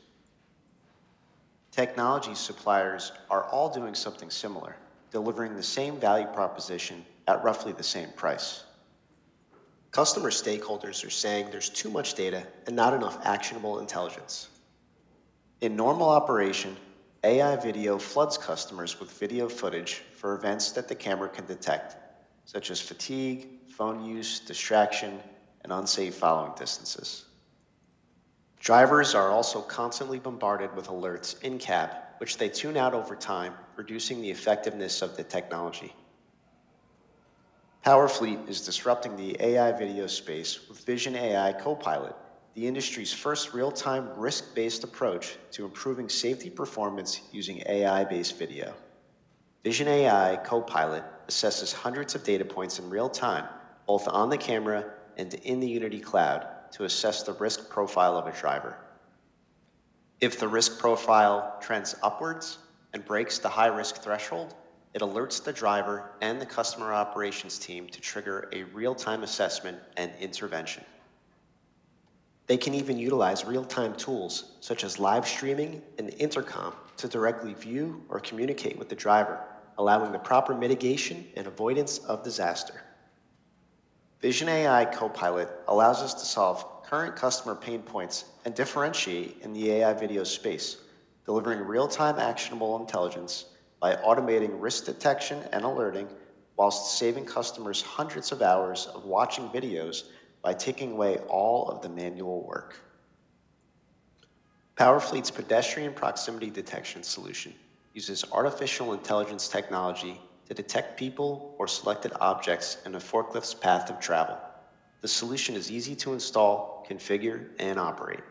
Technology suppliers are all doing something similar, delivering the same value proposition at roughly the same price. Customer stakeholders are saying there's too much data and not enough actionable intelligence. In normal operation, AI video floods customers with video footage for events that the camera can detect, such as fatigue, phone use, distraction, and unsafe following distances. Drivers are also constantly bombarded with alerts in cab, which they tune out over time, reducing the effectiveness of the technology. Powerfleet is disrupting the AI video space with Vision AI Copilot, the industry's first real-time risk-based approach to improving safety performance using AI-based video. Vision AI Copilot assesses hundreds of data points in real time, both on the camera and in the Unity cloud, to assess the risk profile of a driver. If the risk profile trends upwards and breaks the high-risk threshold, it alerts the driver and the customer operations team to trigger a real-time assessment and intervention. They can even utilize real-time tools such as live streaming and intercom to directly view or communicate with the driver, allowing the proper mitigation and avoidance of disaster. Vision AI Copilot allows us to solve current customer pain points and differentiate in the AI video space, delivering real-time actionable intelligence by automating risk detection and alerting, while saving customers hundreds of hours of watching videos by taking away all of the manual work. Powerfleet's Pedestrian Proximity Detection solution uses artificial intelligence technology to detect people or selected objects in a forklift's path of travel. The solution is easy to install, configure, and operate.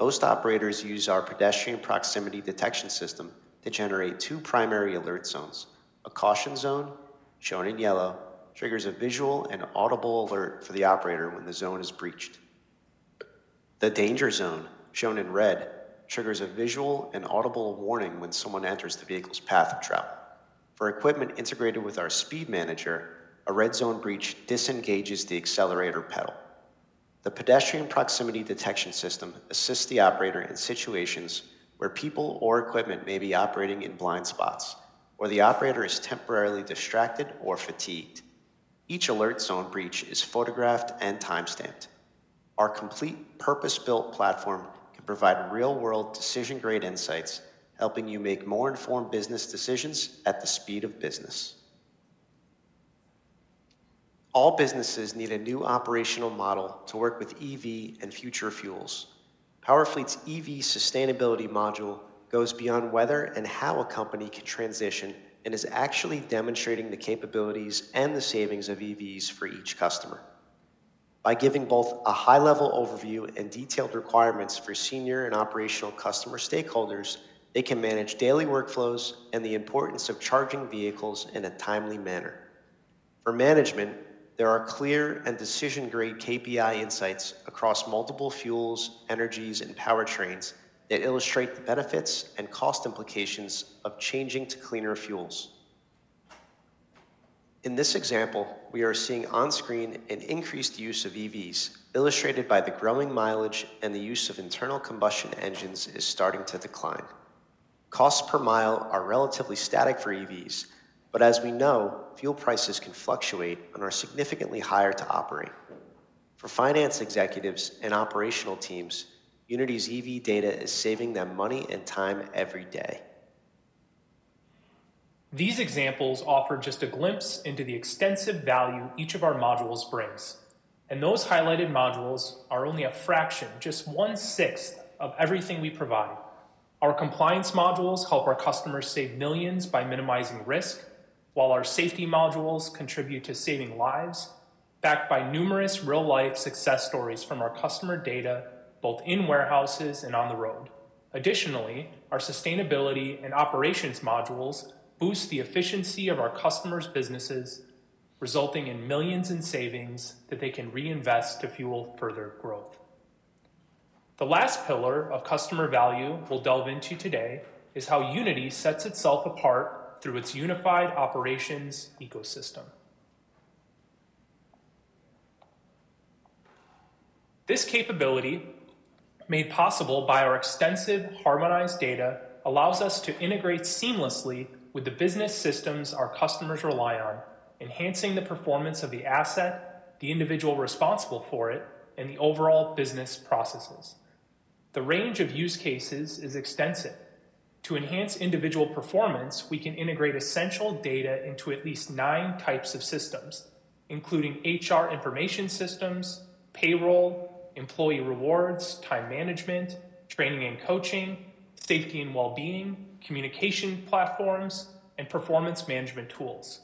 Most operators use our Pedestrian Proximity Detection system to generate two primary alert zones. A caution zone, shown in yellow, triggers a visual and audible alert for the operator when the zone is breached. The danger zone, shown in red, triggers a visual and audible warning when someone enters the vehicle's path of travel. For equipment integrated with our Speed Manager, a red zone breach disengages the accelerator pedal. The pedestrian proximity detection system assists the operator in situations where people or equipment may be operating in blind spots, or the operator is temporarily distracted or fatigued. Each alert zone breach is photographed and timestamped. Our complete purpose-built platform can provide real-world decision-grade insights, helping you make more informed business decisions at the speed of business. All businesses need a new operational model to work with EV and future fuels. Powerfleet's EV sustainability module goes beyond weather and how a company can transition and is actually demonstrating the capabilities and the savings of EVs for each customer. By giving both a high-level overview and detailed requirements for senior and operational customer stakeholders, they can manage daily workflows and the importance of charging vehicles in a timely manner. For management, there are clear and decision-grade KPI insights across multiple fuels, energies, and powertrains that illustrate the benefits and cost implications of changing to cleaner fuels. In this example, we are seeing on-screen an increased use of EVs, illustrated by the growing mileage and the use of internal combustion engines is starting to decline. Costs per mile are relatively static for EVs, but as we know, fuel prices can fluctuate and are significantly higher to operate. For finance executives and operational teams, Unity's EV data is saving them money and time every day. These examples offer just a glimpse into the extensive value each of our modules brings. And those highlighted modules are only a fraction, just one-sixth, of everything we provide. Our compliance modules help our customers save millions by minimizing risk, while our safety modules contribute to saving lives, backed by numerous real-life success stories from our customer data, both in warehouses and on the road. Additionally, our sustainability and operations modules boost the efficiency of our customers' businesses, resulting in millions in savings that they can reinvest to fuel further growth. The last pillar of customer value we'll delve into today is how Unity sets itself apart through its unified operations ecosystem. This capability, made possible by our extensive harmonized data, allows us to integrate seamlessly with the business systems our customers rely on, enhancing the performance of the asset, the individual responsible for it, and the overall business processes. The range of use cases is extensive. To enhance individual performance, we can integrate essential data into at least nine types of systems, including HR information systems, payroll, employee rewards, time management, training and coaching, safety and well-being, communication platforms, and performance management tools.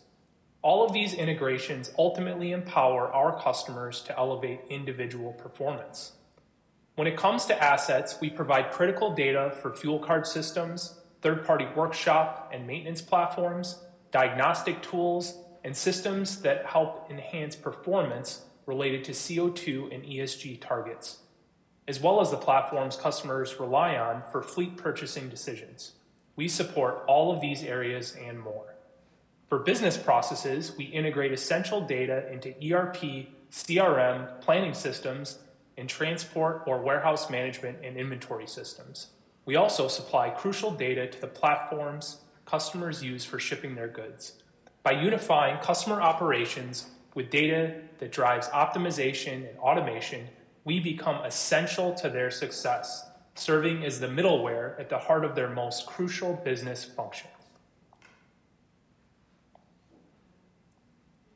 All of these integrations ultimately empower our customers to elevate individual performance. When it comes to assets, we provide critical data for fuel card systems, third-party workshop and maintenance platforms, diagnostic tools, and systems that help enhance performance related to CO2 and ESG targets, as well as the platforms customers rely on for fleet purchasing decisions. We support all of these areas and more. For business processes, we integrate essential data into ERP, CRM, planning systems, and transport or warehouse management and inventory systems. We also supply crucial data to the platforms customers use for shipping their goods. By unifying customer operations with data that drives optimization and automation, we become essential to their success, serving as the middleware at the heart of their most crucial business functions.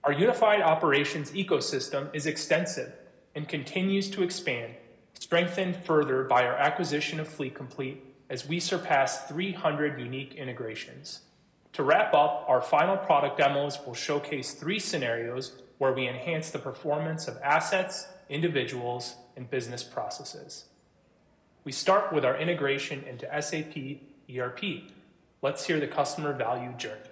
Our unified operations ecosystem is extensive and continues to expand, strengthened further by our acquisition of Fleet Complete as we surpass 300 unique integrations. To wrap up, our final product demos will showcase three scenarios where we enhance the performance of assets, individuals, and business processes. We start with our integration into SAP ERP. Let's hear the customer value journey.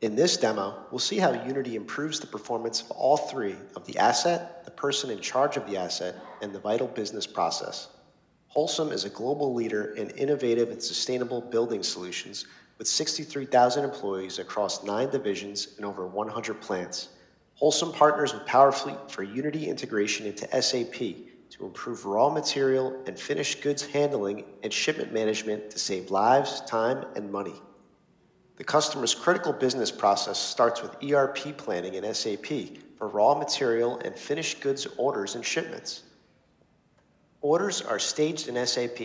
In this demo, we'll see how Unity improves the performance of all three of the asset, the person in charge of the asset, and the vital business process. Holcim is a global leader in innovative and sustainable building solutions with 63,000 employees across nine divisions and over 100 plants. Holcim partners with Powerfleet for Unity integration into SAP to improve raw material and finished goods handling and shipment management to save lives, time, and money. The customer's critical business process starts with ERP planning in SAP for raw material and finished goods orders and shipments. Orders are staged in SAP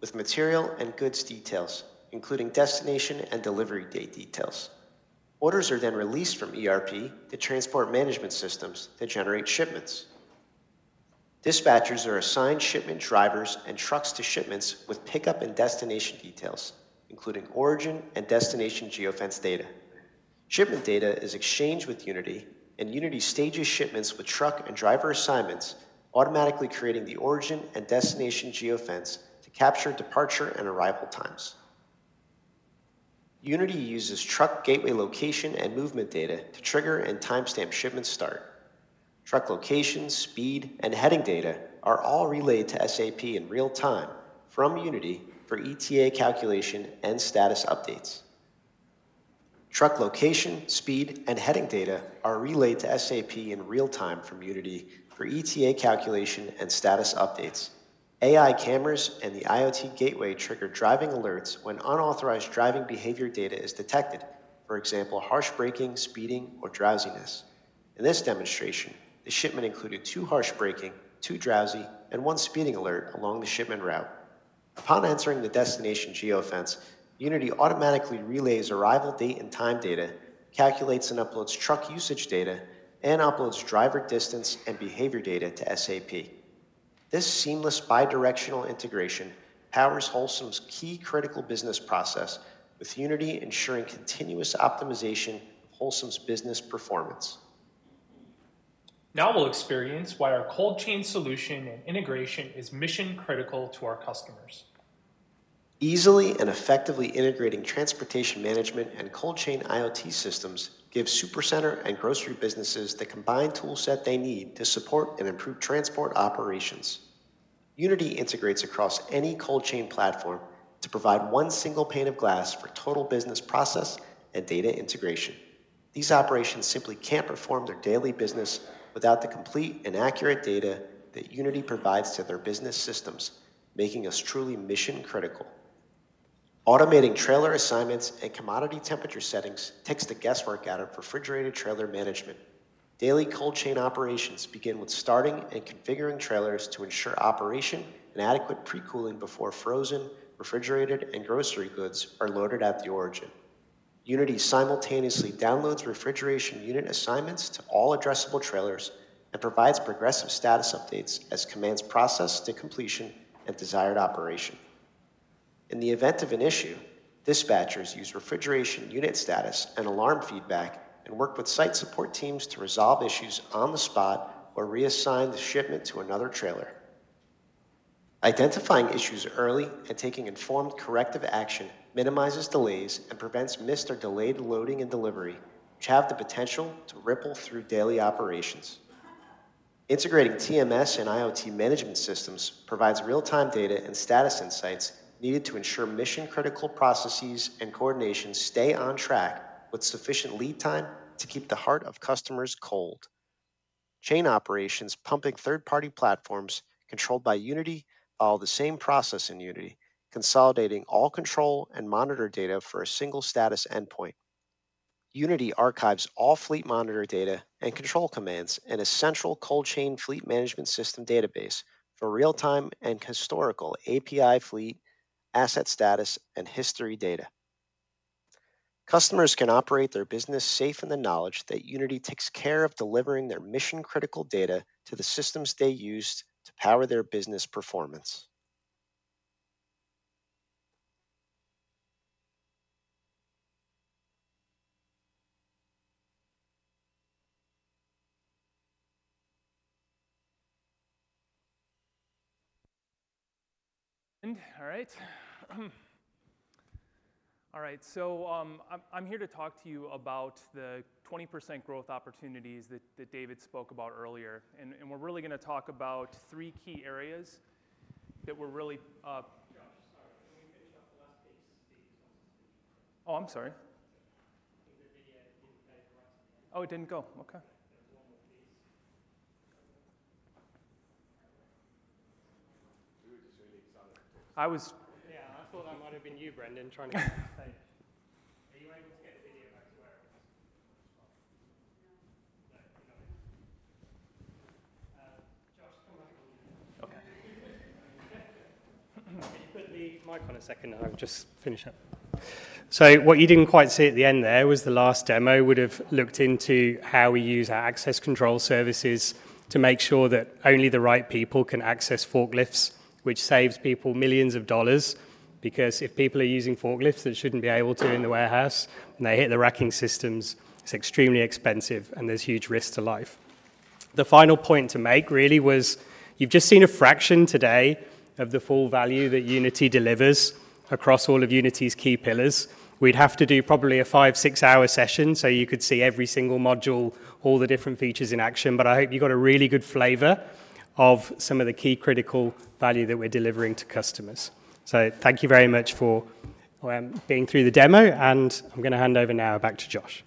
with material and goods details, including destination and delivery date details. Orders are then released from ERP to transport management systems to generate shipments. Dispatchers are assigned shipment drivers and trucks to shipments with pickup and destination details, including origin and destination geofence data. Shipment data is exchanged with Unity, and Unity stages shipments with truck and driver assignments, automatically creating the origin and destination geofence to capture departure and arrival times. Unity uses truck gateway location and movement data to trigger and timestamp shipment start. Truck location, speed, and heading data are all relayed to SAP in real time from Unity for ETA calculation and status updates. AI cameras and the IoT gateway trigger driving alerts when unauthorized driving behavior data is detected, for example, harsh braking, speeding, or drowsiness. In this demonstration, the shipment included two harsh braking, two drowsy, and one speeding alert along the shipment route. Upon entering the destination geofence, Unity automatically relays arrival date and time data, calculates and uploads truck usage data, and uploads driver distance and behavior data to SAP. This seamless bi-directional integration powers Holcim's key critical business process, with Unity ensuring continuous optimization of Holcim's business performance. Now we'll experience why our cold chain solution and integration is mission-critical to our customers. Easily and effectively integrating transportation management and cold chain IoT systems gives supercenter and grocery businesses the combined toolset they need to support and improve transport operations. Unity integrates across any cold chain platform to provide one single pane of glass for total business process and data integration. These operations simply can't perform their daily business without the complete and accurate data that Unity provides to their business systems, making us truly mission-critical. Automating trailer assignments and commodity temperature settings takes the guesswork out of refrigerated trailer management. Daily cold chain operations begin with starting and configuring trailers to ensure operation and adequate pre-cooling before frozen, refrigerated, and grocery goods are loaded at the origin. Unity simultaneously downloads refrigeration unit assignments to all addressable trailers and provides progressive status updates as commands process to completion and desired operation. In the event of an issue, dispatchers use refrigeration unit status and alarm feedback and work with site support teams to resolve issues on the spot or reassign the shipment to another trailer. Identifying issues early and taking informed corrective action minimizes delays and prevents missed or delayed loading and delivery, which have the potential to ripple through daily operations. Integrating TMS and IoT management systems provides real-time data and status insights needed to ensure mission-critical processes and coordination stay on track with sufficient lead time to keep the heart of customers' cold chain operations pumping. Third-party platforms controlled by Unity follow the same process in Unity, consolidating all control and monitoring data for a single status endpoint. Unity archives all fleet monitoring data and control commands in a central cold chain fleet management system database for real-time and historical API fleet asset status and history data. Customers can operate their business safe in the knowledge that Unity takes care of delivering their mission-critical data to the systems they use to power their business performance. All right. All right. So I'm here to talk to you about the 20% growth opportunities that David spoke about earlier. And we're really going to talk about three key areas that we're really. Josh, sorry. Can we finish up the last piece? Steve told us to finish up. Oh, I'm sorry. I think the video didn't play right at the end. Oh, it didn't go. Okay. There was one more piece. We were just really excited. I was. Yeah. I thought that might have been you, Brendan, trying to get on stage. Are you able to get the video back to where it was? No. No. You're not in. Josh, come back on mute. Okay. Can you put the mic on a second and I'll just finish up? So what you didn't quite see at the end there was the last demo would have looked into how we use our access control services to make sure that only the right people can access forklifts, which saves people millions of dollars. Because if people are using forklifts that shouldn't be able to in the warehouse, and they hit the racking systems, it's extremely expensive and there's huge risk to life. The final point to make really was you've just seen a fraction today of the full value that Unity delivers across all of Unity's key pillars. We'd have to do probably a five, six-hour session so you could see every single module, all the different features in action. But I hope you got a really good flavor of some of the key critical value that we're delivering to customers. So thank you very much for being through the demo. And I'm going to hand over now back to Josh.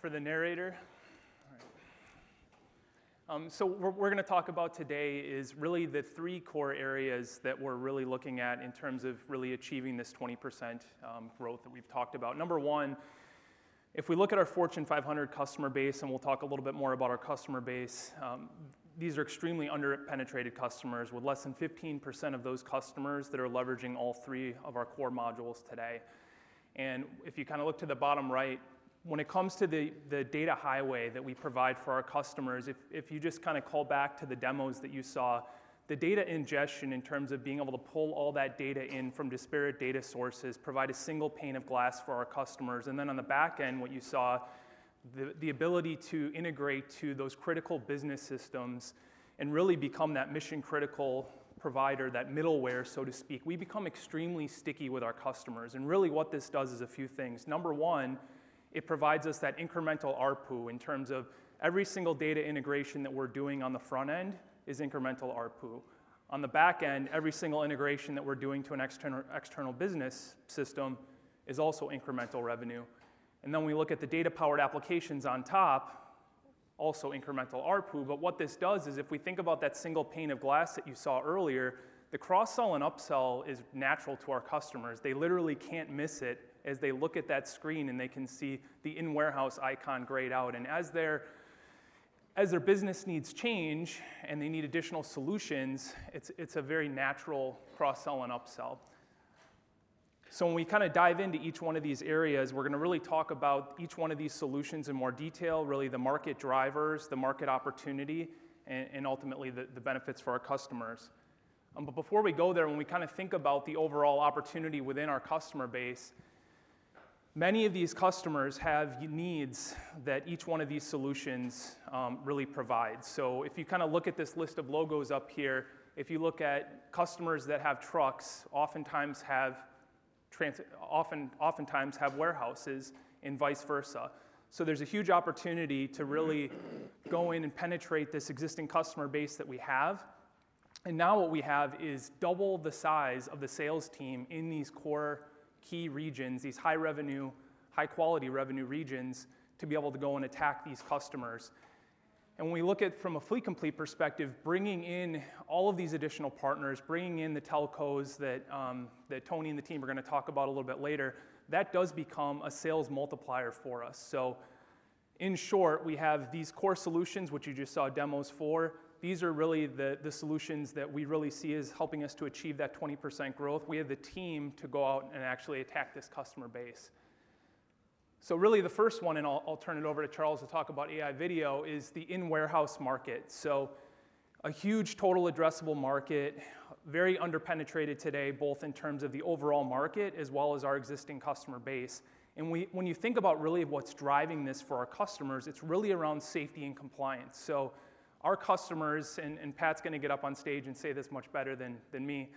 For the narrator. All right. So what we're going to talk about today is really the three core areas that we're really looking at in terms of really achieving this 20% growth that we've talked about. Number one, if we look at our Fortune 500 customer base, and we'll talk a little bit more about our customer base, these are extremely under-penetrated customers with less than 15% of those customers that are leveraging all three of our core modules today. And if you kind of look to the bottom right, when it comes to the data highway that we provide for our customers, if you just kind of call back to the demos that you saw, the data ingestion in terms of being able to pull all that data in from disparate data sources, provide a single pane of glass for our customers. And then on the back end, what you saw, the ability to integrate to those critical business systems and really become that mission-critical provider, that middleware, so to speak, we become extremely sticky with our customers. And really what this does is a few things. Number one, it provides us that incremental ARPU in terms of every single data integration that we're doing on the front end is incremental ARPU. On the back end, every single integration that we're doing to an external business system is also incremental revenue. And then we look at the data-powered applications on top, also incremental ARPU. But what this does is if we think about that single pane of glass that you saw earlier, the cross-sell and upsell is natural to our customers. They literally can't miss it as they look at that screen and they can see the in-warehouse icon grayed out. And as their business needs change and they need additional solutions, it's a very natural cross-sell and upsell. So when we kind of dive into each one of these areas, we're going to really talk about each one of these solutions in more detail, really the market drivers, the market opportunity, and ultimately the benefits for our customers. But before we go there, when we kind of think about the overall opportunity within our customer base, many of these customers have needs that each one of these solutions really provides, so if you kind of look at this list of logos up here, if you look at customers that have trucks, oftentimes have warehouses and vice versa, so there's a huge opportunity to really go in and penetrate this existing customer base that we have, and now what we have is double the size of the sales team in these core key regions, these high-revenue, high-quality revenue regions to be able to go and attack these customers. When we look at it from a Fleet Complete perspective, bringing in all of these additional partners, bringing in the telcos that Tony and the team are going to talk about a little bit later, that does become a sales multiplier for us. So in short, we have these core solutions, which you just saw demos for. These are really the solutions that we really see as helping us to achieve that 20% growth. We have the team to go out and actually attack this customer base. So really the first one, and I'll turn it over to Charles to talk about AI video, is the in-warehouse market. So a huge total addressable market, very under-penetrated today, both in terms of the overall market as well as our existing customer base. When you think about really what's driving this for our customers, it's really around safety and compliance. So our customers, and Pat's going to get up on stage and say this much better than me,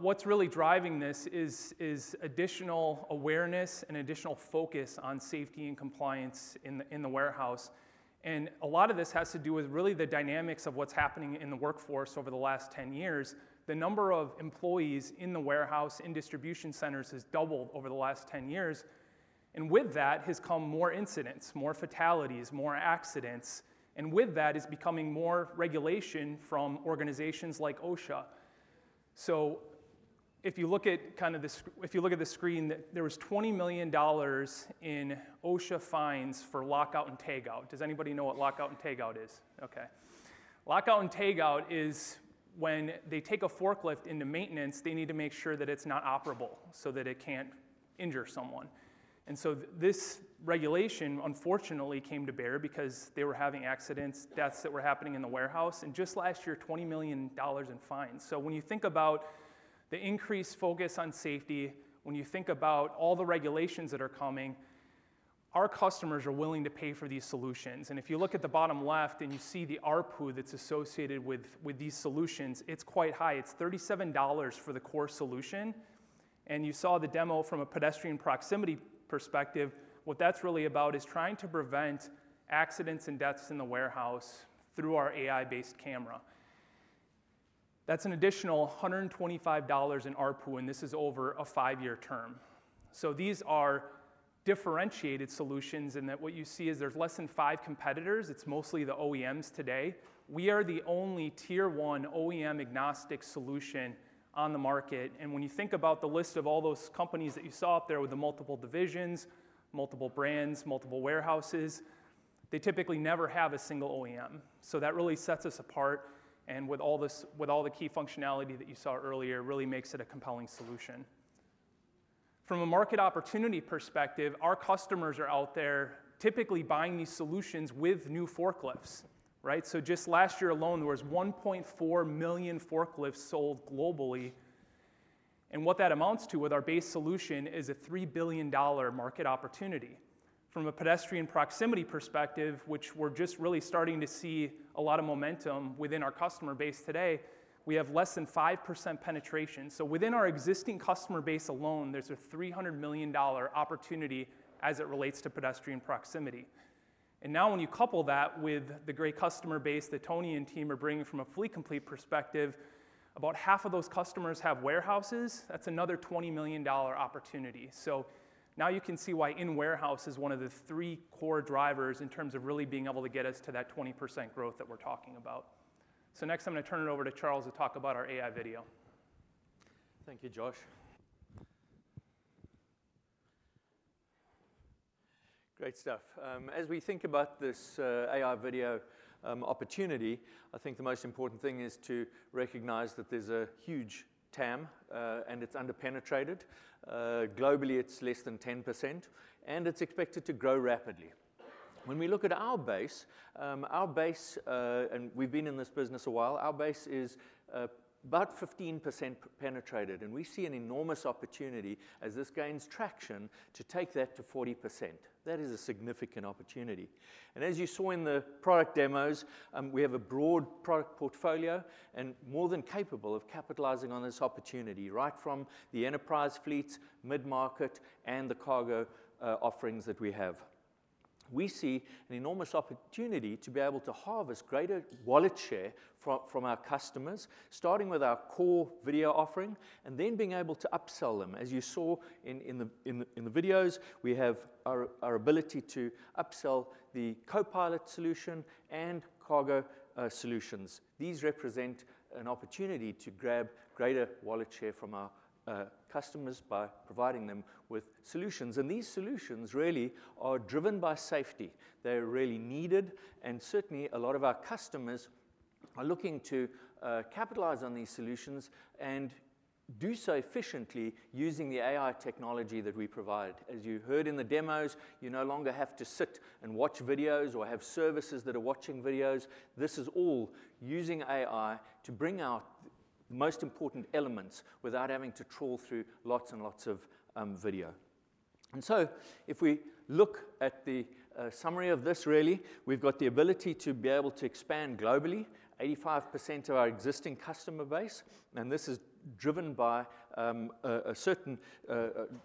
what's really driving this is additional awareness and additional focus on safety and compliance in the warehouse. And a lot of this has to do with really the dynamics of what's happening in the workforce over the last 10 years. The number of employees in the warehouse in distribution centers has doubled over the last 10 years. And with that has come more incidents, more fatalities, more accidents. And with that is becoming more regulation from organizations like OSHA. So if you look at the screen, there was $20 million in OSHA fines for lockout-tagout. Does anybody know what lockout-tagout is? Okay. Lockout-Tagout is when they take a forklift into maintenance. They need to make sure that it's not operable so that it can't injure someone. This regulation, unfortunately, came to bear because they were having accidents, deaths that were happening in the warehouse. Just last year, $20 million in fines. Increased focus on safety means that when you think about all the regulations that are coming, our customers are willing to pay for these solutions. If you look at the bottom left and you see the ARPU that's associated with these solutions, it's quite high. It's $37 for the core solution. You saw the demo from a pedestrian proximity perspective. What that's really about is trying to prevent accidents and deaths in the warehouse through our AI-based camera. That's an additional $125 in ARPU, and this is over a five-year term. So these are differentiated solutions. And what you see is there's less than five competitors. It's mostly the OEMs today. We are the only tier-one OEM-agnostic solution on the market. And when you think about the list of all those companies that you saw up there with the multiple divisions, multiple brands, multiple warehouses, they typically never have a single OEM. So that really sets us apart. And with all the key functionality that you saw earlier, it really makes it a compelling solution. From a market opportunity perspective, our customers are out there typically buying these solutions with new forklifts. Right? So just last year alone, there was 1.4 million forklifts sold globally. And what that amounts to with our base solution is a $3 billion market opportunity. From a pedestrian proximity perspective, which we're just really starting to see a lot of momentum within our customer base today, we have less than 5% penetration. So within our existing customer base alone, there's a $300 million opportunity as it relates to pedestrian proximity. And now when you couple that with the great customer base that Tony and team are bringing from a Fleet Complete perspective, about half of those customers have warehouses. That's another $20 million opportunity. So now you can see why in-warehouse is one of the three core drivers in terms of really being able to get us to that 20% growth that we're talking about. So next, I'm going to turn it over to Charles to talk about our AI video. Thank you, Josh. Great stuff. As we think about this AI video opportunity, I think the most important thing is to recognize that there's a huge TAM, and it's under-penetrated. Globally, it's less than 10%, and it's expected to grow rapidly. When we look at our base, and we've been in this business a while, our base is about 15% penetrated. And we see an enormous opportunity as this gains traction to take that to 40%. That is a significant opportunity. And as you saw in the product demos, we have a broad product portfolio and more than capable of capitalizing on this opportunity, right from the enterprise fleets, mid-market, and the cargo offerings that we have. We see an enormous opportunity to be able to harvest greater wallet share from our customers, starting with our core video offering and then being able to upsell them. As you saw in the videos, we have our ability to upsell the Copilot solution and cargo solutions. These represent an opportunity to grab greater wallet share from our customers by providing them with solutions. And these solutions really are driven by safety. They are really needed. And certainly, a lot of our customers are looking to capitalize on these solutions and do so efficiently using the AI technology that we provide. As you heard in the demos, you no longer have to sit and watch videos or have services that are watching videos. This is all using AI to bring out the most important elements without having to trawl through lots and lots of video. And so if we look at the summary of this, really, we've got the ability to be able to expand globally, 85% of our existing customer base. And this is driven by a certain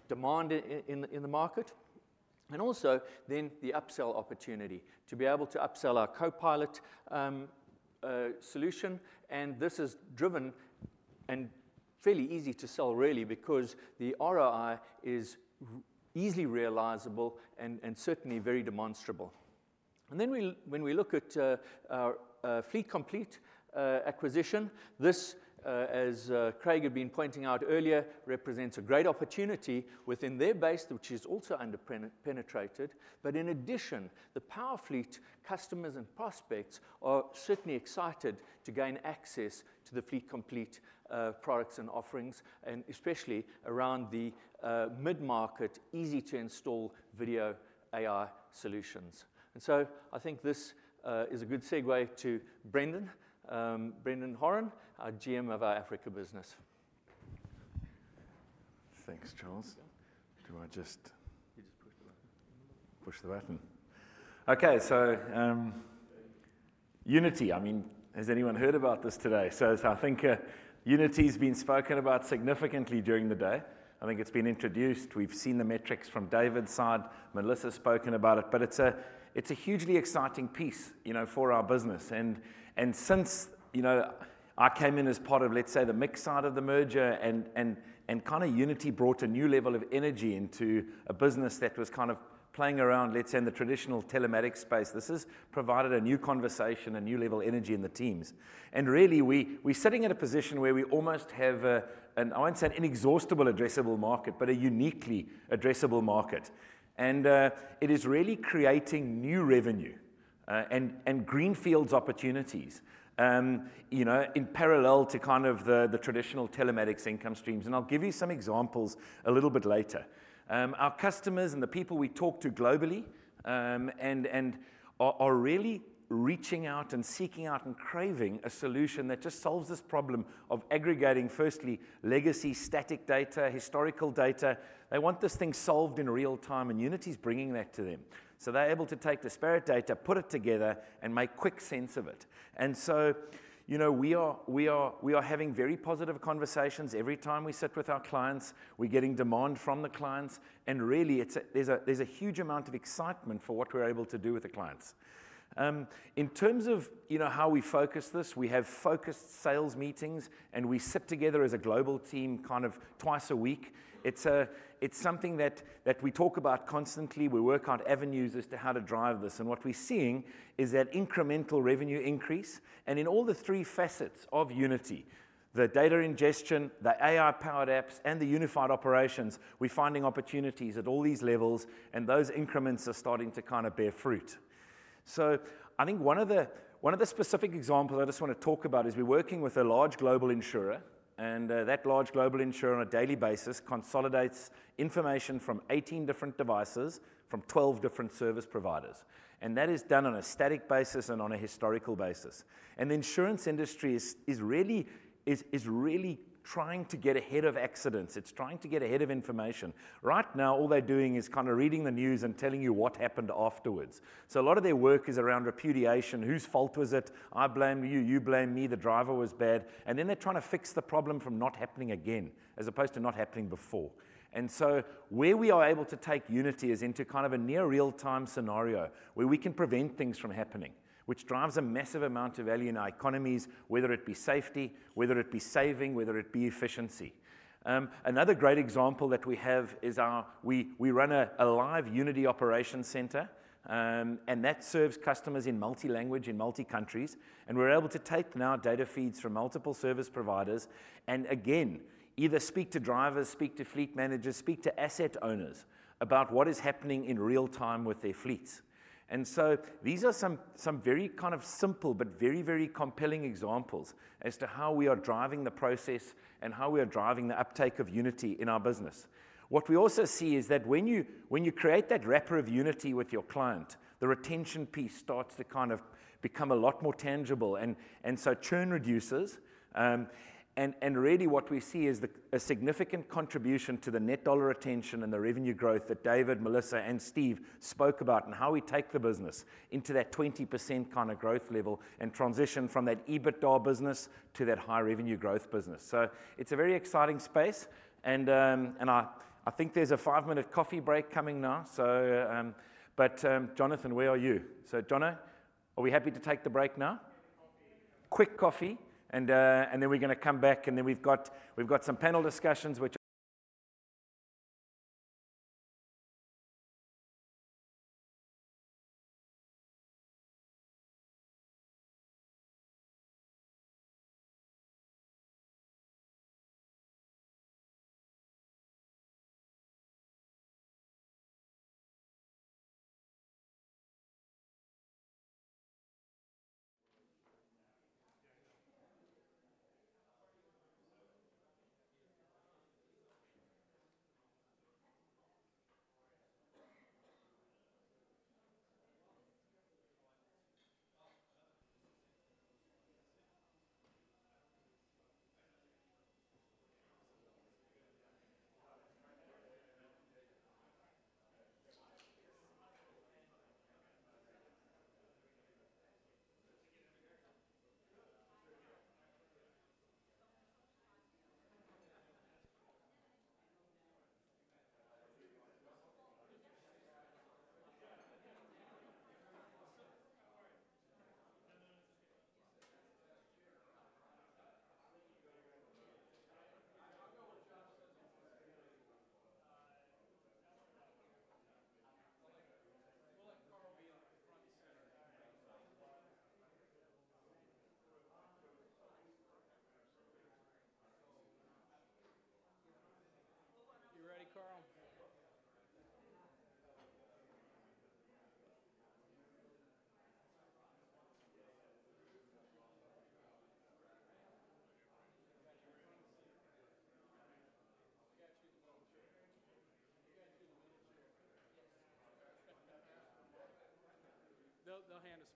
demand in the market. And also then the upsell opportunity to be able to upsell our Copilot solution. And this is driven and fairly easy to sell, really, because the ROI is easily realizable and certainly very demonstrable. And then when we look at Fleet Complete acquisition, this, as Craig had been pointing out earlier, represents a great opportunity within their base, which is also under-penetrated. But in addition, the Powerfleet customers and prospects are certainly excited to gain access to the Fleet Complete products and offerings, and especially around the mid-market, easy-to-install video AI solutions. And so I think this is a good segue to Brendan, Brendan Horan, our GM of our Africa business. Thanks, Charles. Do I just. You just push the button. Push the button. Okay. So Unity, I mean, has anyone heard about this today? So I think Unity has been spoken about significantly during the day. I think it's been introduced. We've seen the metrics from David's side. Melissa's spoken about it. But it's a hugely exciting piece for our business. And since I came in as part of, let's say, the MiX side of the merger, and kind of Unity brought a new level of energy into a business that was kind of playing around, let's say, in the traditional telematics space, this has provided a new conversation, a new level of energy in the teams. And really, we're sitting at a position where we almost have an, I won't say an inexhaustible addressable market, but a uniquely addressable market. And it is really creating new revenue and greenfields opportunities in parallel to kind of the traditional telematics income streams. And I'll give you some examples a little bit later. Our customers and the people we talk to globally are really reaching out and seeking out and craving a solution that just solves this problem of aggregating, firstly, legacy static data, historical data. They want this thing solved in real time, and Unity's bringing that to them. So they're able to take disparate data, put it together, and make quick sense of it. And so we are having very positive conversations every time we sit with our clients. We're getting demand from the clients. And really, there's a huge amount of excitement for what we're able to do with the clients. In terms of how we focus this, we have focused sales meetings, and we sit together as a global team kind of twice a week. It's something that we talk about constantly. We work out avenues as to how to drive this. What we're seeing is that incremental revenue increase. In all the three facets of Unity, the data ingestion, the AI-powered apps, and the unified operations, we're finding opportunities at all these levels, and those increments are starting to kind of bear fruit. I think one of the specific examples I just want to talk about is we're working with a large global insurer. That large global insurer, on a daily basis, consolidates information from 18 different devices from 12 different service providers. That is done on a static basis and on a historical basis. The insurance industry is really trying to get ahead of accidents. It's trying to get ahead of information. Right now, all they're doing is kind of reading the news and telling you what happened afterwards. A lot of their work is around repudiation. Whose fault was it? I blame you. You blame me. The driver was bad. And then they're trying to fix the problem from not happening again as opposed to not happening before. And so where we are able to take Unity is into kind of a near real-time scenario where we can prevent things from happening, which drives a massive amount of value in our economies, whether it be safety, whether it be saving, whether it be efficiency. Another great example that we have is we run a live Unity operations center, and that serves customers in multi-language in multi-countries. And we're able to take now data feeds from multiple service providers and, again, either speak to drivers, speak to fleet managers, speak to asset owners about what is happening in real time with their fleets. And so these are some very kind of simple but very, very compelling examples as to how we are driving the process and how we are driving the uptake of Unity in our business. What we also see is that when you create that wrapper of Unity with your client, the retention piece starts to kind of become a lot more tangible. And so churn reduces. And really, what we see is a significant contribution to the net dollar retention and the revenue growth that David, Melissa, and Steve spoke about and how we take the business into that 20% kind of growth level and transition from that EBITDA business to that high revenue growth business. So it's a very exciting space. And I think there's a five-minute coffee break coming now. But Jonathan, where are you? So John, are we happy to take the break now? Quick coffee. And then we're going to come back. And then we've got some panel discussions, which. You ready, Carl? They'll hand us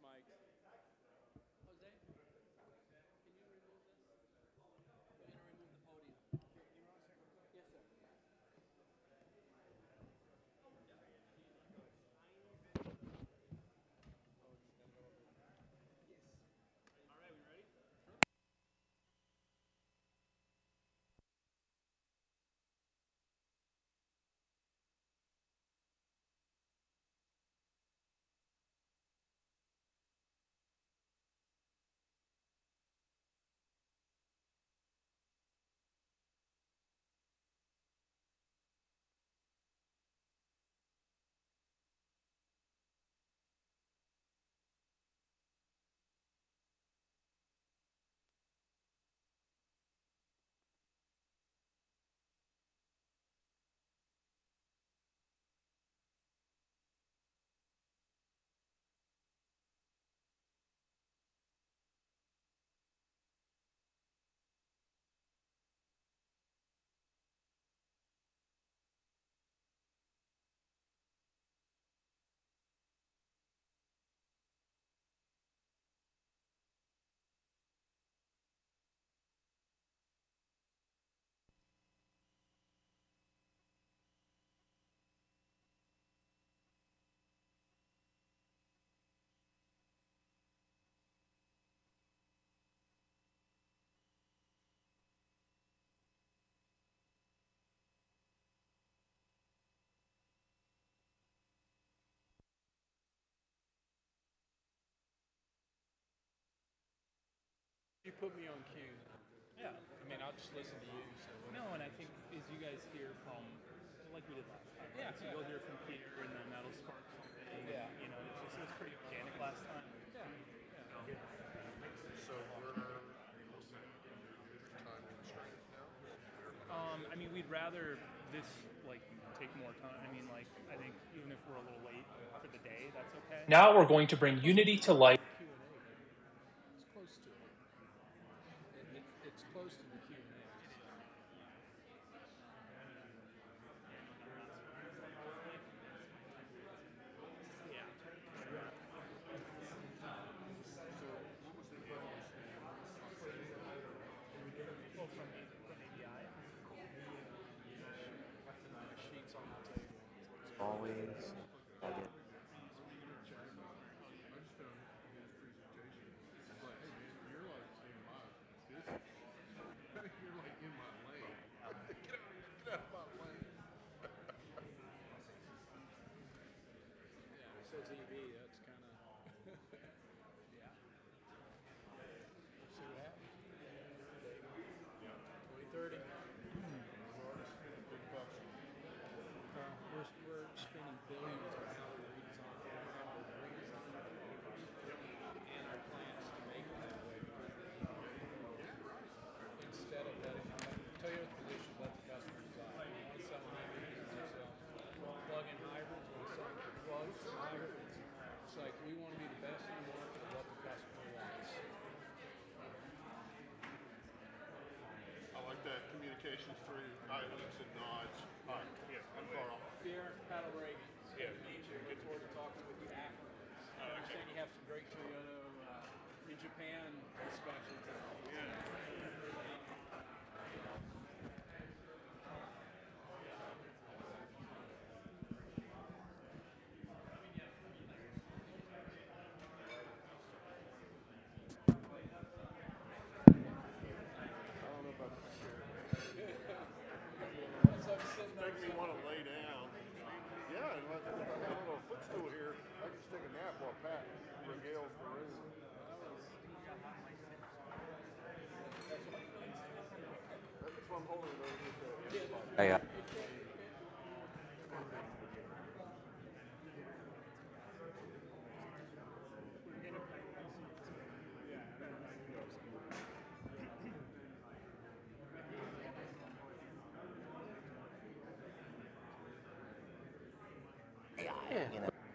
mics. Jose, can you remove this? We're going to remove the podium. You're on second floor? Yes, sir. Yes. All right. We ready? You put me on cue. Yeah. I mean, I'll just listen to you, so. No. And I think, as you guys hear from, like we did last time, right? Yeah. So you'll hear from Peter, and then that'll spark something. And it was pretty organic last time. Yeah. So we're almost at time constraint now? I mean, we'd rather this take more time. I mean, I think even if we're a little late for the day, that's okay. Now we're going to bring Unity to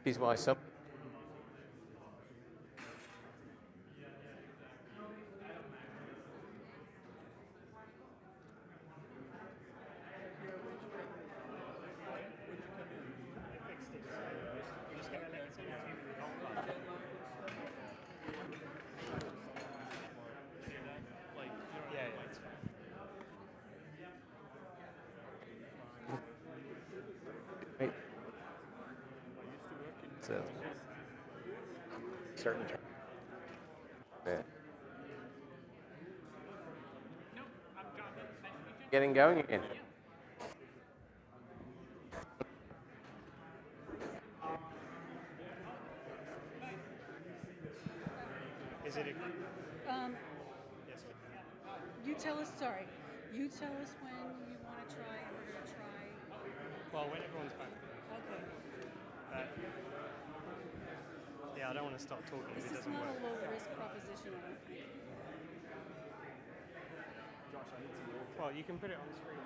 Dispatches. I don't know about. I'm sitting down here. I think we want to lay down. Yeah. I don't know. Footstool here. I can stick a nap or a pat. Rigale's Maroon. That's what I'm holding over here too. Yeah. It can't be bent or turned over here. Yeah. He's my son. Is it a group? Yes, I can. You tell us. Sorry. You tell us when you want to try and we're going to try. When everyone's back. Okay. Yeah. I don't want to stop talking if it doesn't work. It's not a low-risk proposition, I don't think. Josh, I need some water. Well, you can put it on the screen.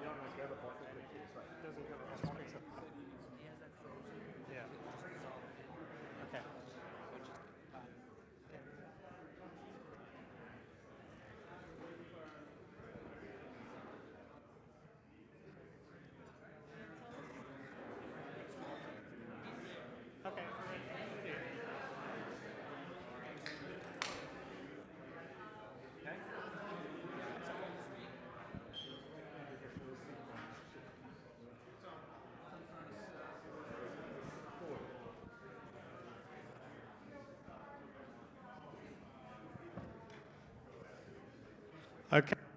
We don't have to have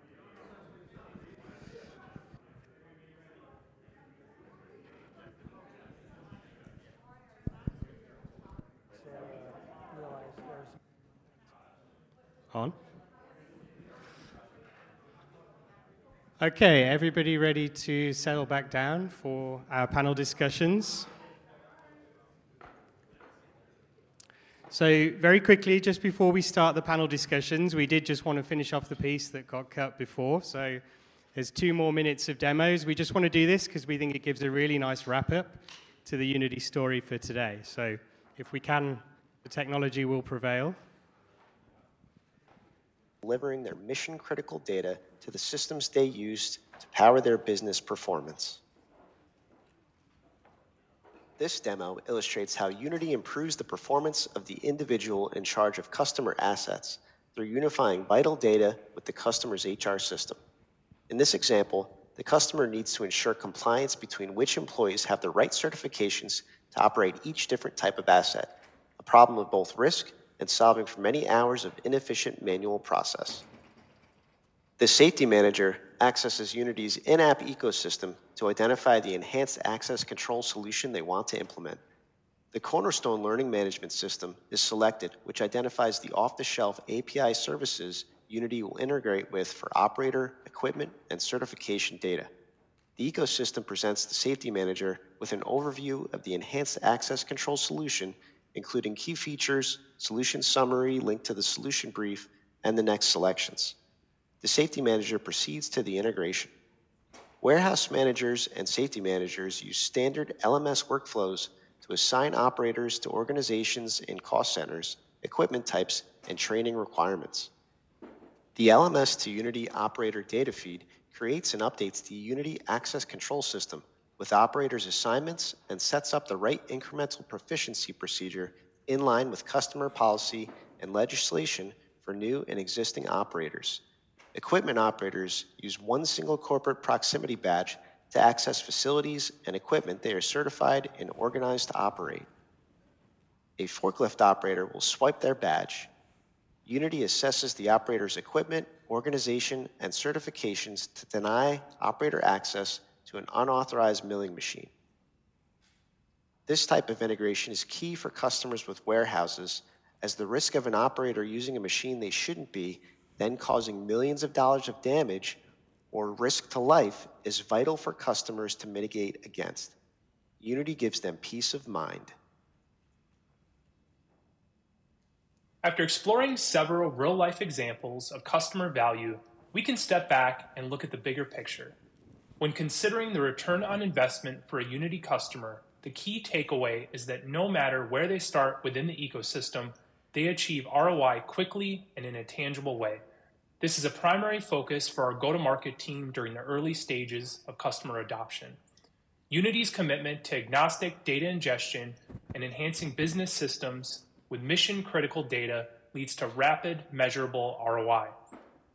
a bottle of it here. So it doesn't come with a bottle. He has that frozen. Yeah. Everybody ready to settle back down for our panel discussions? So very quickly, just before we start the panel discussions, we did just want to finish off the piece that got cut before. So there's two more minutes of demos. We just want to do this because we think it gives a really nice wrap-up to the Unity story for today. So if we can, the technology will prevail. Delivering their mission-critical data to the systems they used to power their business performance. This demo illustrates how Unity improves the performance of the individual in charge of customer assets through unifying vital data with the customer's HR system. In this example, the customer needs to ensure compliance between which employees have the right certifications to operate each different type of asset, a problem of both risk and solving for many hours of inefficient manual process. The safety manager accesses Unity's in-app ecosystem to identify the enhanced access control solution they want to implement. The Cornerstone Learning Management System is selected, which identifies the off-the-shelf API services Unity will integrate with for operator, equipment, and certification data. The ecosystem presents the safety manager with an overview of the enhanced access control solution, including key features, solution summary linked to the solution brief, and the next selections. The safety manager proceeds to the integration. Warehouse managers and safety managers use standard LMS workflows to assign operators to organizations and cost centers, equipment types, and training requirements. The LMS to Unity operator data feed creates and updates the Unity access control system with operators' assignments and sets up the right incremental proficiency procedure in line with customer policy and legislation for new and existing operators. Equipment operators use one single corporate proximity badge to access facilities and equipment they are certified and organized to operate. A forklift operator will swipe their badge. Unity assesses the operator's equipment, organization, and certifications to deny operator access to an unauthorized milling machine. This type of integration is key for customers with warehouses, as the risk of an operator using a machine they shouldn't be, then causing millions of dollars of damage or risk to life, is vital for customers to mitigate against. Unity gives them peace of mind. After exploring several real-life examples of customer value, we can step back and look at the bigger picture. When considering the return on investment for a Unity customer, the key takeaway is that no matter where they start within the ecosystem, they achieve ROI quickly and in a tangible way. This is a primary focus for our go-to-market team during the early stages of customer adoption. Unity's commitment to agnostic data ingestion and enhancing business systems with mission-critical data leads to rapid, measurable ROI.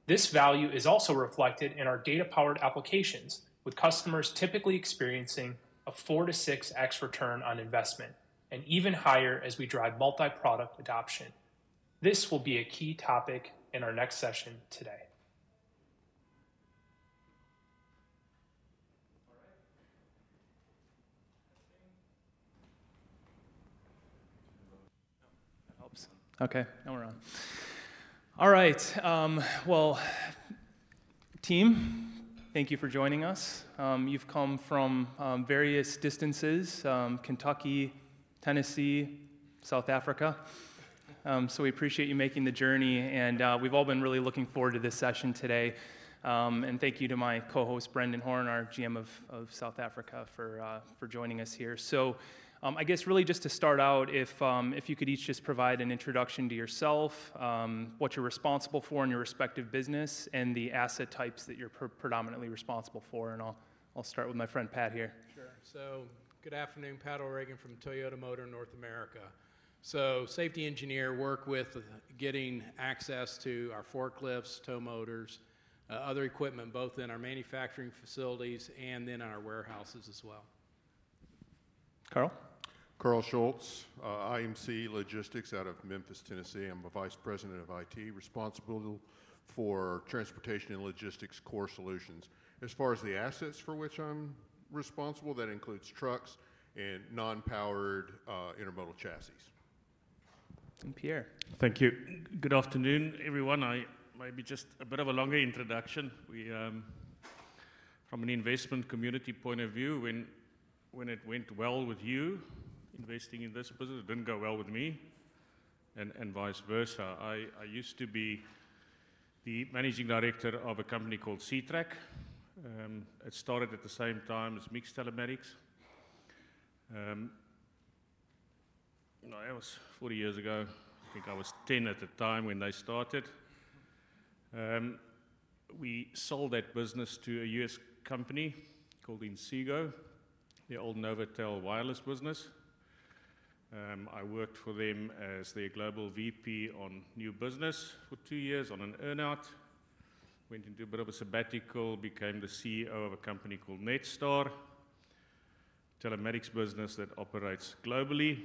This value is also reflected in our data-powered applications, with customers typically experiencing a 4-6x return on investment and even higher as we drive multi-product adoption. This will be a key topic in our next session today. That helps. Okay. Now we're on. All right. Team, thank you for joining us. You've come from various distances: Kentucky, Tennessee, South Africa. So we appreciate you making the journey. And we've all been really looking forward to this session today. And thank you to my co-host, Brendan Horan, our GM of South Africa, for joining us here. So I guess really just to start out, if you could each just provide an introduction to yourself, what you're responsible for in your respective business, and the asset types that you're predominantly responsible for. And I'll start with my friend Pat here. Sure. So good afternoon. Pat O'Regan from Toyota Motor North America. So safety engineer work with getting access to our forklifts, tow motors, other equipment, both in our manufacturing facilities and then in our warehouses as well. Carl? Carl Schultz, IMC Logistics out of Memphis, Tennessee. I'm the vice president of IT, responsible for transportation and logistics core solutions. As far as the assets for which I'm responsible, that includes trucks and non-powered intermodal chassis. And Pierre? Thank you. Good afternoon, everyone. Maybe just a bit of a longer introduction. From an investment community point of view, when it went well with you investing in this business, it didn't go well with me, and vice versa. I used to be the managing director of a company called Ctrack. It started at the same time as MiX Telematics. It was 40 years ago. I think I was 10 at the time when they started. We sold that business to a US company called Inseego, their old Novatel Wireless business. I worked for them as their global VP on new business for two years on an earnout. went into a bit of a sabbatical, became the CEO of a company called Netstar, a telematics business that operates globally,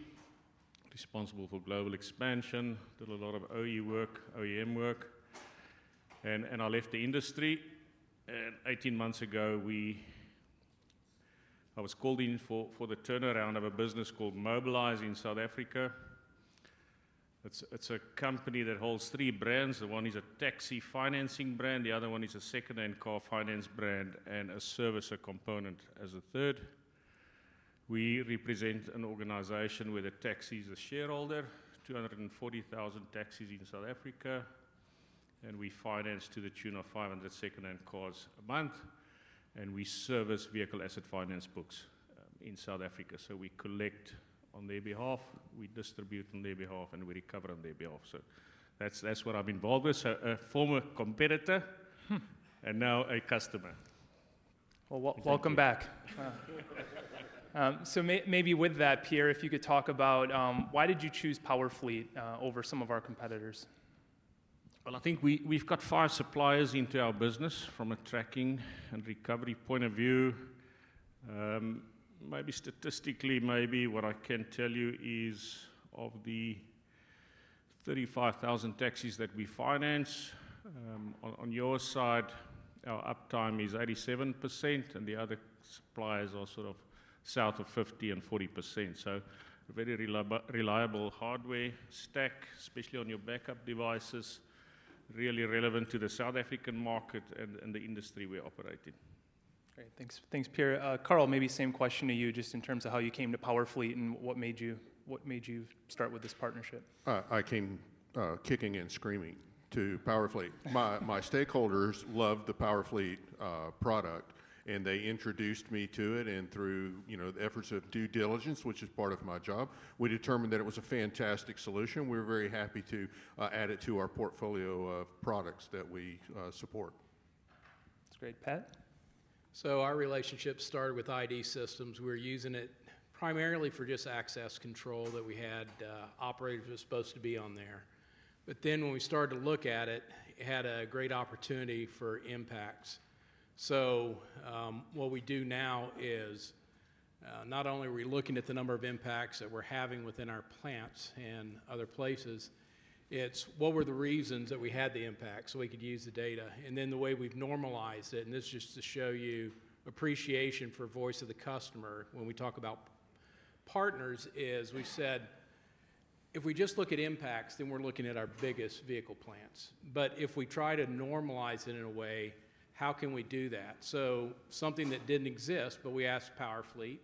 responsible for global expansion. I did a lot of OE work, OEM work. I left the industry. Eighteen months ago, I was called in for the turnaround of a business called Mobalyz in South Africa. It's a company that holds three brands. The one is a taxi financing brand. The other one is a second-hand car finance brand and a service component as a third. We represent an organization where the taxi is a shareholder, 240,000 taxis in South Africa. We finance to the tune of 500 second-hand cars a month. We service vehicle asset finance books in South Africa. We collect on their behalf. We distribute on their behalf, and we recover on their behalf. That's what I've been involved with. A former competitor and now a customer. Well, welcome back. Maybe with that, Pierre, if you could talk about why did you choose Powerfleet over some of our competitors. Well, I think we've got five suppliers into our business from a tracking and recovery point of view. Maybe statistically, maybe what I can tell you is of the 35,000 taxis that we finance, on your side, our uptime is 87%, and the other suppliers are sort of south of 50% and 40%. Very reliable hardware stack, especially on your backup devices, really relevant to the South African market and the industry we operate in. Great. Thanks, Pierre. Carl, maybe same question to you just in terms of how you came to Powerfleet and what made you start with this partnership. I came kicking and screaming to Powerfleet. My stakeholders love the Powerfleet product, and they introduced me to it. Through the efforts of due diligence, which is part of my job, we determined that it was a fantastic solution. We were very happy to add it to our portfolio of products that we support. That's great. Pat? Our relationship started with ID Systems. We were using it primarily for just access control that we had operators were supposed to be on there. Then when we started to look at it, it had a great opportunity for impacts. What we do now is not only are we looking at the number of impacts that we're having within our plants and other places, it's what were the reasons that we had the impacts so we could use the data. And then the way we've normalized it, and this is just to show you appreciation for voice of the customer when we talk about partners, is we said, "If we just look at impacts, then we're looking at our biggest vehicle plants. But if we try to normalize it in a way, how can we do that?" So something that didn't exist, but we asked Powerfleet,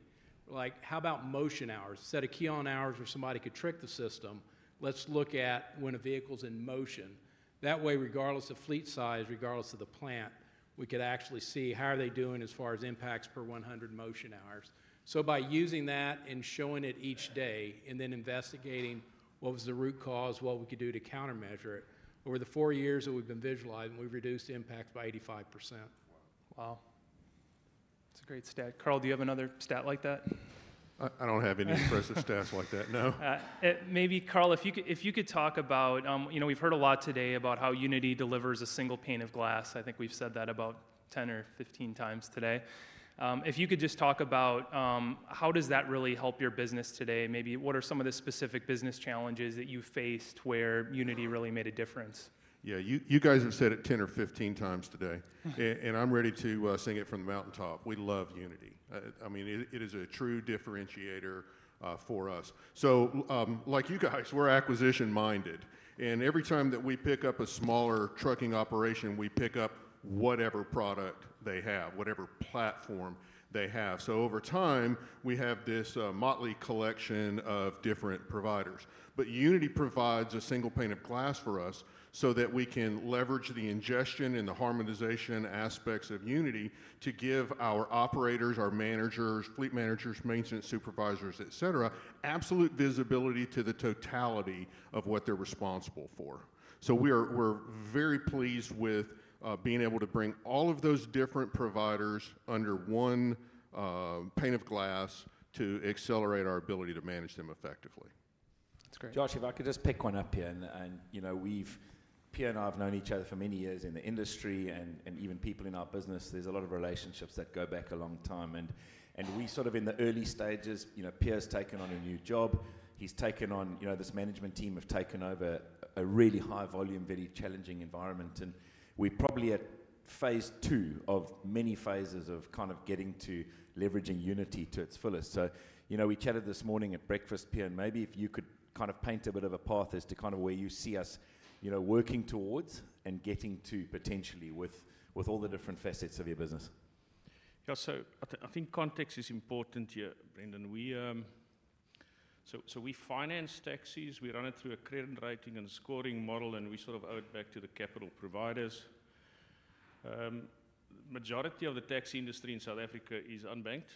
like, "How about motion hours? Set a key on hours where somebody could trick the system. Let's look at when a vehicle's in motion." That way, regardless of fleet size, regardless of the plant, we could actually see how are they doing as far as impacts per 100 motion hours. So by using that and showing it each day and then investigating what was the root cause, what we could do to countermeasure it, over the four years that we've been visualizing, we've reduced impacts by 85%. Wow. That's a great stat. Carl, do you have another stat like that? I don't have any impressive stats like that. No. Maybe, Carl, if you could talk about we've heard a lot today about how Unity delivers a single pane of glass. I think we've said that about 10 or 15 times today. If you could just talk about how does that really help your business today? Maybe what are some of the specific business challenges that you faced where Unity really made a difference? Yeah. You guys have said it 10 or 15 times today, and I'm ready to sing it from the mountaintop. We love Unity. I mean, it is a true differentiator for us. So like you guys, we're acquisition-minded. And every time that we pick up a smaller trucking operation, we pick up whatever product they have, whatever platform they have. So over time, we have this motley collection of different providers. But Unity provides a single pane of glass for us so that we can leverage the ingestion and the harmonization aspects of Unity to give our operators, our managers, fleet managers, maintenance supervisors, etc., absolute visibility to the totality of what they're responsible for. So we're very pleased with being able to bring all of those different providers under one pane of glass to accelerate our ability to manage them effectively. That's great. Josh, if I could just pick one up here. And Pierre and I have known each other for many years in the industry and even people in our business. There's a lot of relationships that go back a long time, and we're sort of in the early stages. Pierre's taken on a new job. He's taken on this management team have taken over a really high-volume, very challenging environment, and we're probably at phase two of many phases of kind of getting to leveraging Unity to its fullest. We chatted this morning at breakfast, Pierre, and maybe if you could kind of paint a bit of a path as to kind of where you see us working towards and getting to potentially with all the different facets of your business. Yeah, so I think context is important here, Brendan, so we finance taxis. We run it through a credit rating and scoring model, and we sort of loan it back to the capital providers. The majority of the taxi industry in South Africa is unbanked.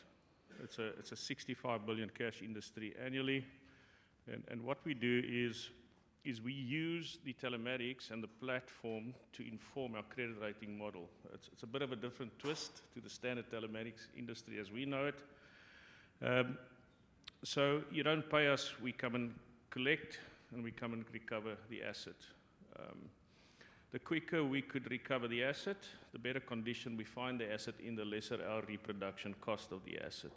It's a $65 billion cash industry annually. And what we do is we use the telematics and the platform to inform our credit rating model. It's a bit of a different twist to the standard telematics industry as we know it. So you don't pay us. We come and collect, and we come and recover the asset. The quicker we could recover the asset, the better condition we find the asset in, the lesser our reproduction cost of the asset.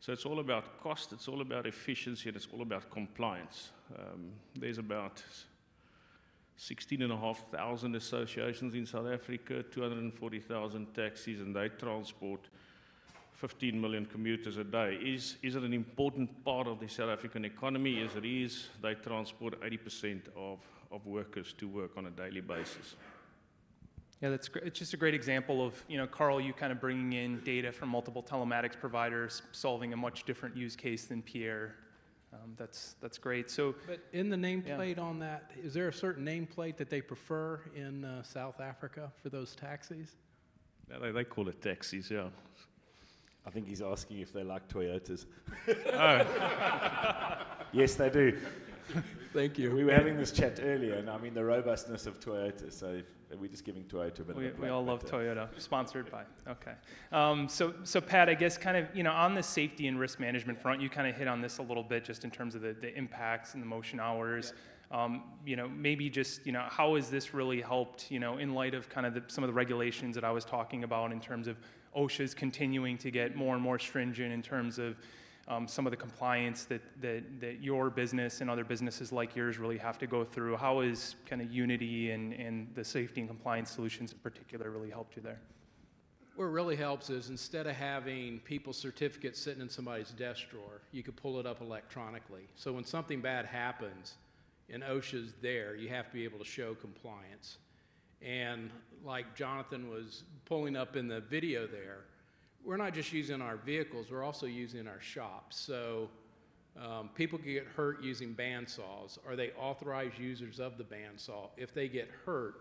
So it's all about cost. It's all about efficiency, and it's all about compliance. There's about 16,500 associations in South Africa, 240,000 taxis, and they transport 15 million commuters a day. Is it an important part of the South African economy? Yes, it is. They transport 80% of workers to work on a daily basis. Yeah. That's great. It's just a great example of Carl, you kind of bringing in data from multiple telematics providers, solving a much different use case than Pierre. That's great, But in the nameplate on that, is there a certain nameplate that they prefer in South Africa for those taxis? They call it taxis, yeah. I think he's asking if they like Toyotas. Yes, they do. Thank you. We were having this chat earlier, and I mean, the robustness of Toyota. So we're just giving Toyota a bit of a name. We all love Toyota. Sponsored by. Okay, so Pat, I guess kind of on the safety and risk management front, you kind of hit on this a little bit just in terms of the impacts and the motion hours. Maybe just how has this really helped in light of kind of some of the regulations that I was talking about in terms of OSHA's continuing to get more and more stringent in terms of some of the compliance that your business and other businesses like yours really have to go through. How has kind of Unity and the safety and compliance solutions in particular really helped you there? What really helps is instead of having people's certificates sitting in somebody's desk drawer, you could pull it up electronically. So when something bad happens and OSHA's there, you have to be able to show compliance, and like Jonathan was pulling up in the video there, we're not just using our vehicles. We're also using our shops, so people can get hurt using bandsaws. Are they authorized users of the bandsaw? If they get hurt,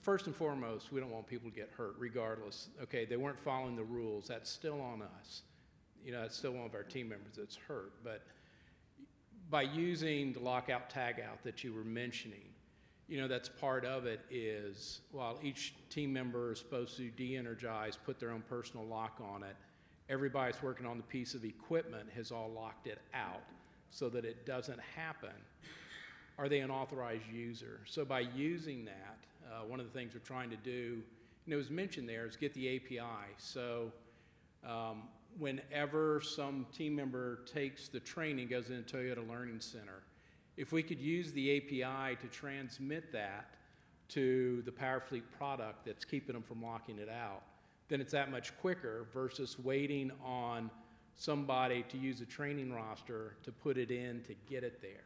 first and foremost, we don't want people to get hurt regardless. Okay. They weren't following the rules. That's still on us. That's still one of our team members that's hurt. But by using the lockout-tagout that you were mentioning, that's part of it is while each team member is supposed to de-energize, put their own personal lock on it, everybody's working on the piece of equipment has all locked it out so that it doesn't happen. Are they an authorized user? So by using that, one of the things we're trying to do, and it was mentioned there, is get the API. So whenever some team member takes the training, goes into Toyota Learning Center, if we could use the API to transmit that to the Powerfleet product that's keeping them from locking it out, then it's that much quicker versus waiting on somebody to use a training roster to put it in to get it there.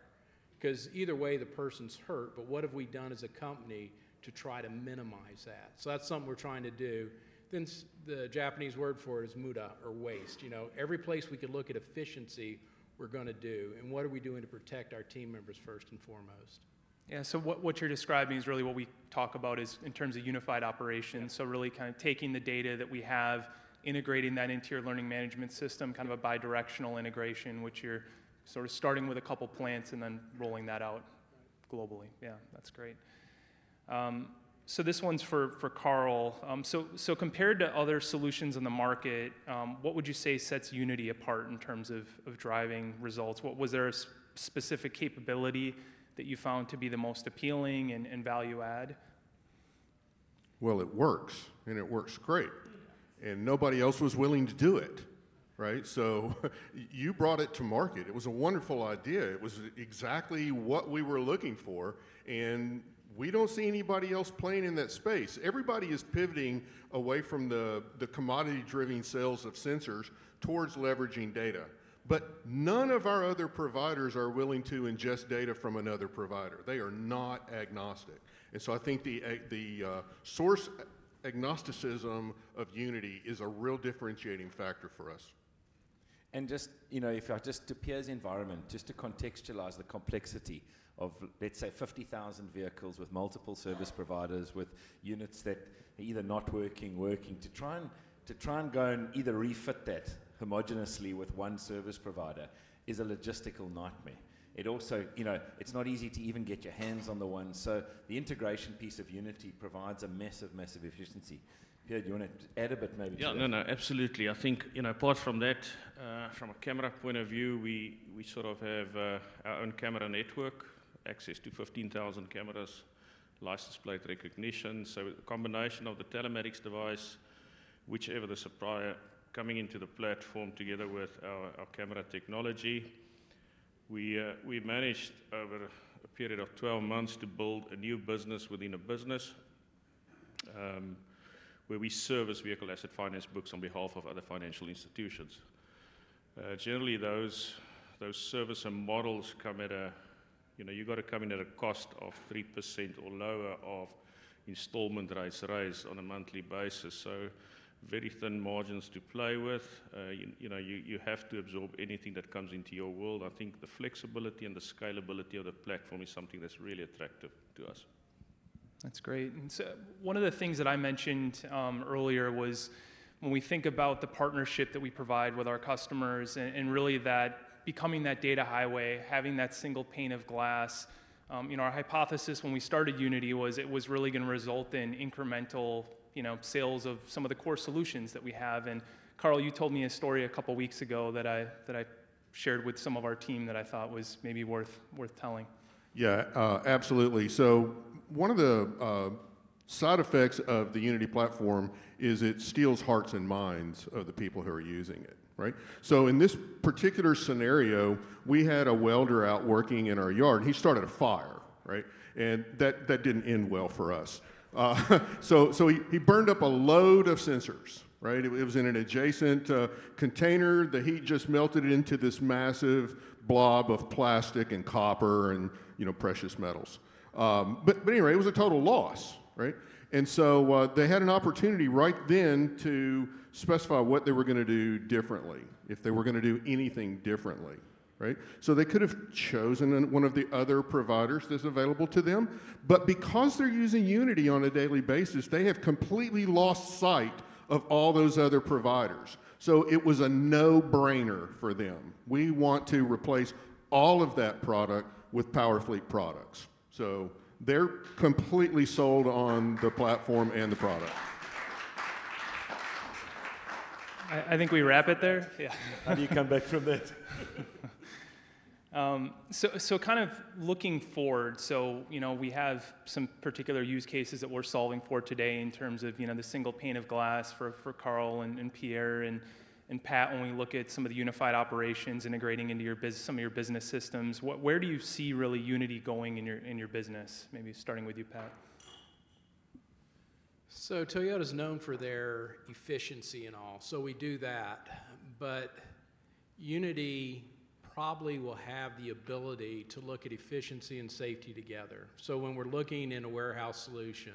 Because either way, the person's hurt, but what have we done as a company to try to minimize that? So that's something we're trying to do. Then the Japanese word for it is muda, or waste. Every place we could look at efficiency, we're going to do. And what are we doing to protect our team members first and foremost? Yeah. So what you're describing is really what we talk about is in terms of unified operations. So, really kind of taking the data that we have, integrating that into your learning management system, kind of a bidirectional integration, which you're sort of starting with a couple of plants and then rolling that out globally. Yeah. That's great. So this one's for Carl. So compared to other solutions in the market, what would you say sets Unity apart in terms of driving results? Was there a specific capability that you found to be the most appealing and value-add? Well, it works, and it works great. And nobody else was willing to do it, right? So you brought it to market. It was a wonderful idea. It was exactly what we were looking for. And we don't see anybody else playing in that space. Everybody is pivoting away from the commodity-driven sales of sensors towards leveraging data. But none of our other providers are willing to ingest data from another provider. They are not agnostic. And so I think the source agnosticism of Unity is a real differentiating factor for us. And just to Pierre's environment, just to contextualize the complexity of, let's say, 50,000 vehicles with multiple service providers, with units that are either not working, working, to try and go and either refit that homogeneously with one service provider is a logistical nightmare. It's not easy to even get your hands on the one. So the integration piece of Unity provides a massive, massive efficiency. Pierre, do you want to add a bit maybe to that? Yeah. No, no. Absolutely. I think apart from that, from a camera point of view, we sort of have our own camera network, access to 15,000 cameras, license plate recognition. So the combination of the telematics device, whichever the supplier coming into the platform together with our camera technology, we managed over a period of 12 months to build a new business within a business where we service vehicle asset finance books on behalf of other financial institutions. Generally, those service and models come at a you've got to come in at a cost of 3% or lower of installment rates raised on a monthly basis. Very thin margins to play with. You have to absorb anything that comes into your world. I think the flexibility and the scalability of the platform is something that's really attractive to us. That's great. And so one of the things that I mentioned earlier was when we think about the partnership that we provide with our customers and really that becoming that data highway, having that single pane of glass, our hypothesis when we started Unity was it was really going to result in incremental sales of some of the core solutions that we have. And Carl, you told me a story a couple of weeks ago that I shared with some of our team that I thought was maybe worth telling. Yeah. Absolutely. So one of the side effects of the Unity platform is it steals hearts and minds of the people who are using it, right? So in this particular scenario, we had a welder out working in our yard. He started a fire, right? And that didn't end well for us. So he burned up a load of sensors, right? It was in an adjacent container. The heat just melted into this massive blob of plastic and copper and precious metals. But anyway, it was a total loss, right? And so they had an opportunity right then to specify what they were going to do differently, if they were going to do anything differently, right? So they could have chosen one of the other providers that's available to them. But because they're using Unity on a daily basis, they have completely lost sight of all those other providers. So it was a no-brainer for them. We want to replace all of that product with Powerfleet products. So they're completely sold on the platform and the product. I think we wrap it there. Yeah. How do you come back from that? So, kind of looking forward, so we have some particular use cases that we're solving for today in terms of the single pane of glass for Carl, Pierre, and Pat. When we look at some of the unified operations integrating into some of your business systems, where do you see really Unity going in your business? Maybe starting with you, Pat. So Toyota's known for their efficiency and all. So we do that. But Unity probably will have the ability to look at efficiency and safety together. So when we're looking in a warehouse solution,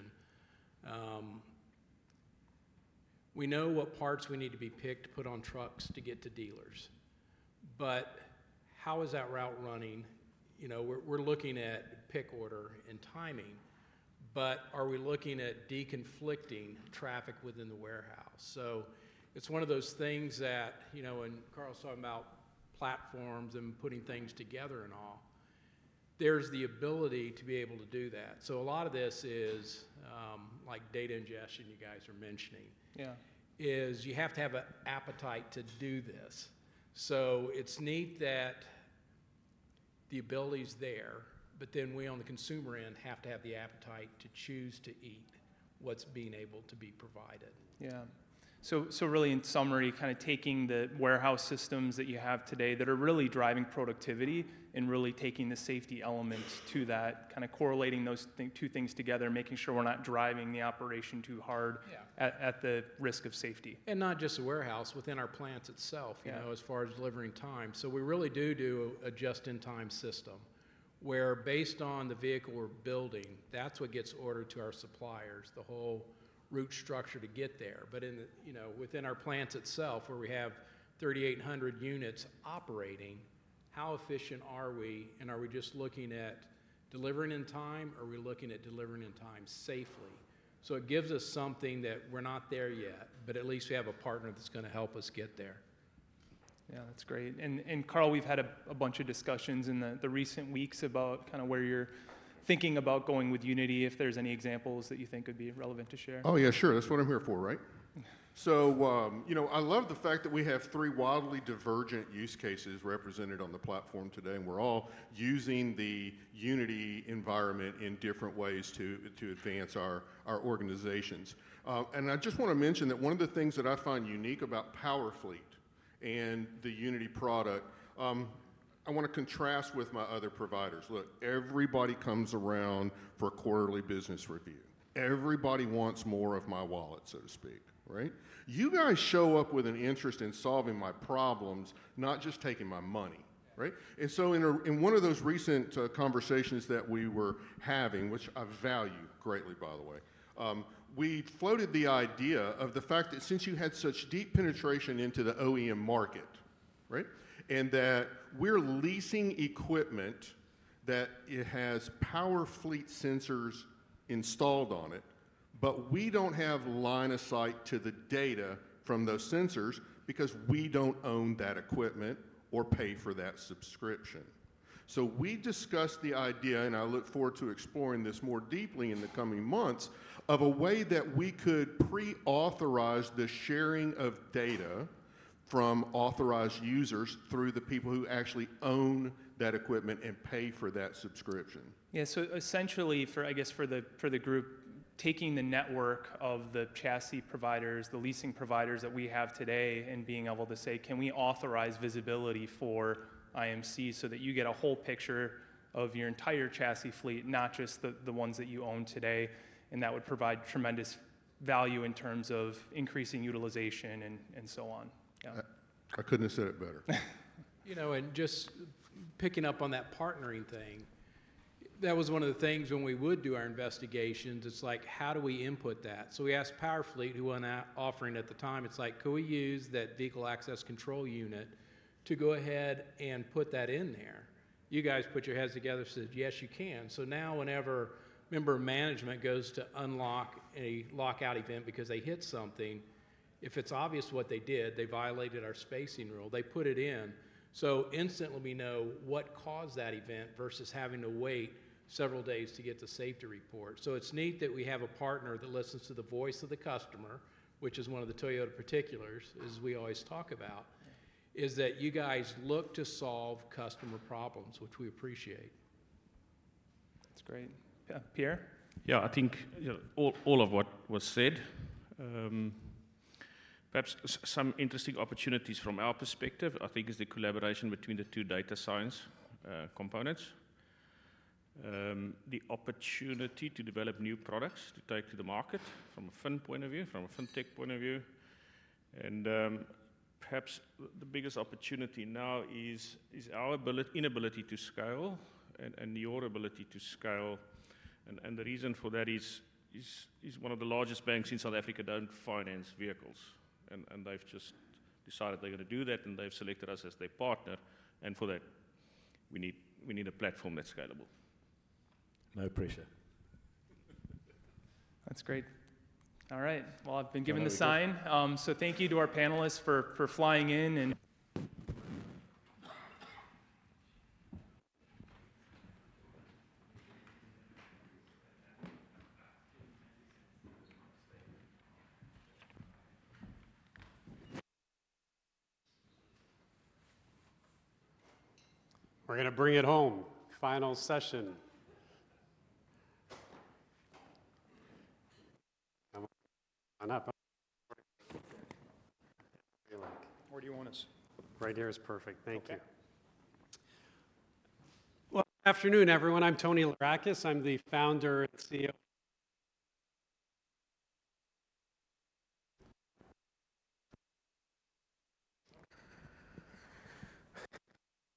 we know what parts we need to be picked, put on trucks to get to dealers. But how is that route running? We're looking at pick order and timing, but are we looking at deconflicting traffic within the warehouse? So it's one of those things that when Carl's talking about platforms and putting things together and all, there's the ability to be able to do that. So a lot of this is like data ingestion you guys are mentioning. You have to have an appetite to do this. So it's neat that the ability's there, but then we on the consumer end have to have the appetite to choose to eat what's being able to be provided. Yeah. So really, in summary, kind of taking the warehouse systems that you have today that are really driving productivity and really taking the safety element to that, kind of correlating those two things together, making sure we're not driving the operation too hard at the risk of safety. And not just a warehouse, within our plants itself as far as delivering time. So we really do do a just-in-time system where, based on the vehicle we're building, that's what gets ordered to our suppliers, the whole route structure to get there. But within our plants itself, where we have 3,800 units operating, how efficient are we? And are we just looking at delivering in time? Are we looking at delivering in time safely? So it gives us something that we're not there yet, but at least we have a partner that's going to help us get there. Yeah. That's great. And Carl, we've had a bunch of discussions in the recent weeks about kind of where you're thinking about going with Unity, if there's any examples that you think would be relevant to share. Oh, yeah. Sure. That's what I'm here for, right? So I love the fact that we have three wildly divergent use cases represented on the platform today. We're all using the Unity environment in different ways to advance our organizations. I just want to mention that one of the things that I find unique about Powerfleet and the Unity product, I want to contrast with my other providers. Look, everybody comes around for a quarterly business review. Everybody wants more of my wallet, so to speak, right? You guys show up with an interest in solving my problems, not just taking my money, right? And so in one of those recent conversations that we were having, which I value greatly, by the way, we floated the idea of the fact that since you had such deep penetration into the OEM market, right, and that we're leasing equipment that has Powerfleet sensors installed on it, but we don't have line of sight to the data from those sensors because we don't own that equipment or pay for that subscription. So we discussed the idea, and I look forward to exploring this more deeply in the coming months, of a way that we could pre-authorize the sharing of data from authorized users through the people who actually own that equipment and pay for that subscription. Yeah. So essentially, I guess for the group, taking the network of the chassis providers, the leasing providers that we have today, and being able to say, "Can we authorize visibility for IMC so that you get a whole picture of your entire chassis fleet, not just the ones that you own today?" And that would provide tremendous value in terms of increasing utilization and so on. Yeah. I couldn't have said it better. Just picking up on that partnering thing, that was one of the things when we would do our investigations. It's like, "How do we input that?" So we asked Powerfleet, who wasn't offering at the time. It's like, "Could we use that vehicle access control unit to go ahead and put that in there?" You guys put your heads together and said, "Yes, you can." So now whenever member of management goes to unlock a lockout event because they hit something, if it's obvious what they did, they violated our spacing rule, they put it in. So instantly we know what caused that event versus having to wait several days to get the safety report. So it's neat that we have a partner that listens to the voice of the customer, which is one of the Toyota particulars, as we always talk about, is that you guys look to solve customer problems, which we appreciate. That's great. Yeah. Pierre? Yeah. I think all of what was said, perhaps some interesting opportunities from our perspective, I think, is the collaboration between the two data science components, the opportunity to develop new products to take to the market from a FIN point of view, from a FIN tech point of view. And perhaps the biggest opportunity now is our inability to scale and your ability to scale. And the reason for that is one of the largest banks in South Africa don't finance vehicles. And they've just decided they're going to do that, and they've selected us as their partner. And for that, we need a platform that's scalable. No pressure. That's great. All right. Well, I've been given the sign. So thank you to our panelists for flying in. We're going to bring it home. Final session. Where do you want us? Right here is perfect. Thank you. Well, good afternoon, everyone. I'm Tony Lourakis. I'm the founder and CEO.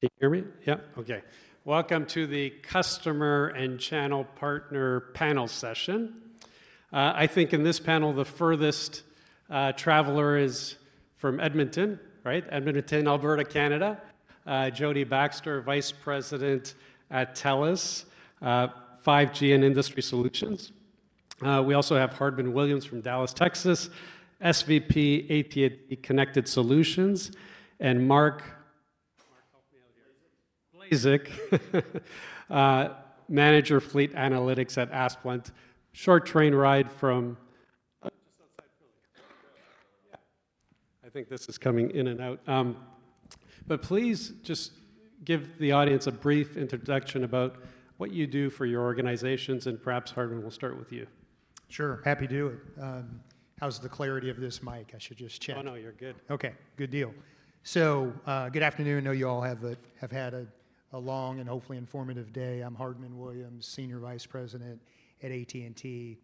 Can you hear me? Yep. Okay. Welcome to the customer and channel partner panel session. I think in this panel, the furthest traveler is from Edmonton, right? Edmonton, Alberta, Canada. Jodi Baxter, Vice President at TELUS, 5G and Industry Solutions. We also have Hardmon Williams from Dallas, Texas, SVP AT&T Connected Solutions. And Mark Blaszczyk, Manager Fleet Analytics at Asplundh. Short train ride from. Just outside Philly. Yeah. I think this is coming in and out. But please just give the audience a brief introduction about what you do for your organizations. And perhaps Hardmon, we'll start with you. Sure. Happy to do it. How's the clarity of this mic? I should just check. Oh, no. You're good. Okay. Good deal. So good afternoon. I know you all have had a long and hopefully informative day. I'm Hardmon Williams, Senior Vice President at AT&T.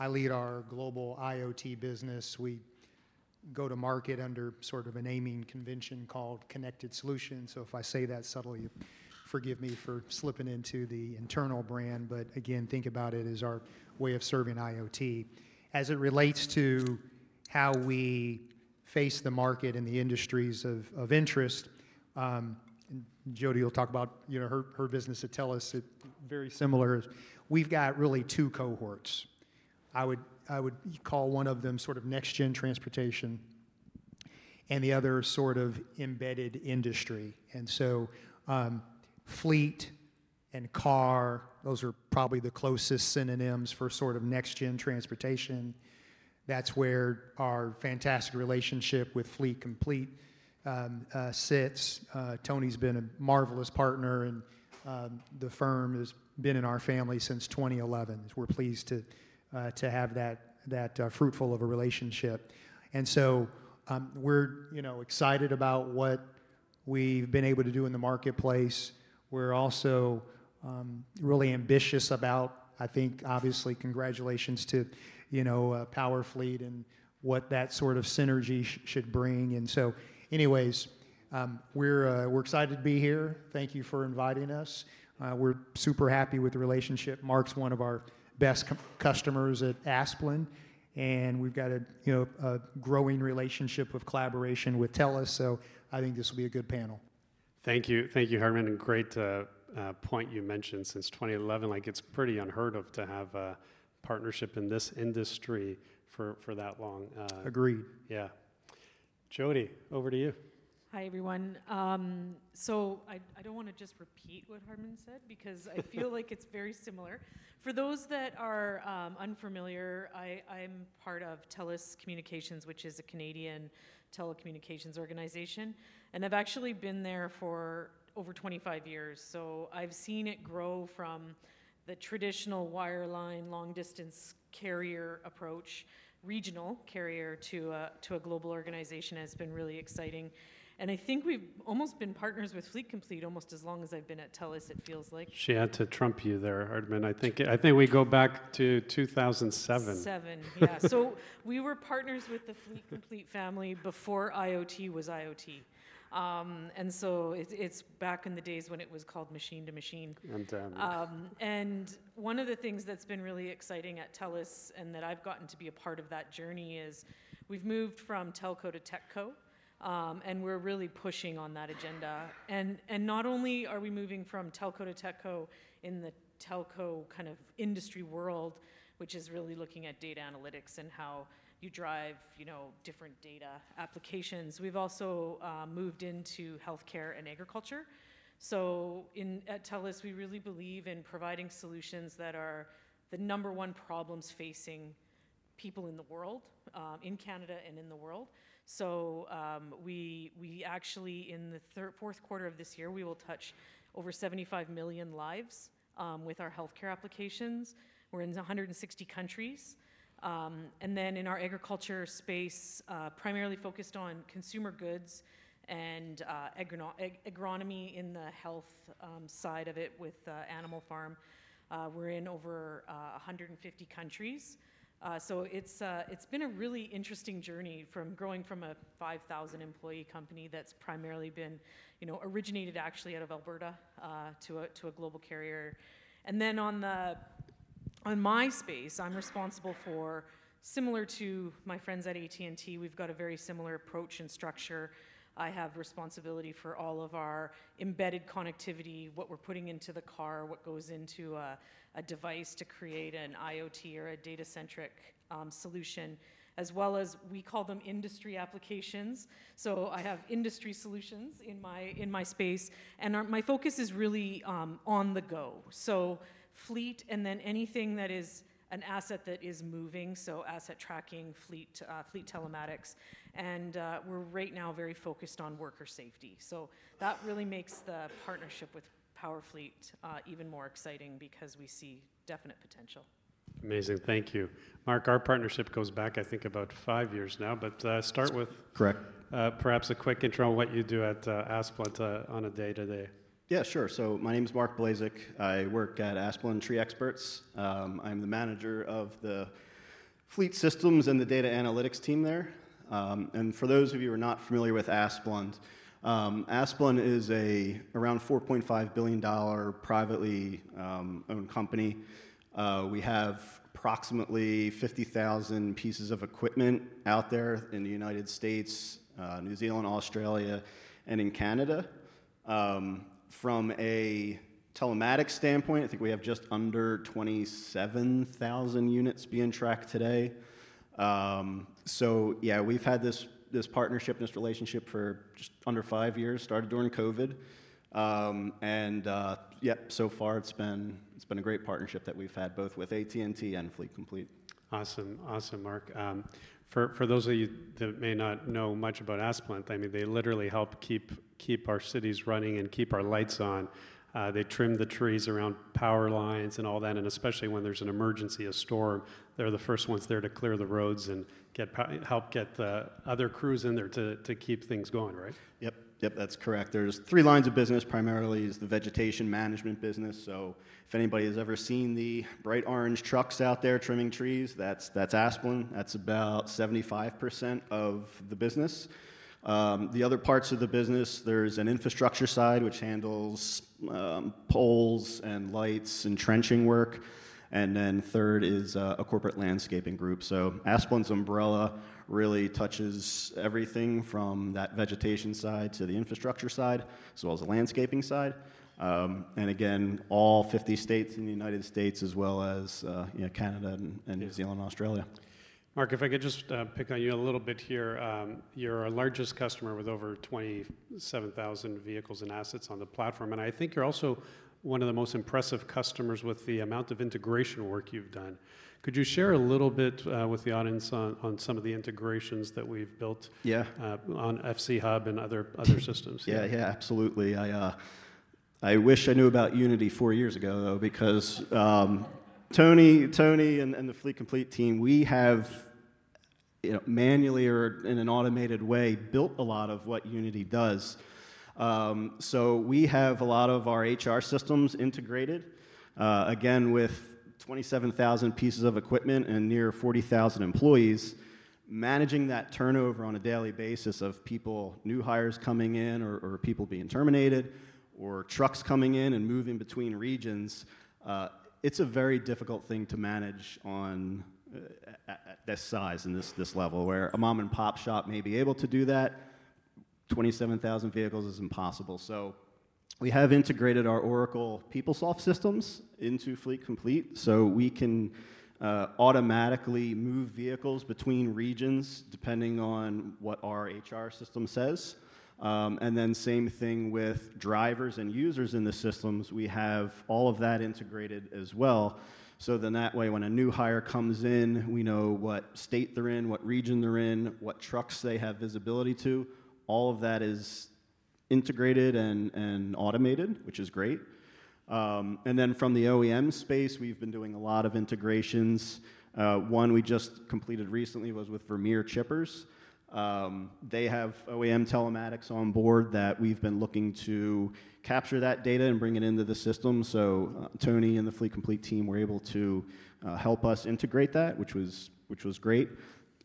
I lead our global IoT business. We go to market under sort of a naming convention called Connected Solutions. So if I say that subtly, forgive me for slipping into the internal brand. But again, think about it as our way of serving IoT. As it relates to how we face the market and the industries of interest, Jodi will talk about her business at TELUS. It's very similar. We've got really two cohorts. I would call one of them sort of next-gen transportation and the other sort of embedded industry. Fleet and car, those are probably the closest synonyms for sort of next-gen transportation. That's where our fantastic relationship with Fleet Complete sits. Tony's been a marvelous partner, and the firm has been in our family since 2011. We're pleased to have that fruitful of a relationship. We're excited about what we've been able to do in the marketplace. We're also really ambitious about, I think, obviously, congratulations to Powerfleet and what that sort of synergy should bring. We're excited to be here. Thank you for inviting us. We're super happy with the relationship. Mark's one of our best customers at Asplundh. We've got a growing relationship of collaboration with TELUS. This will be a good panel. Thank you. Thank you, Hardmon. And great point you mentioned. Since 2011, it's pretty unheard of to have a partnership in this industry for that long. Agreed. Yeah. Jodi, over to you. Hi, everyone. So I don't want to just repeat what Hardmon said because I feel like it's very similar. For those that are unfamiliar, I'm part of TELUS Communications, which is a Canadian telecommunications organization. And I've actually been there for over 25 years. So I've seen it grow from the traditional wireline, long-distance carrier approach, regional carrier to a global organization has been really exciting. And I think we've almost been partners with Fleet Complete almost as long as I've been at TELUS, it feels like. She had to trump you there, Hardmon. I think we go back to 2007. 2007. Yeah. So we were partners with the Fleet Complete family before IoT was IoT. And so it's back in the days when it was called machine to machine. And one of the things that's been really exciting at TELUS and that I've gotten to be a part of that journey is we've moved from telco to techco. And we're really pushing on that agenda. And not only are we moving from telco to techco in the telco kind of industry world, which is really looking at data analytics and how you drive different data applications. We've also moved into healthcare and agriculture. So at TELUS, we really believe in providing solutions that are the number one problems facing people in the world, in Canada and in the world. So we actually, in the fourth quarter of this year, we will touch over 75 million lives with our healthcare applications. We're in 160 countries. And then in our agriculture space, primarily focused on consumer goods and agronomy in the health side of it with animal health. We're in over 150 countries. So it's been a really interesting journey from growing from a 5,000-employee company that's primarily been originated actually out of Alberta to a global carrier. And then on my space, I'm responsible for, similar to my friends at AT&T, we've got a very similar approach and structure. I have responsibility for all of our embedded connectivity, what we're putting into the car, what goes into a device to create an IoT or a data-centric solution, as well as, we call them, industry applications. So I have industry solutions in my space. And my focus is really on the go. So fleet and then anything that is an asset that is moving, so asset tracking, fleet telematics. We'r e right now very focused on worker safety. That really makes the partnership with Powerfleet even more exciting because we see definite potential. Amazing. Thank you. Mark, our partnership goes back, I think, about five years now. Start with perhaps a quick intro on what you do at Asplundh on a day-to-day. Yeah. Sure. My name is Mark Blaszczyk. I work at Asplundh Tree Experts. I'm the manager of the fleet systems and the data analytics team there. For those of you who are not familiar with Asplundh, Asplundh is an around $4.5 billion privately owned company. We have approximately 50,000 pieces of equipment out there in the United States, New Zealand, Australia, and in Canada. From a telematics standpoint, I think we have just under 27,000 units being tracked today. So yeah, we've had this partnership and this relationship for just under five years. Started during COVID, and yeah, so far, it's been a great partnership that we've had both with AT&T and Fleet Complete. Awesome. Awesome, Mark. For those of you that may not know much about Asplundh, I mean, they literally help keep our cities running and keep our lights on. They trim the trees around power lines and all that, and especially when there's an emergency, a storm, they're the first ones there to clear the roads and help get the other crews in there to keep things going, right? Yep. Yep. That's correct. There's three lines of business. Primarily, it's the vegetation management business. So if anybody has ever seen the bright orange trucks out there trimming trees, that's Asplundh. That's about 75% of the business. The other parts of the business, there's an infrastructure side which handles poles and lights and trenching work. And then third is a corporate landscaping group. So Asplundh's umbrella really touches everything from that vegetation side to the infrastructure side, as well as the landscaping side. And again, all 50 states in the United States, as well as Canada and New Zealand and Australia. Mark, if I could just pick on you a little bit here. You're our largest customer with over 27,000 vehicles and assets on the platform. And I think you're also one of the most impressive customers with the amount of integration work you've done. Could you share a little bit with the audience on some of the integrations that we've built on FC Hub and other systems? Yeah. Yeah. Absolutely. I wish I knew about Unity four years ago, though, because Tony, Tony and the Fleet Complete team, we have manually or in an automated way built a lot of what Unity does, so we have a lot of our HR systems integrated, again, with 27,000 pieces of equipment and near 40,000 employees. Managing that turnover on a daily basis of people, new hires coming in or people being terminated or trucks coming in and moving between regions, it is a very difficult thing to manage at this size and this level where a mom-and-pop shop may be able to do that. 27,000 vehicles is impossible, so we have integrated our Oracle PeopleSoft systems into Fleet Complete, so we can automatically move vehicles between regions depending on what our HR system says, and then same thing with drivers and users in the systems. We have all of that integrated as well. So then that way, when a new hire comes in, we know what state they're in, what region they're in, what trucks they have visibility to. All of that is integrated and automated, which is great. And then from the OEM space, we've been doing a lot of integrations. One we just completed recently was with Vermeer Chippers. They have OEM telematics on board that we've been looking to capture that data and bring it into the system. So Tony and the Fleet Complete team were able to help us integrate that, which was great.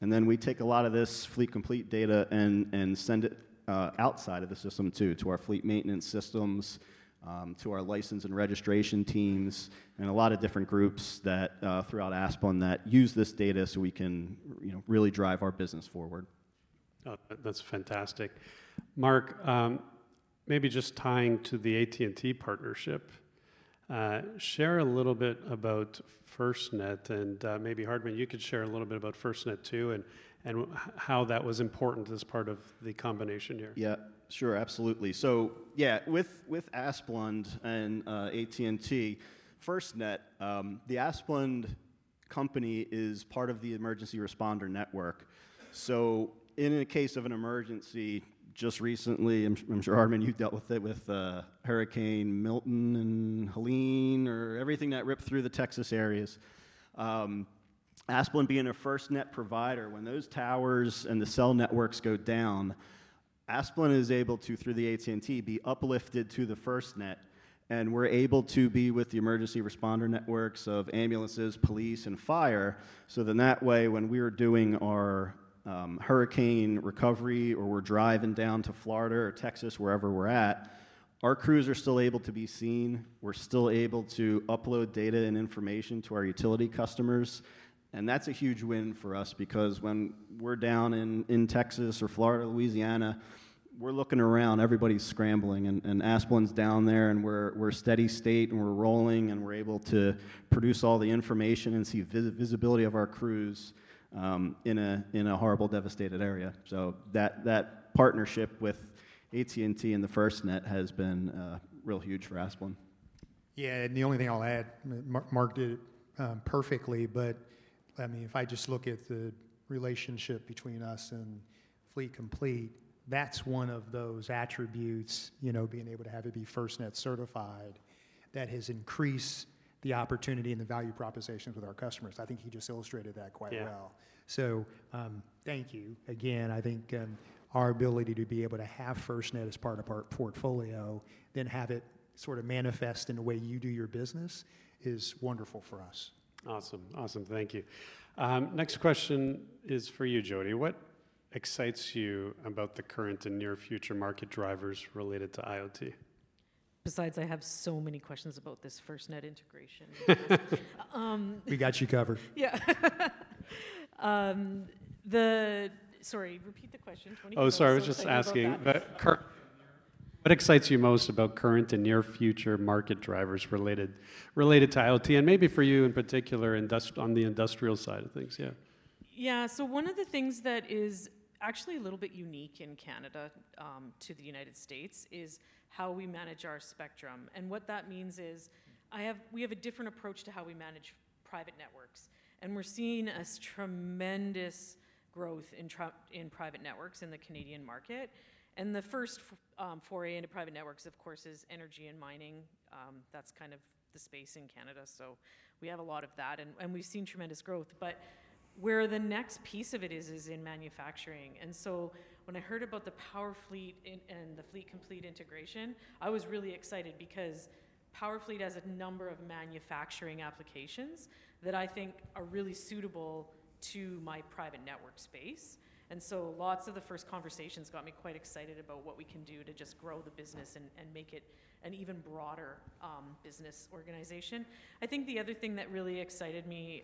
And then we take a lot of this Fleet Complete data and send it outside of the system too, to our fleet maintenance systems, to our license and registration teams, and a lot of different groups throughout Asplundh that use this data so we can really drive our business forward. That's fantastic. Mark, maybe just tying to the AT&T partnership, share a little bit about FirstNet. And maybe Hardmon, you could share a little bit about FirstNet too and how that was important as part of the combination here. Yeah. Sure. Absolutely. So yeah, with Asplundh and AT&T, FirstNet, the Asplundh company is part of the Emergency Responder Network. So in a case of an emergency just recently, I'm sure Hardmon, you dealt with it with Hurricane Milton and Helene or everything that ripped through the Texas areas. Asplundh being a FirstNet provider, when those towers and the cell networks go down, Asplundh is able to, through the AT&T, be uplifted to the FirstNet. And we're able to be with the Emergency Responder Networks of ambulances, police, and fire. So then that way, when we were doing our hurricane recovery or we're driving down to Florida or Texas, wherever we're at, our crews are still able to be seen. We're still able to upload data and information to our utility customers. That's a huge win for us because when we're down in Texas or Florida, Louisiana, we're looking around, everybody's scrambling. Asplundh's down there, and we're steady state, and we're rolling, and we're able to produce all the information and see visibility of our crews in a horrible, devastated area. That partnership with AT&T and FirstNet has been real huge for Asplundh. Yeah. The only thing I'll add, Mark did it perfectly, but I mean, if I just look at the relationship between us and Fleet Complete, that's one of those attributes, being able to have it be FirstNet certified, that has increased the opportunity and the value proposition with our customers. I think he just illustrated that quite well. Thank you. Again, I think our ability to be able to have FirstNet as part of our portfolio, then have it sort of manifest in the way you do your business is wonderful for us. Awesome. Awesome. Thank you. Next question is for you, Jodi. What excites you about the current and near-future market drivers related to IoT? Besides, I have so many questions about this FirstNet integration. We got you covered. Yeah. Sorry. Repeat the question. Oh, sorry. I was just asking. What excites you most about current and near-future market drivers related to IoT and maybe for you in particular on the industrial side of things? Yeah. Yeah. So one of the things that is actually a little bit unique in Canada to the United States is how we manage our spectrum. And what that means is we have a different approach to how we manage private networks. And we're seeing a tremendous growth in private networks in the Canadian market. And the first foray into private networks, of course, is energy and mining. That's kind of the space in Canada. So we have a lot of that. And we've seen tremendous growth. But where the next piece of it is, is in manufacturing. And so when I heard about the Powerfleet and the Fleet Complete integration, I was really excited because Powerfleet has a number of manufacturing applications that I think are really suitable to my private network space. And so lots of the first conversations got me quite excited about what we can do to just grow the business and make it an even broader business organization. I think the other thing that really excited me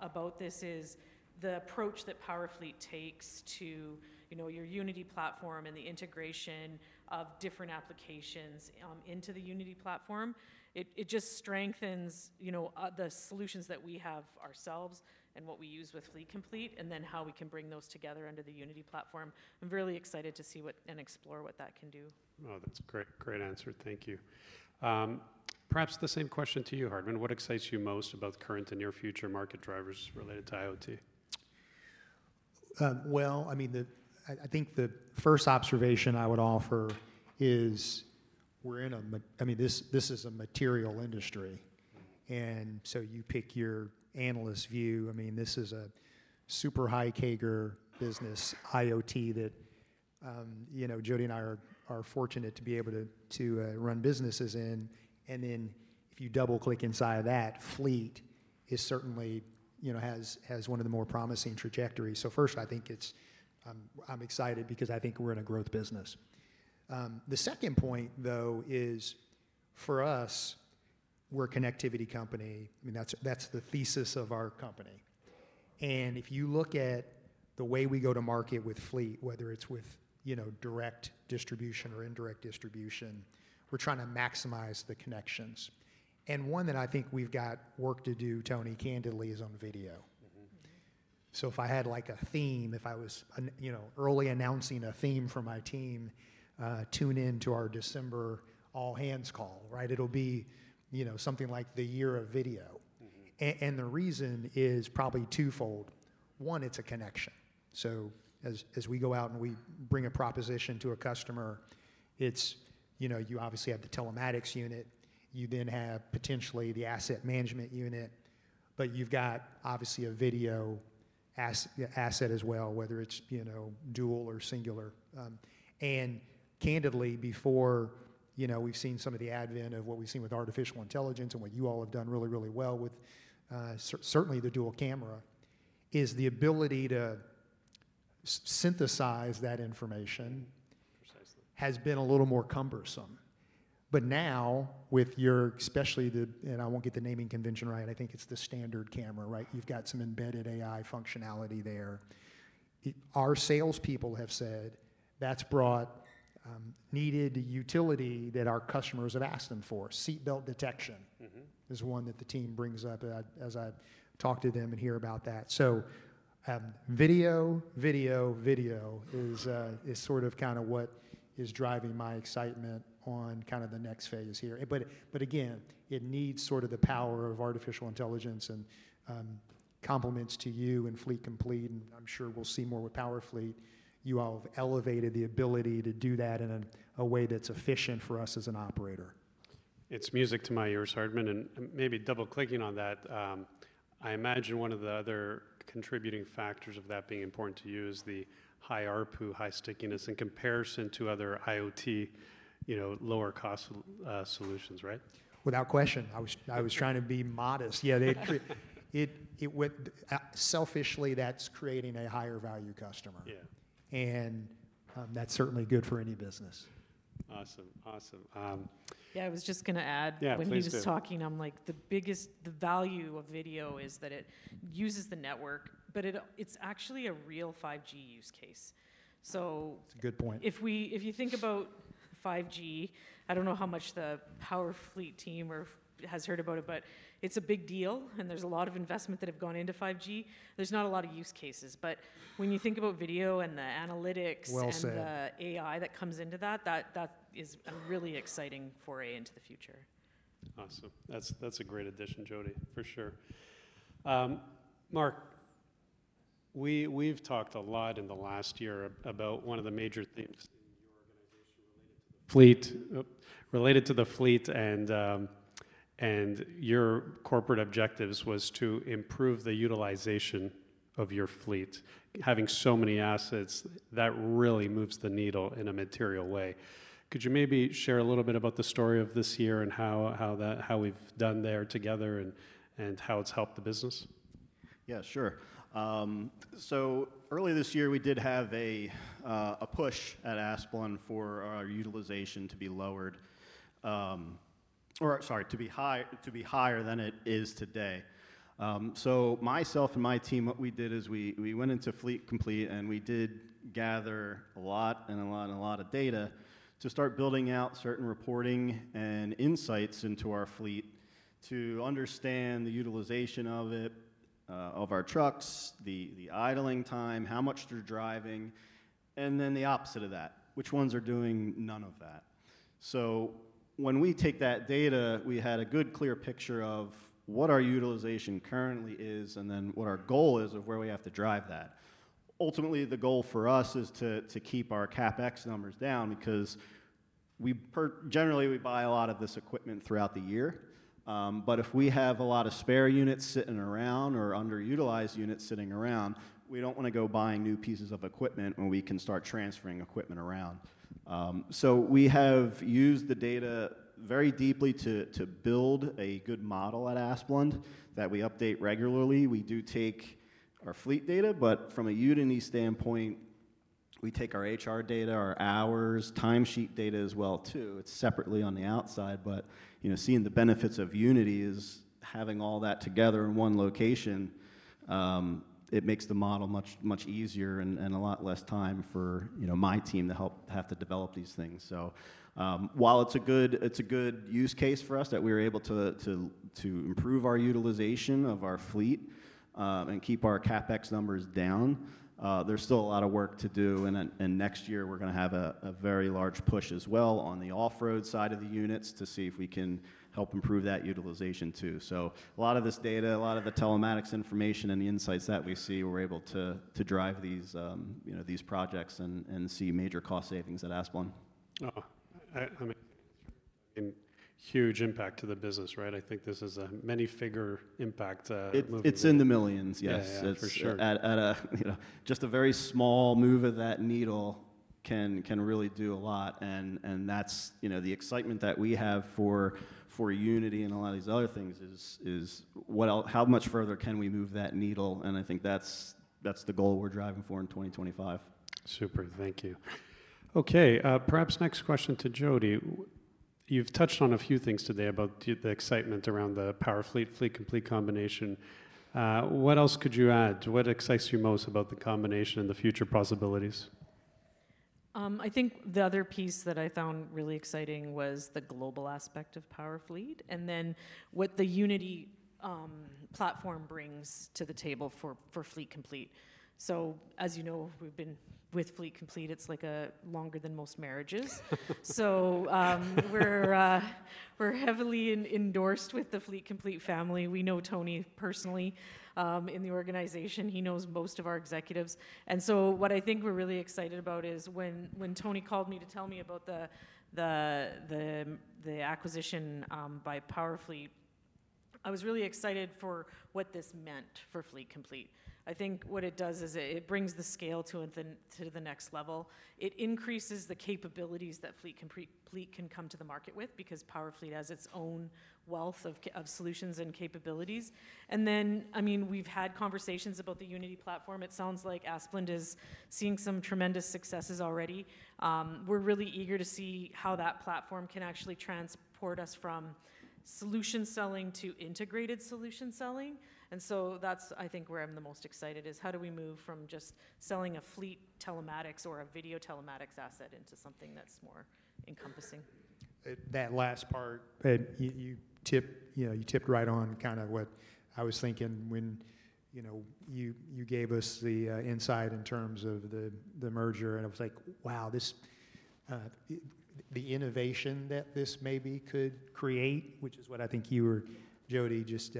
about this is the approach that Powerfleet takes to your Unity platform and the integration of different applications into the Unity platform. It just strengthens the solutions that we have ourselves and what we use with Fleet Complete and then how we can bring those together under the Unity platform. I'm really excited to see and explore what that can do. Oh, that's a great answer. Thank you. Perhaps the same question to you, Hardmon. What excites you most about current and near-future market drivers related to IoT? Well, I mean, I think the first observation I would offer is we're in a, I mean, this is a material industry, and so you pick your analyst view. I mean, this is a super high CAGR business, IoT, that Jodi and I are fortunate to be able to run businesses in. And then if you double-click inside of that, Fleet certainly has one of the more promising trajectories, so first, I think I'm excited because I think we're in a growth business. The second point, though, is for us, we're a connectivity company. I mean, that's the thesis of our company. And if you look at the way we go to market with Fleet, whether it's with direct distribution or indirect distribution, we're trying to maximize the connections. One that I think we've got work to do, Tony, candidly, is on video. So if I had a theme, if I was early announcing a theme for my team, tune into our December all-hands call, right? It'll be something like the year of video. And the reason is probably twofold. One, it's a connection. So as we go out and we bring a proposition to a customer, you obviously have the telematics unit. You then have potentially the asset management unit. But you've got, obviously, a video asset as well, whether it's dual or singular. And candidly, before we've seen some of the advent of what we've seen with artificial intelligence and what you all have done really, really well with certainly the dual camera, is the ability to synthesize that information has been a little more cumbersome. But now, with yours, especially the—and I won't get the naming convention right—I think it's the standard camera, right? You've got some embedded AI functionality there. Our salespeople have said that's brought needed utility that our customers have asked them for. Seatbelt detection is one that the team brings up as I talk to them and hear about that, so video, video, video is sort of kind of what is driving my excitement on kind of the next phase here, but again, it needs sort of the power of artificial intelligence and complements to you and Fleet Complete, and I'm sure we'll see more with Powerfleet. You all have elevated the ability to do that in a way that's efficient for us as an operator. It's music to my ears, Hardmon. And maybe double-clicking on that, I imagine one of the other contributing factors of that being important to you is the high ARPU, high stickiness in comparison to other IoT lower-cost solutions, right? Withhout question. I was trying to be modest. Yeah. Selfishly, that's creating a higher-value customer. And that's certainly good for any business. Awesome. Awesome. Yeah. I was just going to add, when he was talking, I'm like, the value of video is that it uses the network, but it's actually a real 5G use case. So it's a good point. If you think about 5G, I don't know how much the Powerfleet team has heard about it, but it's a big deal. And there's a lot of investment that have gone into 5G. There's not a lot of use cases. But when you think about video and the analytics and the AI that comes into that, that is a really exciting foray into the future. Awesome. That's a great addition, Jodi, for sure. Mark, we've talked a lot in the last year about one of the major themes in your organization related to the fleet, and your corporate objectives was to improve the utilization of your fleet. Having so many assets, that really moves the needle in a material way. Could you maybe share a little bit about the story of this year and how we've done there together and how it's helped the business? Yeah. Sure. So earlier this year, we did have a push at Asplundh for our utilization to be lowered or, sorry, to be higher than it is today. So, myself and my team, what we did is we went into Fleet Complete and we did gather a lot and a lot and a lot of data to start building out certain reporting and insights into our fleet to understand the utilization of it, of our trucks, the idling time, how much they're driving, and then the opposite of that, which ones are doing none of that. So when we take that data, we had a good clear picture of what our utilization currently is and then what our goal is of where we have to drive that. Ultimately, the goal for us is to keep our CapEx numbers down because generally, we buy a lot of this equipment throughout the year. But if we have a lot of spare units sitting around or underutilized units sitting around, we don't want to go buying new pieces of equipment when we can start transferring equipment around. So we have used the data very deeply to build a good model at Asplundh that we update regularly. We do take our fleet data, but from a Unity standpoint, we take our HR data, our hours, timesheet data as well too. It's separately on the outside. But seeing the benefits of Unity is having all that together in one location. It makes the model much easier and a lot less time for my team to have to develop these things. So while it's a good use case for us that we were able to improve our utilization of our fleet and keep our CapEx numbers down, there's still a lot of work to do. And next year, we're going to have a very large push as well on the off-road side of the units to see if we can help improve that utilization too. So a lot of this data, a lot of the telematics information and the insights that we see, we're able to drive these projects and see major cost savings at Asplundh. I mean, huge impact to the business, right? I think this is a many-figure impact movement. It's in the millions, yes. For sure. Just a very small move of that needle can really do a lot. And that's the excitement that we have for Unity and a lot of these other things is how much further can we move that needle? And I think that's the goal we're driving for in 2025. Super. Thank you. Okay. Per haps next question to Jodi. You've touched on a few things today about the excitement around the Powerfleet, Fleet Complete combination. What else could you add? What excites you most about the combination and the future possibilities? I think the other piece that I found really exciting was the global aspect of Powerfleet and then what the Unity platform brings to the table for Fleet Complete. So as you know, we've been with Fleet Complete. It's like a longer than most marriages. So we're heavily endorsed with the Fleet Complete family. We know Tony personally in the organization. He knows most of our executives. And so what I think we're really excited about is when Tony called me to tell me about the acquisition by Powerfleet, I was really excited for what this meant for Fleet Complete. I think what it does is it brings the scale to the next level. It increases the capabilities that Fleet Complete can come to the market with because Powerfleet has its own wealth of solutions and capabilities. And then, I mean, we've had conversations about the Unity platform. It sounds like Asplundh is seeing some tremendous successes already. We're really eager to see how that platform can actually transport us from solution selling to integrated solution selling. And so that's, I think, where I'm the most excited is how do we move from just selling a fleet telematics or a video telematics asset into something that's more encompassing? That last part, you tipped right on kind of what I was thinking when you gave us the insight in terms of the merger. And I was like, "Wow, the innovation that this maybe could create," which is what I think you were, Jodi, just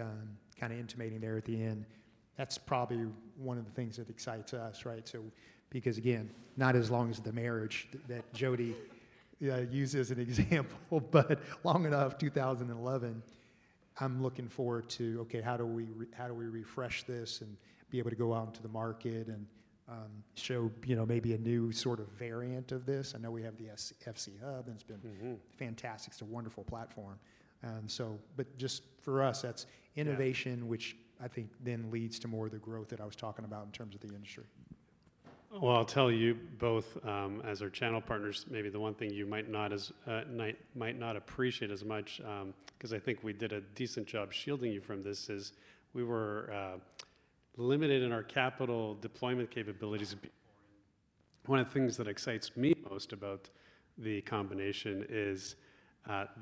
kind of intimating there at the end. That's probably one of the things that excites us, right? Because again, not as long as the marriage that Jodi uses as an example, but long enough, 2011. I'm looking forward to, "Okay, how do we refresh this and be able to go out into the market and show maybe a new sort of variant of this?" I know we have the FC Hub, and it's been fantastic. It's a wonderful platform. But just for us, that's innovation, which I think then leads to more of the growth that I was talking about in terms of the industry. I'll tell you both as our channel partners, maybe the one thing you might not appreciate as much because I think we did a decent job shielding you from this is we were limited in our capital deployment capabilities. One of the things that excites me most about the combination is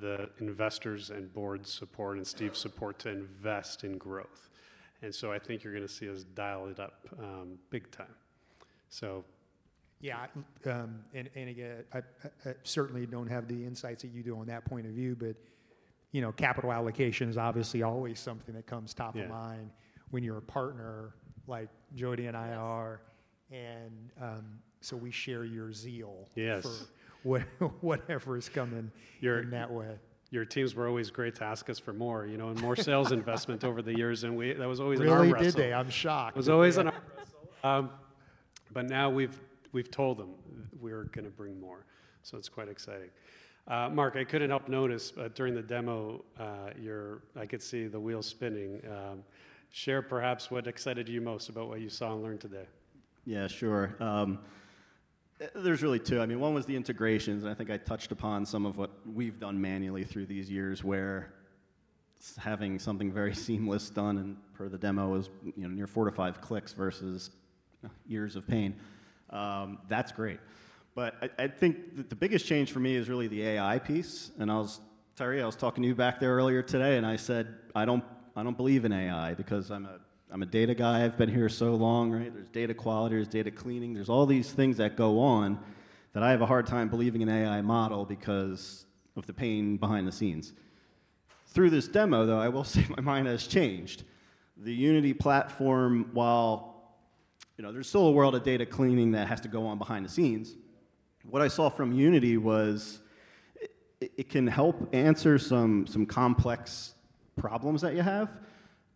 the investors' and board's support and Steve's support to invest in growth, and so I think you're going to see us dial it up big time, so. Yeah, and again I certainly don't have the insights that you do on that point of view, but capital allocation is obviously always something that comes top of mind when you're a partner like Jodi and I are, and so we share your zeal for whatever is coming in that way. Your teams were always great to ask us for more and more sales investment over the years. That was always on our radar. Really did, Dave. I'm shocked. It was always on our radar. But now we've told them we're going to bring more. So it's quite exciting. Mark, I couldn't help notice during the demo, I could see the wheels spinning. Share, perhaps, what excited you most about what you saw and learned today. Yeah, sure. There's really two. I mean, one was the integrations. And I think I touched upon some of what we've done manually through these years where having something very seamless done and per the demo was near four to five clicks versus years of pain. That's great. But I think the biggest change for me is really the AI piece. And Andrea, I was talking to you back there earlier today, and I said, "I don't believe in AI because I'm a data guy. I've been here so long, right? There's data quality. There's data cleaning. There's all these things that go on that I have a hard time believing in an AI model because of the pain behind the scenes." Through this demo, though, I will say my mind has changed. The Unity platform, while there's still a world of data cleaning that has to go on behind the scenes, what I saw from Unity was it can help answer some complex problems that you have,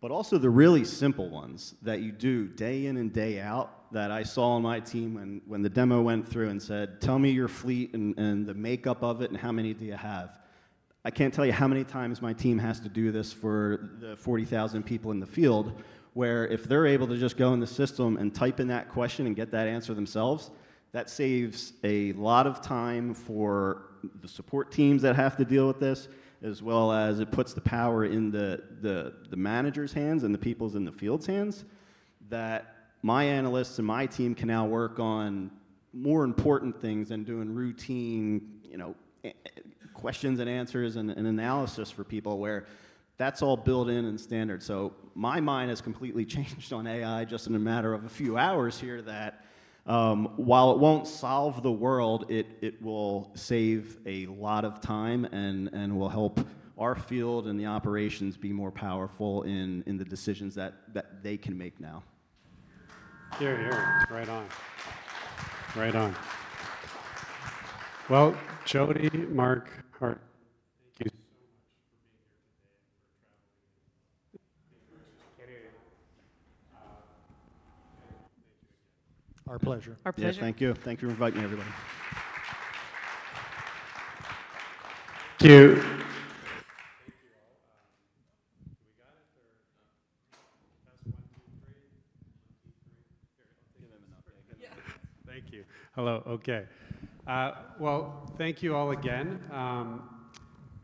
but also the really simple ones that you do day in and day out that I saw on my team when the demo went through and said, "Tell me your fleet and the makeup of it and how many do you have." I can't tell you how many times my team has to do this for the 40,000 people in the field where if they're able to just go in the system and type in that question and get that answer themselves, that saves a lot of time for the support teams that have to deal with this, as well as it puts the power in the manager's hands and the people's in the field's hands that my analysts and my team can now work on more important things than doing routine questions and answers and analysis for people where that's all built in and standard. So my mind has completely changed on AI just in a matter of a few hours here, that while it won't solve the world, it will save a lot of time and will help our field and the operations be more powerful in the decisions that they can make now. Hearing, hearing. Right on. Right on. Well, Jodi, Mark, Hardmon, thank you so much for being here today and for traveling and being with us. Can you hear me now? Thank you. Thank you again. Our pleasure. Our pleasure. Yes, thank you. Thank you for inviting everybody. Thank you. Thank you all. Do we got it or? Ask one, two, three. One, two, three. Give him enough. Thank you. Hello. Okay. Well, thank you all again.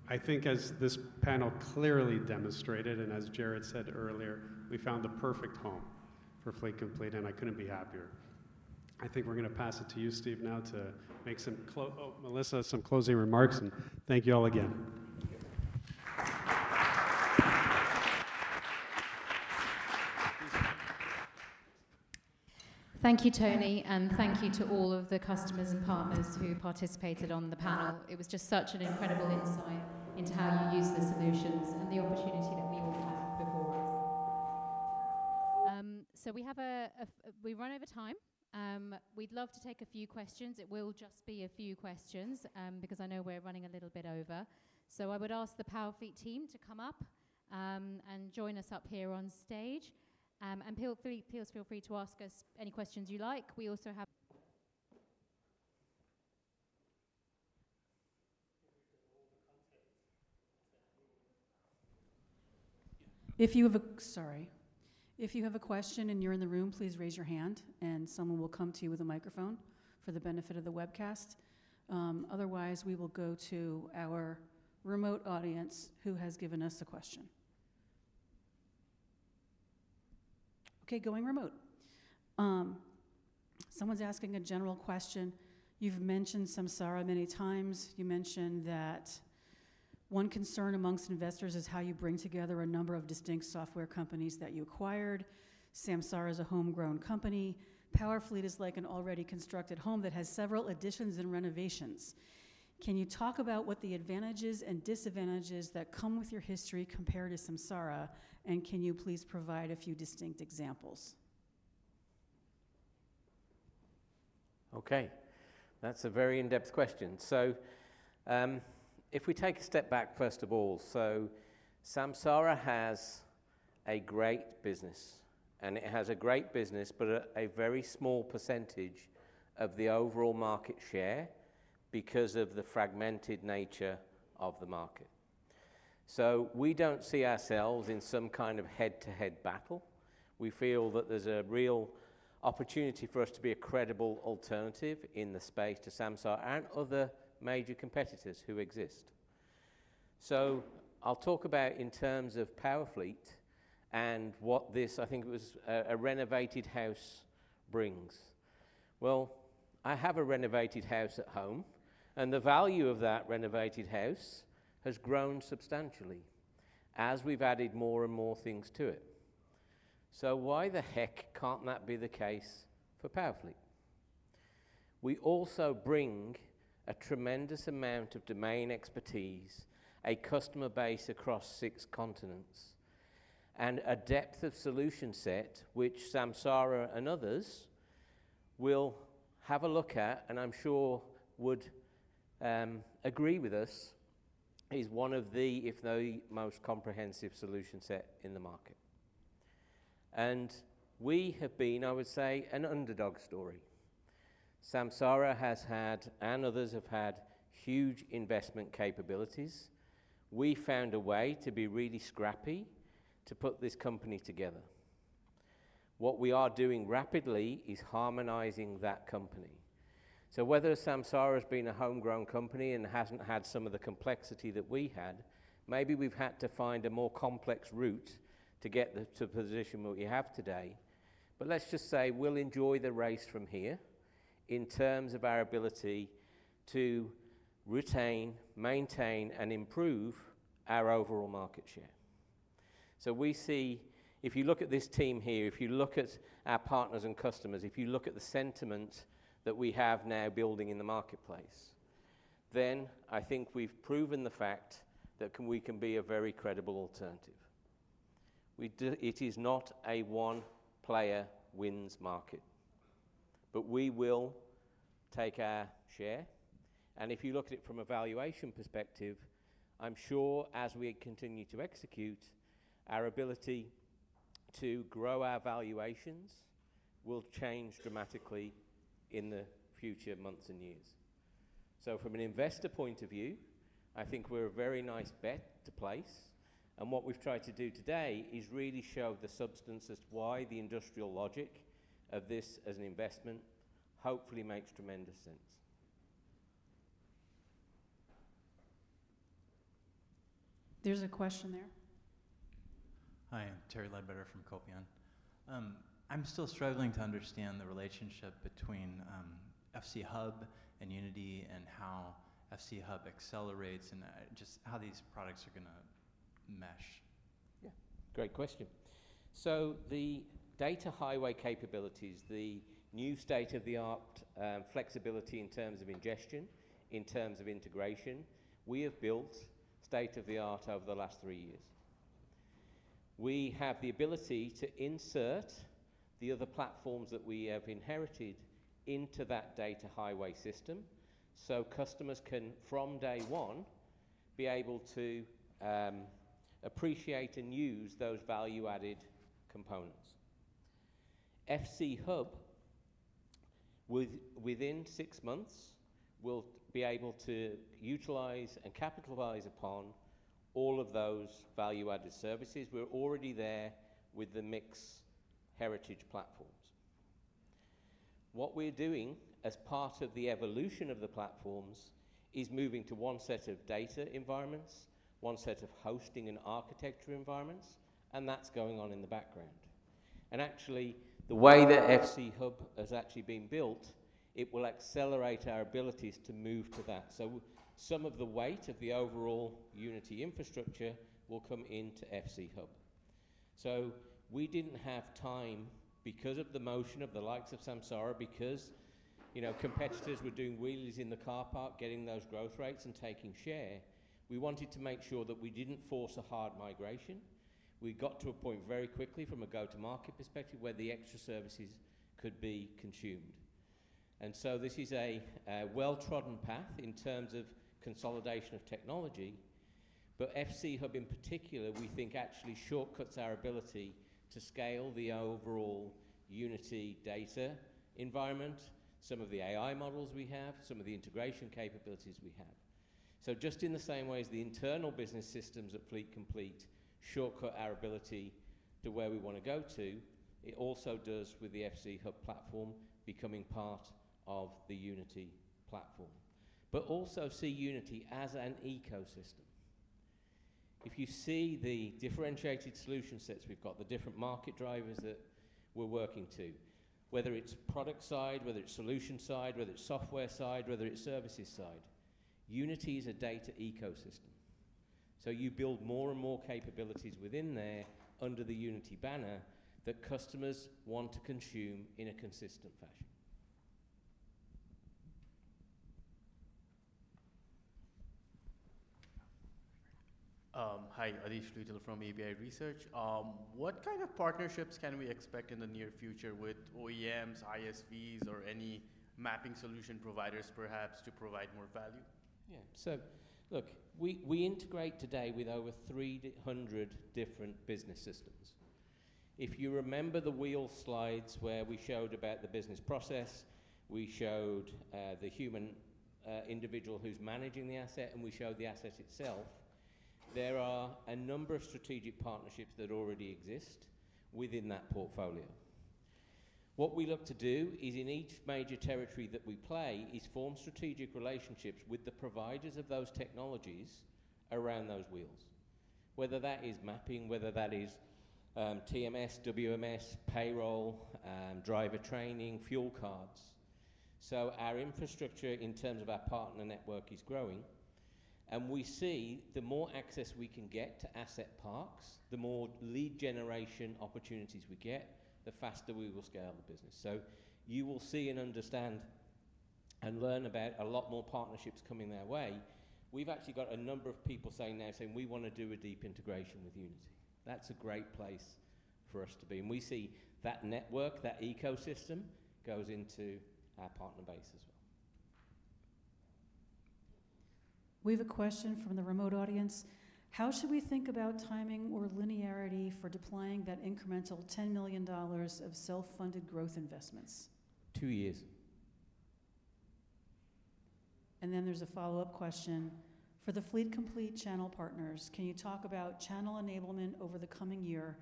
I think as this panel clearly demonstrated and as Jarrad said earlier, we found the perfect home for Fleet Complete, and I couldn't be happier. I think we're going to pass it to you, Steve, now to make some. Oh Melissa some closing remarks and thank you all again. Thank you. Thank you, Tony, and thank you to all of the customers and partners who participated on the panel. It was just such an incredible insight into how you use the solutions and the opportunity that we all have before us. So we run out of time. We'd love to take a few questions. It will just be a few questions because I know we're running a little bit over. So I would ask the Powerfleet team to come up and join us up here on stage. And please feel free to ask us any questions you like. We also have. If you have a question and you're in the room, please raise your hand, and someone will come to you with a microphone for the benefit of the webcast. Otherwise, we will go to our remote audience who has given us a question. Okay, going remote. Someone's asking a general question. You've mentioned Samsara many times. You mentioned that one concern among investors is how you bring together a number of distinct software companies that you acquired. Samsara is a homegrown company. Powerfleet is like an already constructed home that has several additions and renovations. Can you talk about what the advantages and disadvantages that come with your history compared to Samsara? And can you please provide a few distinct examples? Okay. That's a very in-depth question. So if we take a step back, first of all, so Samsara has a great business, and it has a great business, but a very small percentage of the overall market share because of the fragmented nature of the market. So we don't see ourselves in some kind of head-to-head battle. We feel that there's a real opportunity for us to be a credible alternative in the space to Samsara and other major competitors who exist. So I'll talk about in terms of Powerfleet and what this, I think it was a renovated house, brings. Well, I have a renovated house at home, and the value of that renovated house has grown substantially as we've added more and more things to it. So why the heck can't that be the case for Powerfleet? We also bring a tremendous amount of domain expertise, a customer base across six continents, and a depth of solution set which Samsara and others will have a look at and I'm sure would agree with us is one of the, if not the most comprehensive solution set in the market, and we have been, I would say, an underdog story. Samsara has had, and others have had, huge investment capabilities. We found a way to be really scrappy to put this company together. What we are doing rapidly is harmonizing that company, so whether Samsara has been a homegrown company and hasn't had some of the complexity that we had, maybe we've had to find a more complex route to get to the position we have today. But let's just say we'll enjoy the race from here in terms of our ability to retain, maintain, and improve our overall market share. So if you look at this team here, if you look at our partners and customers, if you look at the sentiment that we have now building in the marketplace, then I think we've proven the fact that we can be a very credible alternative. It is not a one-player-wins market, but we will take our share. And if you look at it from a valuation perspective, I'm sure as we continue to execute, our ability to grow our valuations will change dramatically in the future months and years. So from an investor point of view, I think we're a very nice bet to place. What we've tried to do today is really show the substance as to why the industrial logic of this as an investment hopefully makes tremendous sense. There's a question there. Hi, I'm Terry Ledbetter from Copion. I'm still struggling to understand the relationship between FC Hub and Unity and how FC Hub accelerates and just how these products are going to mesh. Yeah. Great question. The data highway capabilities, the new state-of-the-art flexibility in terms of ingestion, in terms of integration, we have built state-of-the-art over the last three years. We have the ability to insert the other platforms that we have inherited into that data highway system so customers can, from day one, be able to appreciate and use those value-added components. FC Hub, within six months, will be able to utilize and capitalize upon all of those value-added services. We're already there with the mixed heritage platforms. What we're doing as part of the evolution of the platforms is moving to one set of data environments, one set of hosting and architecture environments, and that's going on in the background, and actually, the way that FC Hub has actually been built will accelerate our abilities to move to that, so some of the weight of the overall Unity infrastructure will come into FC Hub, so we didn't have time because of the motion of the likes of Samsara, because competitors were doing wheelies in the car park, getting those growth rates and taking share. We wanted to make sure that we didn't force a hard migration. We got to a point very quickly from a go-to-market perspective where the extra services could be consumed, and so this is a well-trodden path in terms of consolidation of technology. But FC Hub, in particular, we think actually shortcuts our ability to scale the overall Unity data environment, some of the AI models we have, some of the integration capabilities we have. So just in the same way as the internal business systems at Fleet Complete shortcut our ability to where we want to go to, it also does with the FC Hub platform becoming part of the Unity platform, but also see Unity as an ecosystem. If you see the differentiated solution sets we've got, the different market drivers that we're working to, whether it's product side, whether it's solution side, whether it's software side, whether it's services side, Unity is a data ecosystem. So you build more and more capabilities within there under the Unity banner that customers want to consume in a consistent fashion. Hi, Adhish Luitel from ABI Research. What kind of partnerships can we expect in the near future with OEMs, ISVs, or any mapping solution providers, perhaps, to provide more value? Yeah. So look, we integrate today with over 300 different business systems. If you remember the wheel slides where we showed about the business process, we showed the human individual who's managing the asset, and we showed the asset itself, there are a number of strategic partnerships that already exist within that portfolio. What we look to do is, in each major territory that we play, is form strategic relationships with the providers of those technologies around those wheels, whether that is mapping, whether that is TMS, WMS, payroll, driver training, fuel cards. So our infrastructure in terms of our partner network is growing. And we see the more access we can get to asset parks, the more lead generation opportunities we get, the faster we will scale the business. So you will see and understand and learn about a lot more partnerships coming their way. We've actually got a number of people saying now, saying, "We want to do a deep integration with Unity." That's a great place for us to be. And we see that network, that ecosystem goes into our partner base as well. We have a question from the remote audience. How should we think about timing or linearity for deploying that incremental $10 million of self-funded growth investments? Two years. And then there's a follow-up question. For the Fleet Complete channel partners, can you talk about channel enablement over the coming year?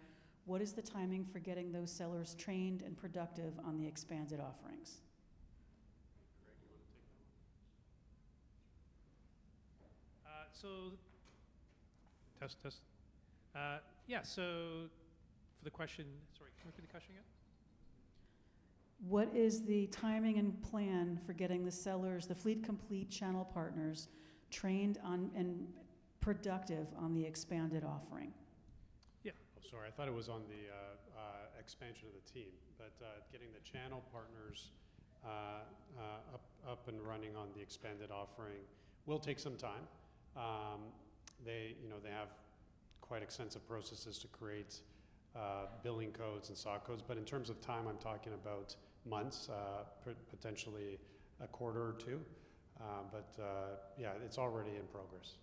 What is the timing for getting those sellers trained and productive on the expanded offerings? Greg, you want to take that one? For the question, sorry, can we finish the question again? What is the timing and plan for getting the sellers, the Fleet Complete channel partners, trained on and productive on the expanded offering? Yeah. Oh, sorry. I thought it was on the expansion of the team, but getting the channel partners up and running on the expanded offering will take some time. They have quite extensive processes to create billing codes and SOC codes. But in terms of time, I'm talking about months, potentially a quarter or two. But yeah, it's already in progress.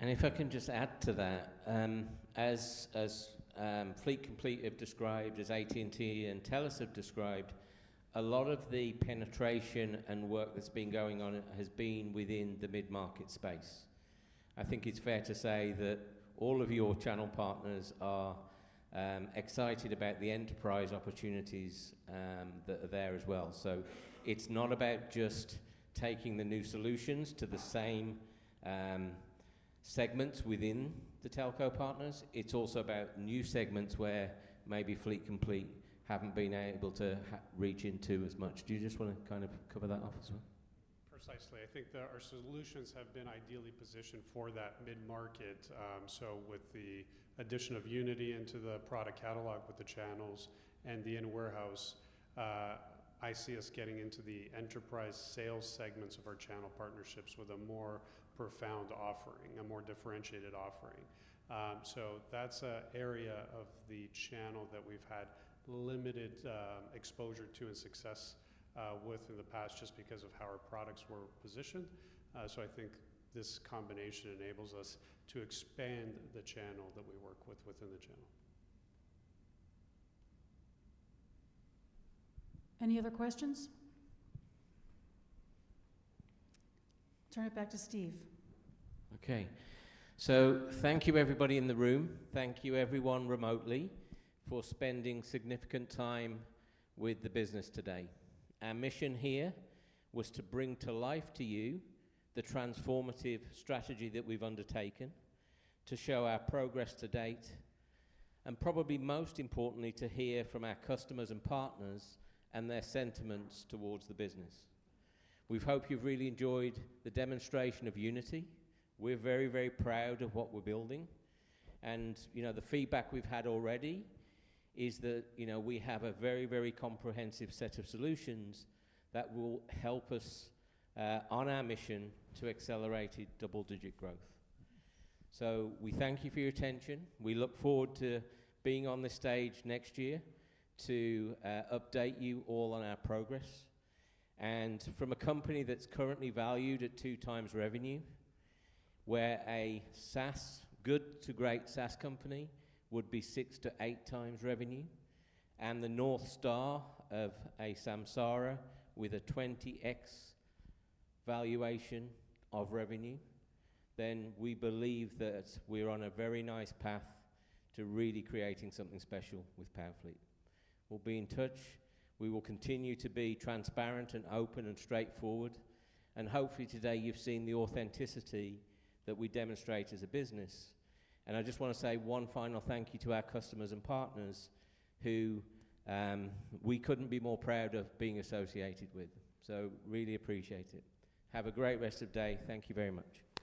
And if I can just add to that, as Fleet Complete have described, as AT&T and TELUS have described, a lot of the penetration and work that's been going on has been within the mid-market space. I think it's fair to say that all of your channel partners are excited about the enterprise opportunities that are there as well. So it's not about just taking the new solutions to the same segments within the telco partners. It's also about new segments where maybe Fleet Complete haven't been able to reach into as much. Do you just want to kind of cover that off as well? Precisely. I think our solutions have been ideally positioned for that mid-market. So with the addition of Unity into the product catalog with the channels and the in-warehouse, I see us getting into the enterprise sales segments of our channel partnerships with a more profound offering, a more differentiated offering. So that's an area of the channel that we've had limited exposure to and success with in the past just because of how our products were positioned. So I think this combination enab es us to expand the channel that we work with within the channel. Any other questions? Turn it back to Steve. Okay. So thank you, everybody in the room. Thank you, everyone remotely, for spending significant time with the business today. Our mission here was to bring to life to you the transformative strategy that we've undertaken, to show our progress to date, and probably most importantly, to hear from our customers and partners and their sentiments towards the business. We hope you've really enjoyed the demonstration of Unity. We're very, very proud of what we're building. And the feedback we've had already is that we have a very, very comprehensive set of solutions that will help us on our mission to accelerate double-digit growth. So we thank you for your attention. We look forward to being on the stage next year to update you all on our progress. And from a company that's currently valued at two times revenue, where a SaaS, good-to-great SaaS company would be six-to-eight times revenue, and the North Star of a Samsara with a 20x valuation of revenue, then we believe that we're on a very nice path to really creating something special with Powerfleet. We'll be in touch. We will continue to be transparent and open and straightforward. And hopefully today you've seen the authenticity that we demonstrate as a business. And I just want to say one final thank you to our customers and partners who we couldn't be more proud of being associated with. So really appreciate it. Have a great rest of the day. Thank you very much.